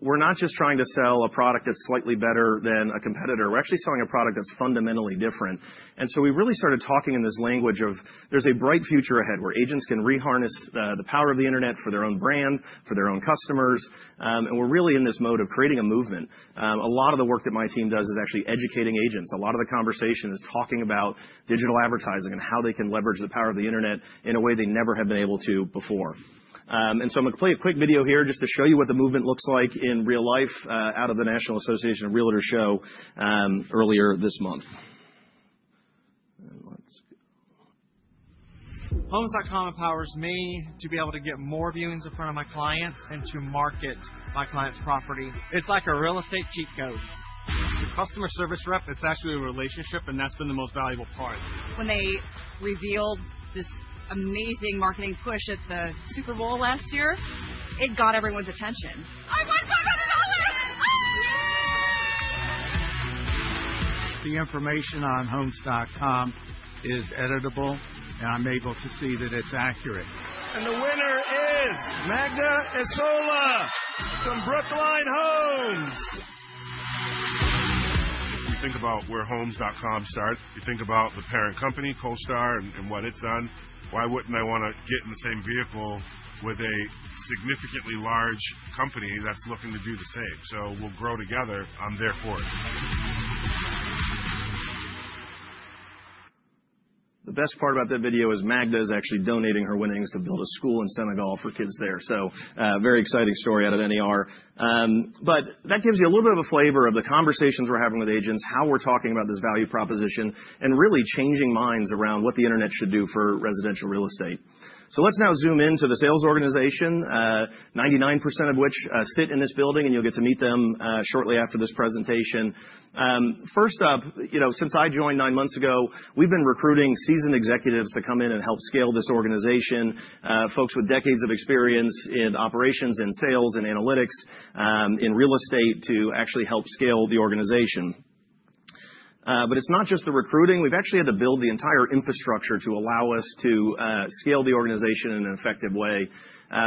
we're not just trying to sell a product that's slightly better than a competitor, we're actually selling a product that's fundamentally different, and so we really started talking in this language of there's a bright future ahead where agents can reharness the power of the internet for their own brand, for their own customers, and we're really in this mode of creating a movement. A lot of the work that my team does is actually educating agents. A lot of the conversation is talking about digital advertising and how they can leverage the power of the internet in a way they never have been able to before, and so I'm going to play a quick video here just to show you what the movement looks like in real life out of the National Association of Realtors show earlier this month. Homes.com empowers me to be able to get more viewings in front of my clients and to market my client's property. It's like a real estate cheat code. The customer service rep, it's actually a relationship, and that's been the most valuable part. If you think about where Homes.com starts, you think about the parent company, CoStar, and what it's done. Why wouldn't I want to get in the same vehicle with a significantly large company that's looking to do the same, so we'll grow together. I'm there for it. The best part about that video is Magda is actually donating her winnings to build a school in Senegal for kids there, so very exciting story out of NAR. But that gives you a little bit of a flavor of the conversations we're having with agents, how we're talking about this value proposition, and really changing minds around what the internet should do for residential real estate, so let's now zoom into the sales organization, 99% of which sit in this building, and you'll get to meet them shortly after this presentation. First up, since I joined nine months ago, we've been recruiting seasoned executives to come in and help scale this organization, folks with decades of experience in operations and sales and analytics in real estate to actually help scale the organization. But it's not just the recruiting. We've actually had to build the entire infrastructure to allow us to scale the organization in an effective way.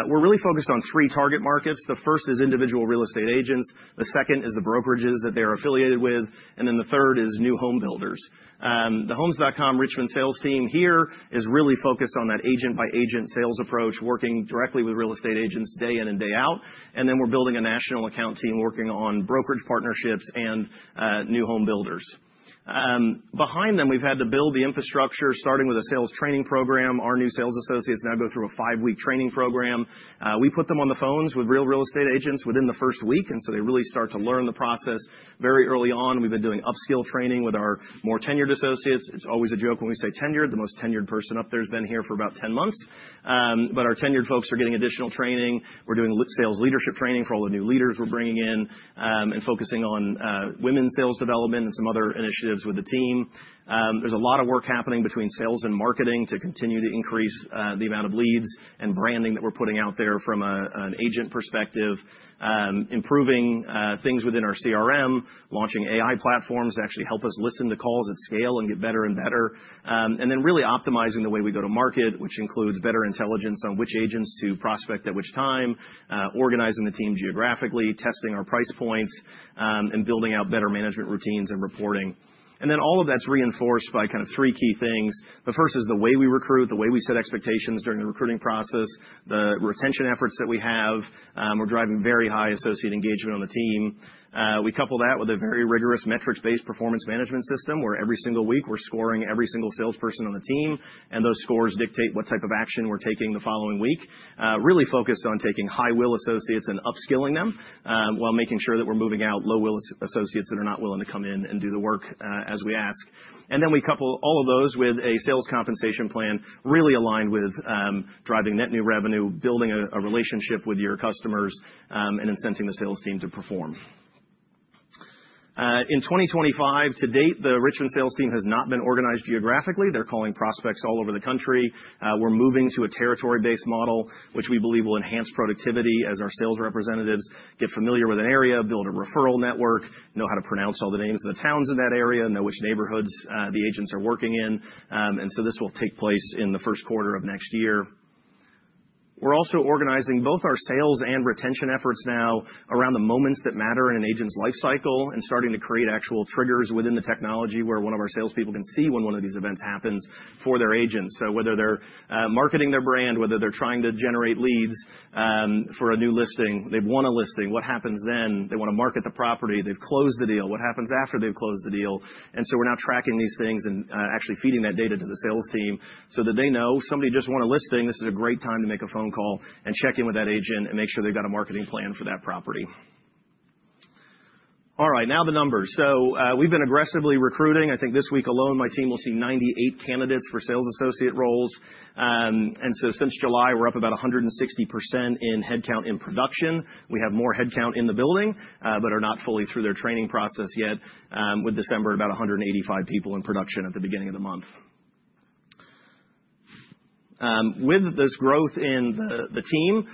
We're really focused on three target markets. The first is individual real estate agents. The second is the brokerages that they are affiliated with. And then the third is new home builders. The Homes.com Richmond sales team here is really focused on that agent-by-agent sales approach, working directly with real estate agents day in and day out. And then we're building a national account team working on brokerage partnerships and new home builders. Behind them, we've had to build the infrastructure, starting with a sales training program. Our new sales associates now go through a five-week training program. We put them on the phones with real estate agents within the first week, and so they really start to learn the process very early on. We've been doing upskill training with our more tenured associates. It's always a joke when we say tenured. The most tenured person up there has been here for about 10 months, but our tenured folks are getting additional training. We're doing sales leadership training for all the new leaders we're bringing in and focusing on women's sales development and some other initiatives with the team. There's a lot of work happening between sales and marketing to continue to increase the amount of leads and branding that we're putting out there from an agent perspective, improving things within our CRM, launching AI platforms to actually help us listen to calls at scale and get better and better, and then really optimizing the way we go to market, which includes better intelligence on which agents to prospect at which time, organizing the team geographically, testing our price points, and building out better management routines and reporting, and then all of that's reinforced by kind of three key things. The first is the way we recruit, the way we set expectations during the recruiting process, the retention efforts that we have. We're driving very high associate engagement on the team. We couple that with a very rigorous metrics-based performance management system where every single week we're scoring every single salesperson on the team. And those scores dictate what type of action we're taking the following week, really focused on taking high-will associates and upskilling them while making sure that we're moving out low-will associates that are not willing to come in and do the work as we ask. And then we couple all of those with a sales compensation plan really aligned with driving net new revenue, building a relationship with your customers, and incenting the sales team to perform. In 2024, to date, the Richmond sales team has not been organized geographically. They're calling prospects all over the country. We're moving to a territory-based model, which we believe will enhance productivity as our sales representatives get familiar with an area, build a referral network, know how to pronounce all the names of the towns in that area, know which neighborhoods the agents are working in, and so this will take place in the first quarter of next year. We're also organizing both our sales and retention efforts now around the moments that matter in an agent's lifecycle and starting to create actual triggers within the technology where one of our salespeople can see when one of these events happens for their agents, so whether they're marketing their brand, whether they're trying to generate leads for a new listing, they've won a listing, what happens then? They want to market the property. They've closed the deal. What happens after they've closed the deal? And so we're now tracking these things and actually feeding that data to the sales team so that they know somebody just won a listing. This is a great time to make a phone call and check in with that agent and make sure they've got a marketing plan for that property. All right, now the numbers. So we've been aggressively recruiting. I think this week alone, my team will see 98 candidates for sales associate roles. And so since July, we're up about 160% in headcount in production. We have more headcount in the building, but are not fully through their training process yet, with December at about 185 people in production at the beginning of the month. With this growth in the team,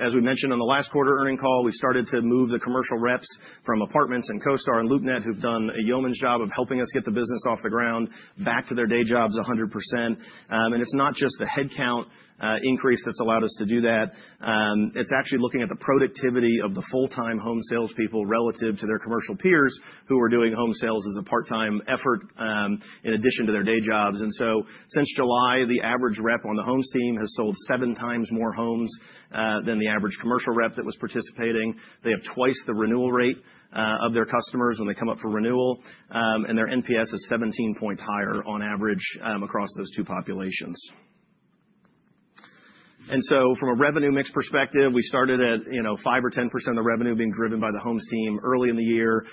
as we mentioned on the last quarter's earnings call, we've started to move the commercial reps from Apartments.com and CoStar and LoopNet, who've done a yeoman's job of helping us get the business off the ground, back to their day jobs 100%. And it's not just the headcount increase that's allowed us to do that. It's actually looking at the productivity of the full-time Homes salespeople relative to their commercial peers who are doing home sales as a part-time effort in addition to their day jobs. And so since July, the average rep on the Homes team has sold seven times more homes than the average commercial rep that was participating. They have twice the renewal rate of their customers when they come up for renewal. And their NPS is 17 points higher on average across those two populations. And so from a revenue mix perspective, we started at 5 or 10% of the revenue being driven by the Homes team early in the year.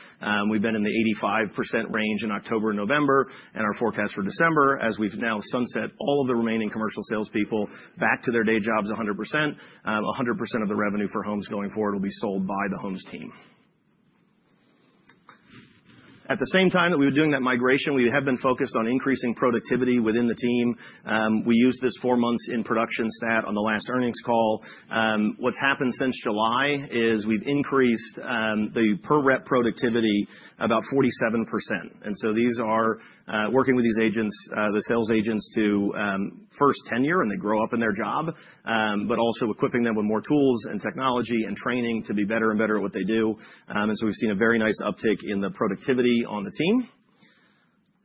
We've been in the 85% range in October and November. And our forecast for December, as we've now sunset all of the remaining commercial salespeople back to their day jobs 100%, 100% of the revenue for Homes going forward will be sold by the Homes team. At the same time that we were doing that migration, we have been focused on increasing productivity within the team. We used this four months in production stat on the last earnings call. What's happened since July is we've increased the per-rep productivity about 47%. And so these are working with these agents, the sales agents, to first tenure, and they grow up in their job, but also equipping them with more tools and technology and training to be better and better at what they do. And so we've seen a very nice uptick in the productivity on the team.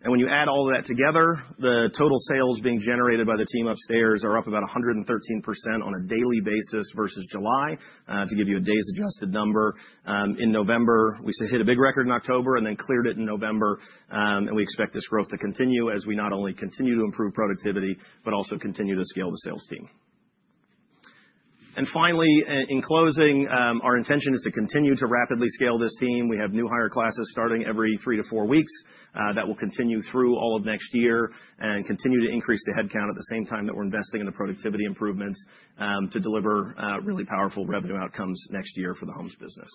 And when you add all of that together, the total sales being generated by the team upstairs are up about 113% on a daily basis versus July, to give you a days-adjusted number. In November, we hit a big record in October and then cleared it in November. And we expect this growth to continue as we not only continue to improve productivity, but also continue to scale the sales team. And finally, in closing, our intention is to continue to rapidly scale this team. We have new hire classes starting every three to four weeks that will continue through all of next year and continue to increase the headcount at the same time that we're investing in the productivity improvements to deliver really powerful revenue outcomes next year for the Homes business.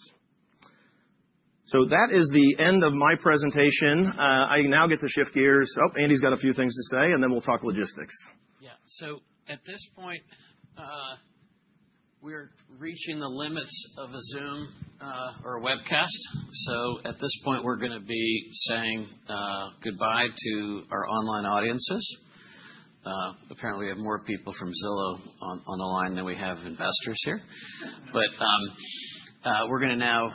So that is the end of my presentation. I now get to shift gears. Oh, Andy's got a few things to say, and then we'll talk logistics. Yeah. So at this point, we're reaching the limits of a Zoom or a webcast. So at this point, we're going to be saying goodbye to our online audiences. Apparently, we have more people from Zillow on the line than we have investors here. But we're going to now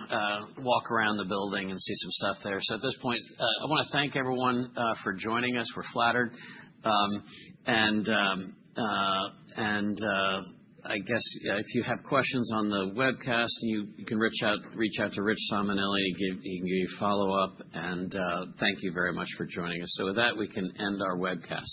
walk around the building and see some stuff there. So at this point, I want to thank everyone for joining us. We're flattered. I guess if you have questions on the webcast, you can reach out to Rich Simonelli. He can give you follow-up. Thank you very much for joining us. With that, we can end our webcast.